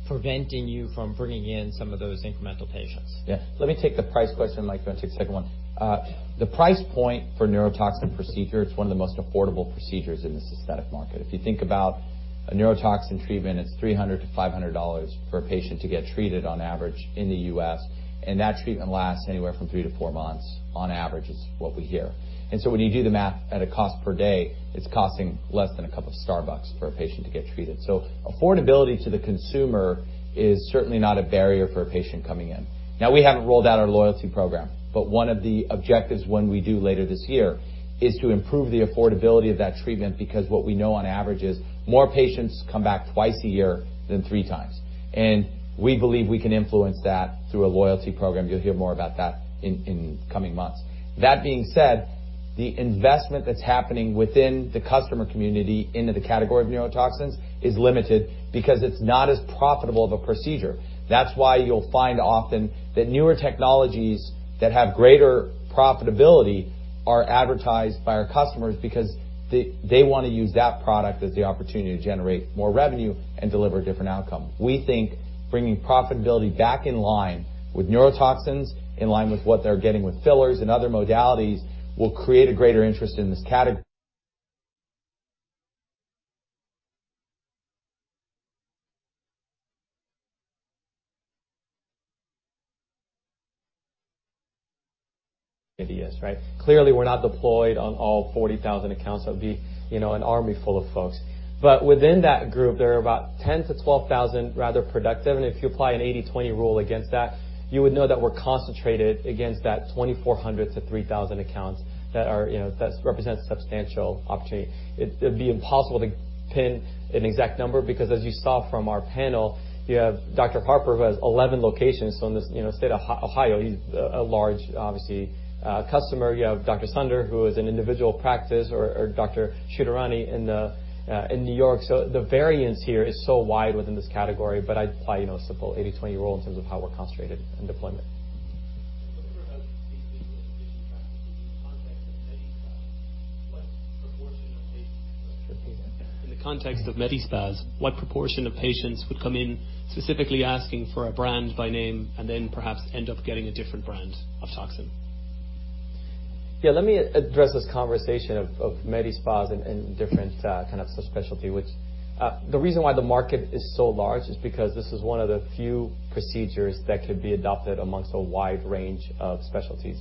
preventing you from bringing in some of those incremental patients? Yeah. Let me take the price question, Mike, then I'll take the second one. The price point for neurotoxin procedure, it's one of the most affordable procedures in this aesthetic market. If you think about a neurotoxin treatment, it's $300 to $500 for a patient to get treated on average in the U.S., and that treatment lasts anywhere from three to four months on average, is what we hear. When you do the math at a cost per day, it's costing less than a cup of Starbucks for a patient to get treated. Affordability to the consumer is certainly not a barrier for a patient coming in. Now we haven't rolled out our loyalty program, but one of the objectives when we do later this year is to improve the affordability of that treatment because what we know on average is more patients come back twice a year than three times. We believe we can influence that through a loyalty program. You'll hear more about that in coming months. That being said, the investment that's happening within the customer community into the category of neurotoxins is limited because it's not as profitable of a procedure. That's why you'll find often that newer technologies that have greater profitability are advertised by our customers because they want to use that product as the opportunity to generate more revenue and deliver a different outcome. We think bringing profitability back in line with neurotoxins, in line with what they're getting with fillers and other modalities will create a greater interest in this category. Clearly, we're not deployed on all 40,000 accounts. That would be an army full of folks. Within that group, there are about 10,000 to 12,000 rather productive. If you apply an 80/20 rule against that, you would know that we're concentrated against that 2,400 to 3,000 accounts that represents substantial opportunity. It'd be impossible to pin an exact number because as you saw from our panel, you have Dr. Harper, who has 11 locations in the state of Ohio. He's a large, obviously, customer. You have Dr. Sunder, who is an individual practice, or Dr. Shridharani in New York. The variance here is so wide within this category, but I'd apply a simple 80/20 rule in terms of how we're concentrated in deployment. In the context of medi spas, what proportion of patients would come in specifically asking for a brand by name and then perhaps end up getting a different brand of toxin? Yeah, let me address this conversation of medi spas and different kind of subspecialty, which the reason why the market is so large is because this is one of the few procedures that could be adopted amongst a wide range of specialties.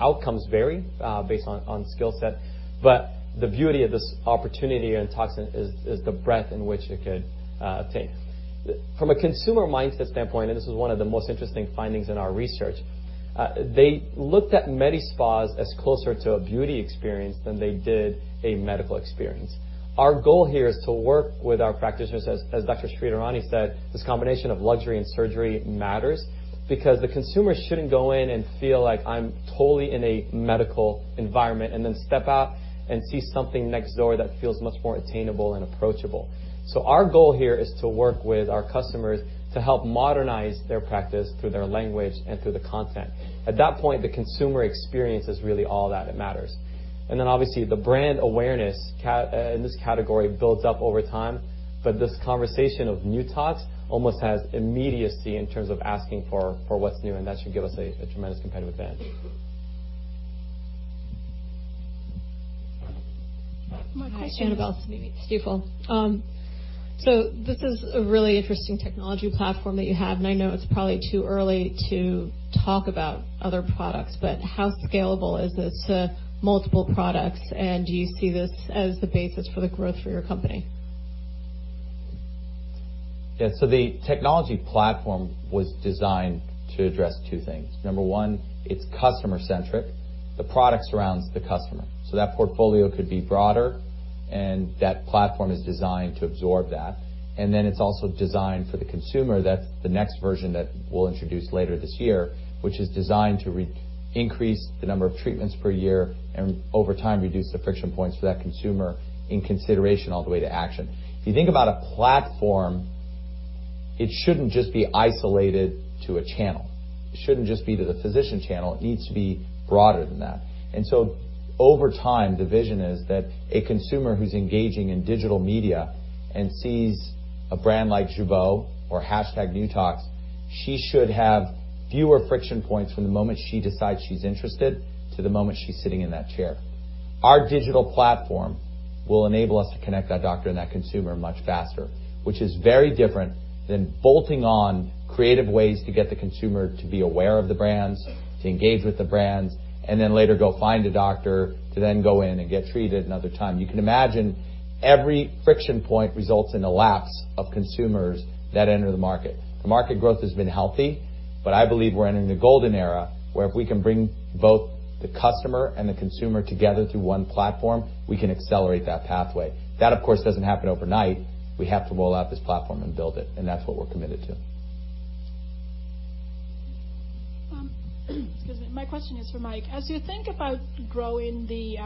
Outcomes vary, based on skill set, but the beauty of this opportunity in toxin is the breadth in which it could obtain. From a consumer mindset standpoint, and this is one of the most interesting findings in our research, they looked at medi spas as closer to a beauty experience than they did a medical experience. Our goal here is to work with our practitioners. As Dr. Shridharani said, this combination of luxury and surgery matters because the consumer shouldn't go in and feel like I'm totally in a medical environment and then step out and see something next door that feels much more attainable and approachable. Our goal here is to work with our customers to help modernize their practice through their language and through the content. At that point, the consumer experience is really all that matters. Obviously, the brand awareness in this category builds up over time, but this conversation of #NewTox almost has immediacy in terms of asking for what's new, and that should give us a tremendous competitive advantage. More questions. Annabel Samimy. This is a really interesting technology platform that you have, and I know it's probably too early to talk about other products, but how scalable is this to multiple products, and do you see this as the basis for the growth for your company? Yeah. The technology platform was designed to address two things. Number one, it's customer centric. The product surrounds the customer. That portfolio could be broader, and that platform is designed to absorb that. It's also designed for the consumer, that the next version that we'll introduce later this year, which is designed to increase the number of treatments per year and over time reduce the friction points for that consumer in consideration all the way to action. If you think about a platform, it shouldn't just be isolated to a channel. It shouldn't just be to the physician channel. It needs to be broader than that. Over time, the vision is that a consumer who's engaging in digital media and sees a brand like Jeuveau or #NewTox, she should have fewer friction points from the moment she decides she's interested to the moment she's sitting in that chair. Our digital platform will enable us to connect that doctor and that consumer much faster, which is very different than bolting on creative ways to get the consumer to be aware of the brands, to engage with the brands, and then later go find a doctor to then go in and get treated another time. You can imagine Every friction point results in a lapse of consumers that enter the market. The market growth has been healthy, but I believe we're entering a golden era where if we can bring both the customer and the consumer together through one platform, we can accelerate that pathway. That, of course, doesn't happen overnight. We have to roll out this platform and build it, and that's what we're committed to. Excuse me. My question is for Mike. As you think about growing the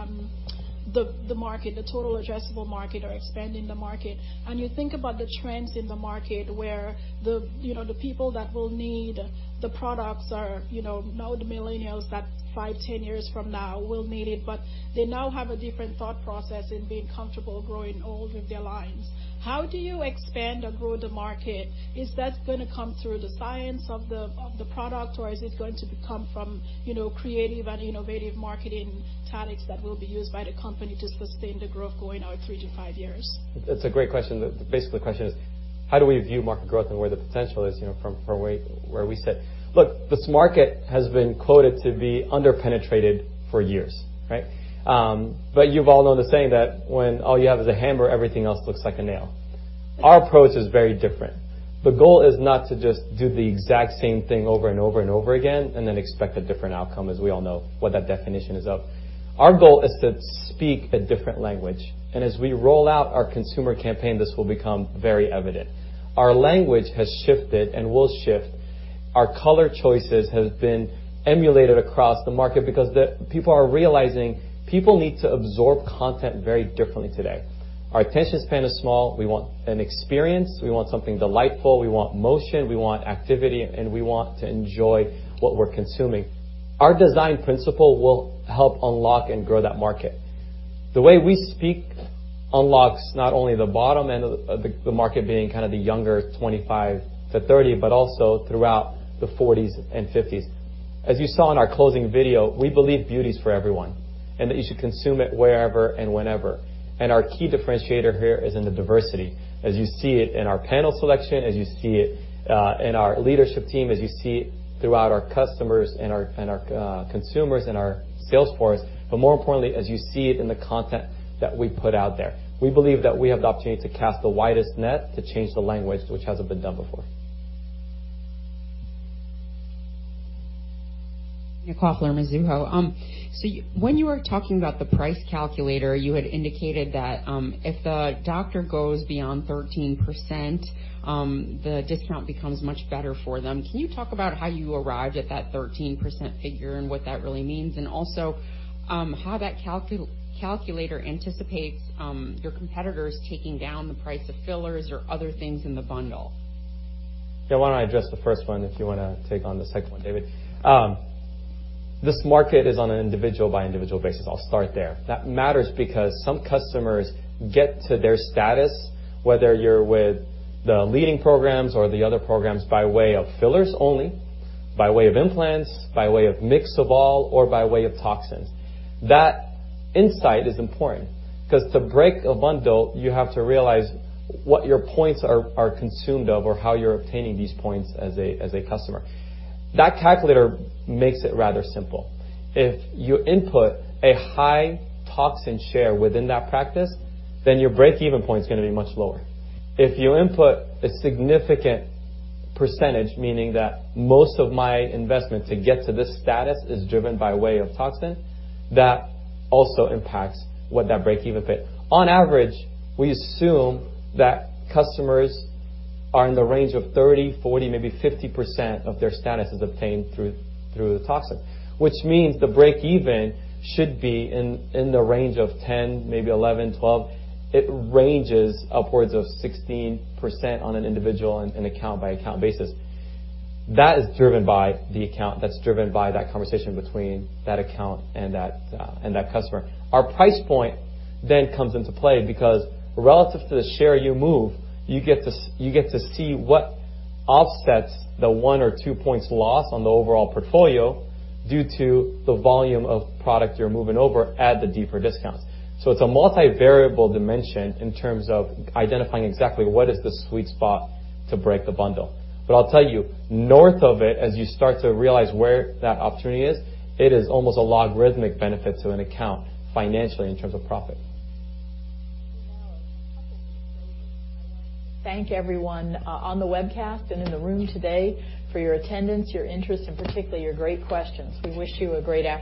total addressable market or expanding the market, and you think about the trends in the market, where the people that will need the products are now the millennials that five, 10 years from now will need it, but they now have a different thought process in being comfortable growing old with their lines. How do you expand or grow the market? Is that going to come through the science of the product, or is it going to come from creative and innovative marketing tactics that will be used by the company to sustain the growth going out three to five years? That's a great question. Basically, the question is how do we view market growth and where the potential is from where we sit. Look, this market has been quoted to be under-penetrated for years. You've all known the saying that when all you have is a hammer, everything else looks like a nail. Our approach is very different. The goal is not to just do the exact same thing over and over and over again and then expect a different outcome, as we all know what that definition is of. Our goal is to speak a different language. As we roll out our consumer campaign, this will become very evident. Our language has shifted and will shift. Our color choices have been emulated across the market because people are realizing people need to absorb content very differently today. Our attention span is small. We want an experience. We want something delightful. We want motion. We want activity, and we want to enjoy what we're consuming. Our design principle will help unlock and grow that market. The way we speak unlocks not only the bottom end of the market being kind of the younger 25 to 30, but also throughout the 40s and 50s. As you saw in our closing video, we believe beauty is for everyone, and that you should consume it wherever and whenever. Our key differentiator here is in the diversity. As you see it in our panel selection, as you see it in our leadership team, as you see it throughout our customers and our consumers and our sales force, but more importantly, as you see it in the content that we put out there. We believe that we have the opportunity to cast the widest net to change the language, which hasn't been done before. Irina Koffler, Mizuho. When you were talking about the price calculator, you had indicated that if the doctor goes beyond 13%, the discount becomes much better for them. Can you talk about how you arrived at that 13% figure and what that really means, and also how that calculator anticipates your competitors taking down the price of fillers or other things in the bundle? Yeah, why don't I address the first one if you want to take on the second one, David. This market is on an individual-by-individual basis. I'll start there. That matters because some customers get to their status, whether you're with the leading programs or the other programs, by way of fillers only, by way of implants, by way of mix of all, or by way of toxins. That insight is important because to break a bundle, you have to realize what your points are consumed of or how you're obtaining these points as a customer. That calculator makes it rather simple. If you input a high toxin share within that practice, then your break-even point is going to be much lower. If you input a significant percentage, meaning that most of my investment to get to this status is driven by way of toxin, that also impacts what that break-even point. On average, we assume that customers are in the range of 30, 40, maybe 50% of their status is obtained through the toxin. Which means the break even should be in the range of 10, maybe 11, 12. It ranges upwards of 16% on an individual and account-by-account basis. That is driven by the account that's driven by that conversation between that account and that customer. Our price point then comes into play because relative to the share you move, you get to see what offsets the one or two points lost on the overall portfolio due to the volume of product you're moving over at the deeper discounts. It's a multi-variable dimension in terms of identifying exactly what is the sweet spot to break the bundle. I'll tell you, north of it, as you start to realize where that opportunity is, it is almost a logarithmic benefit to an account financially in terms of profit. Thank everyone on the webcast and in the room today for your attendance, your interest, and particularly your great questions. We wish you a great afternoon.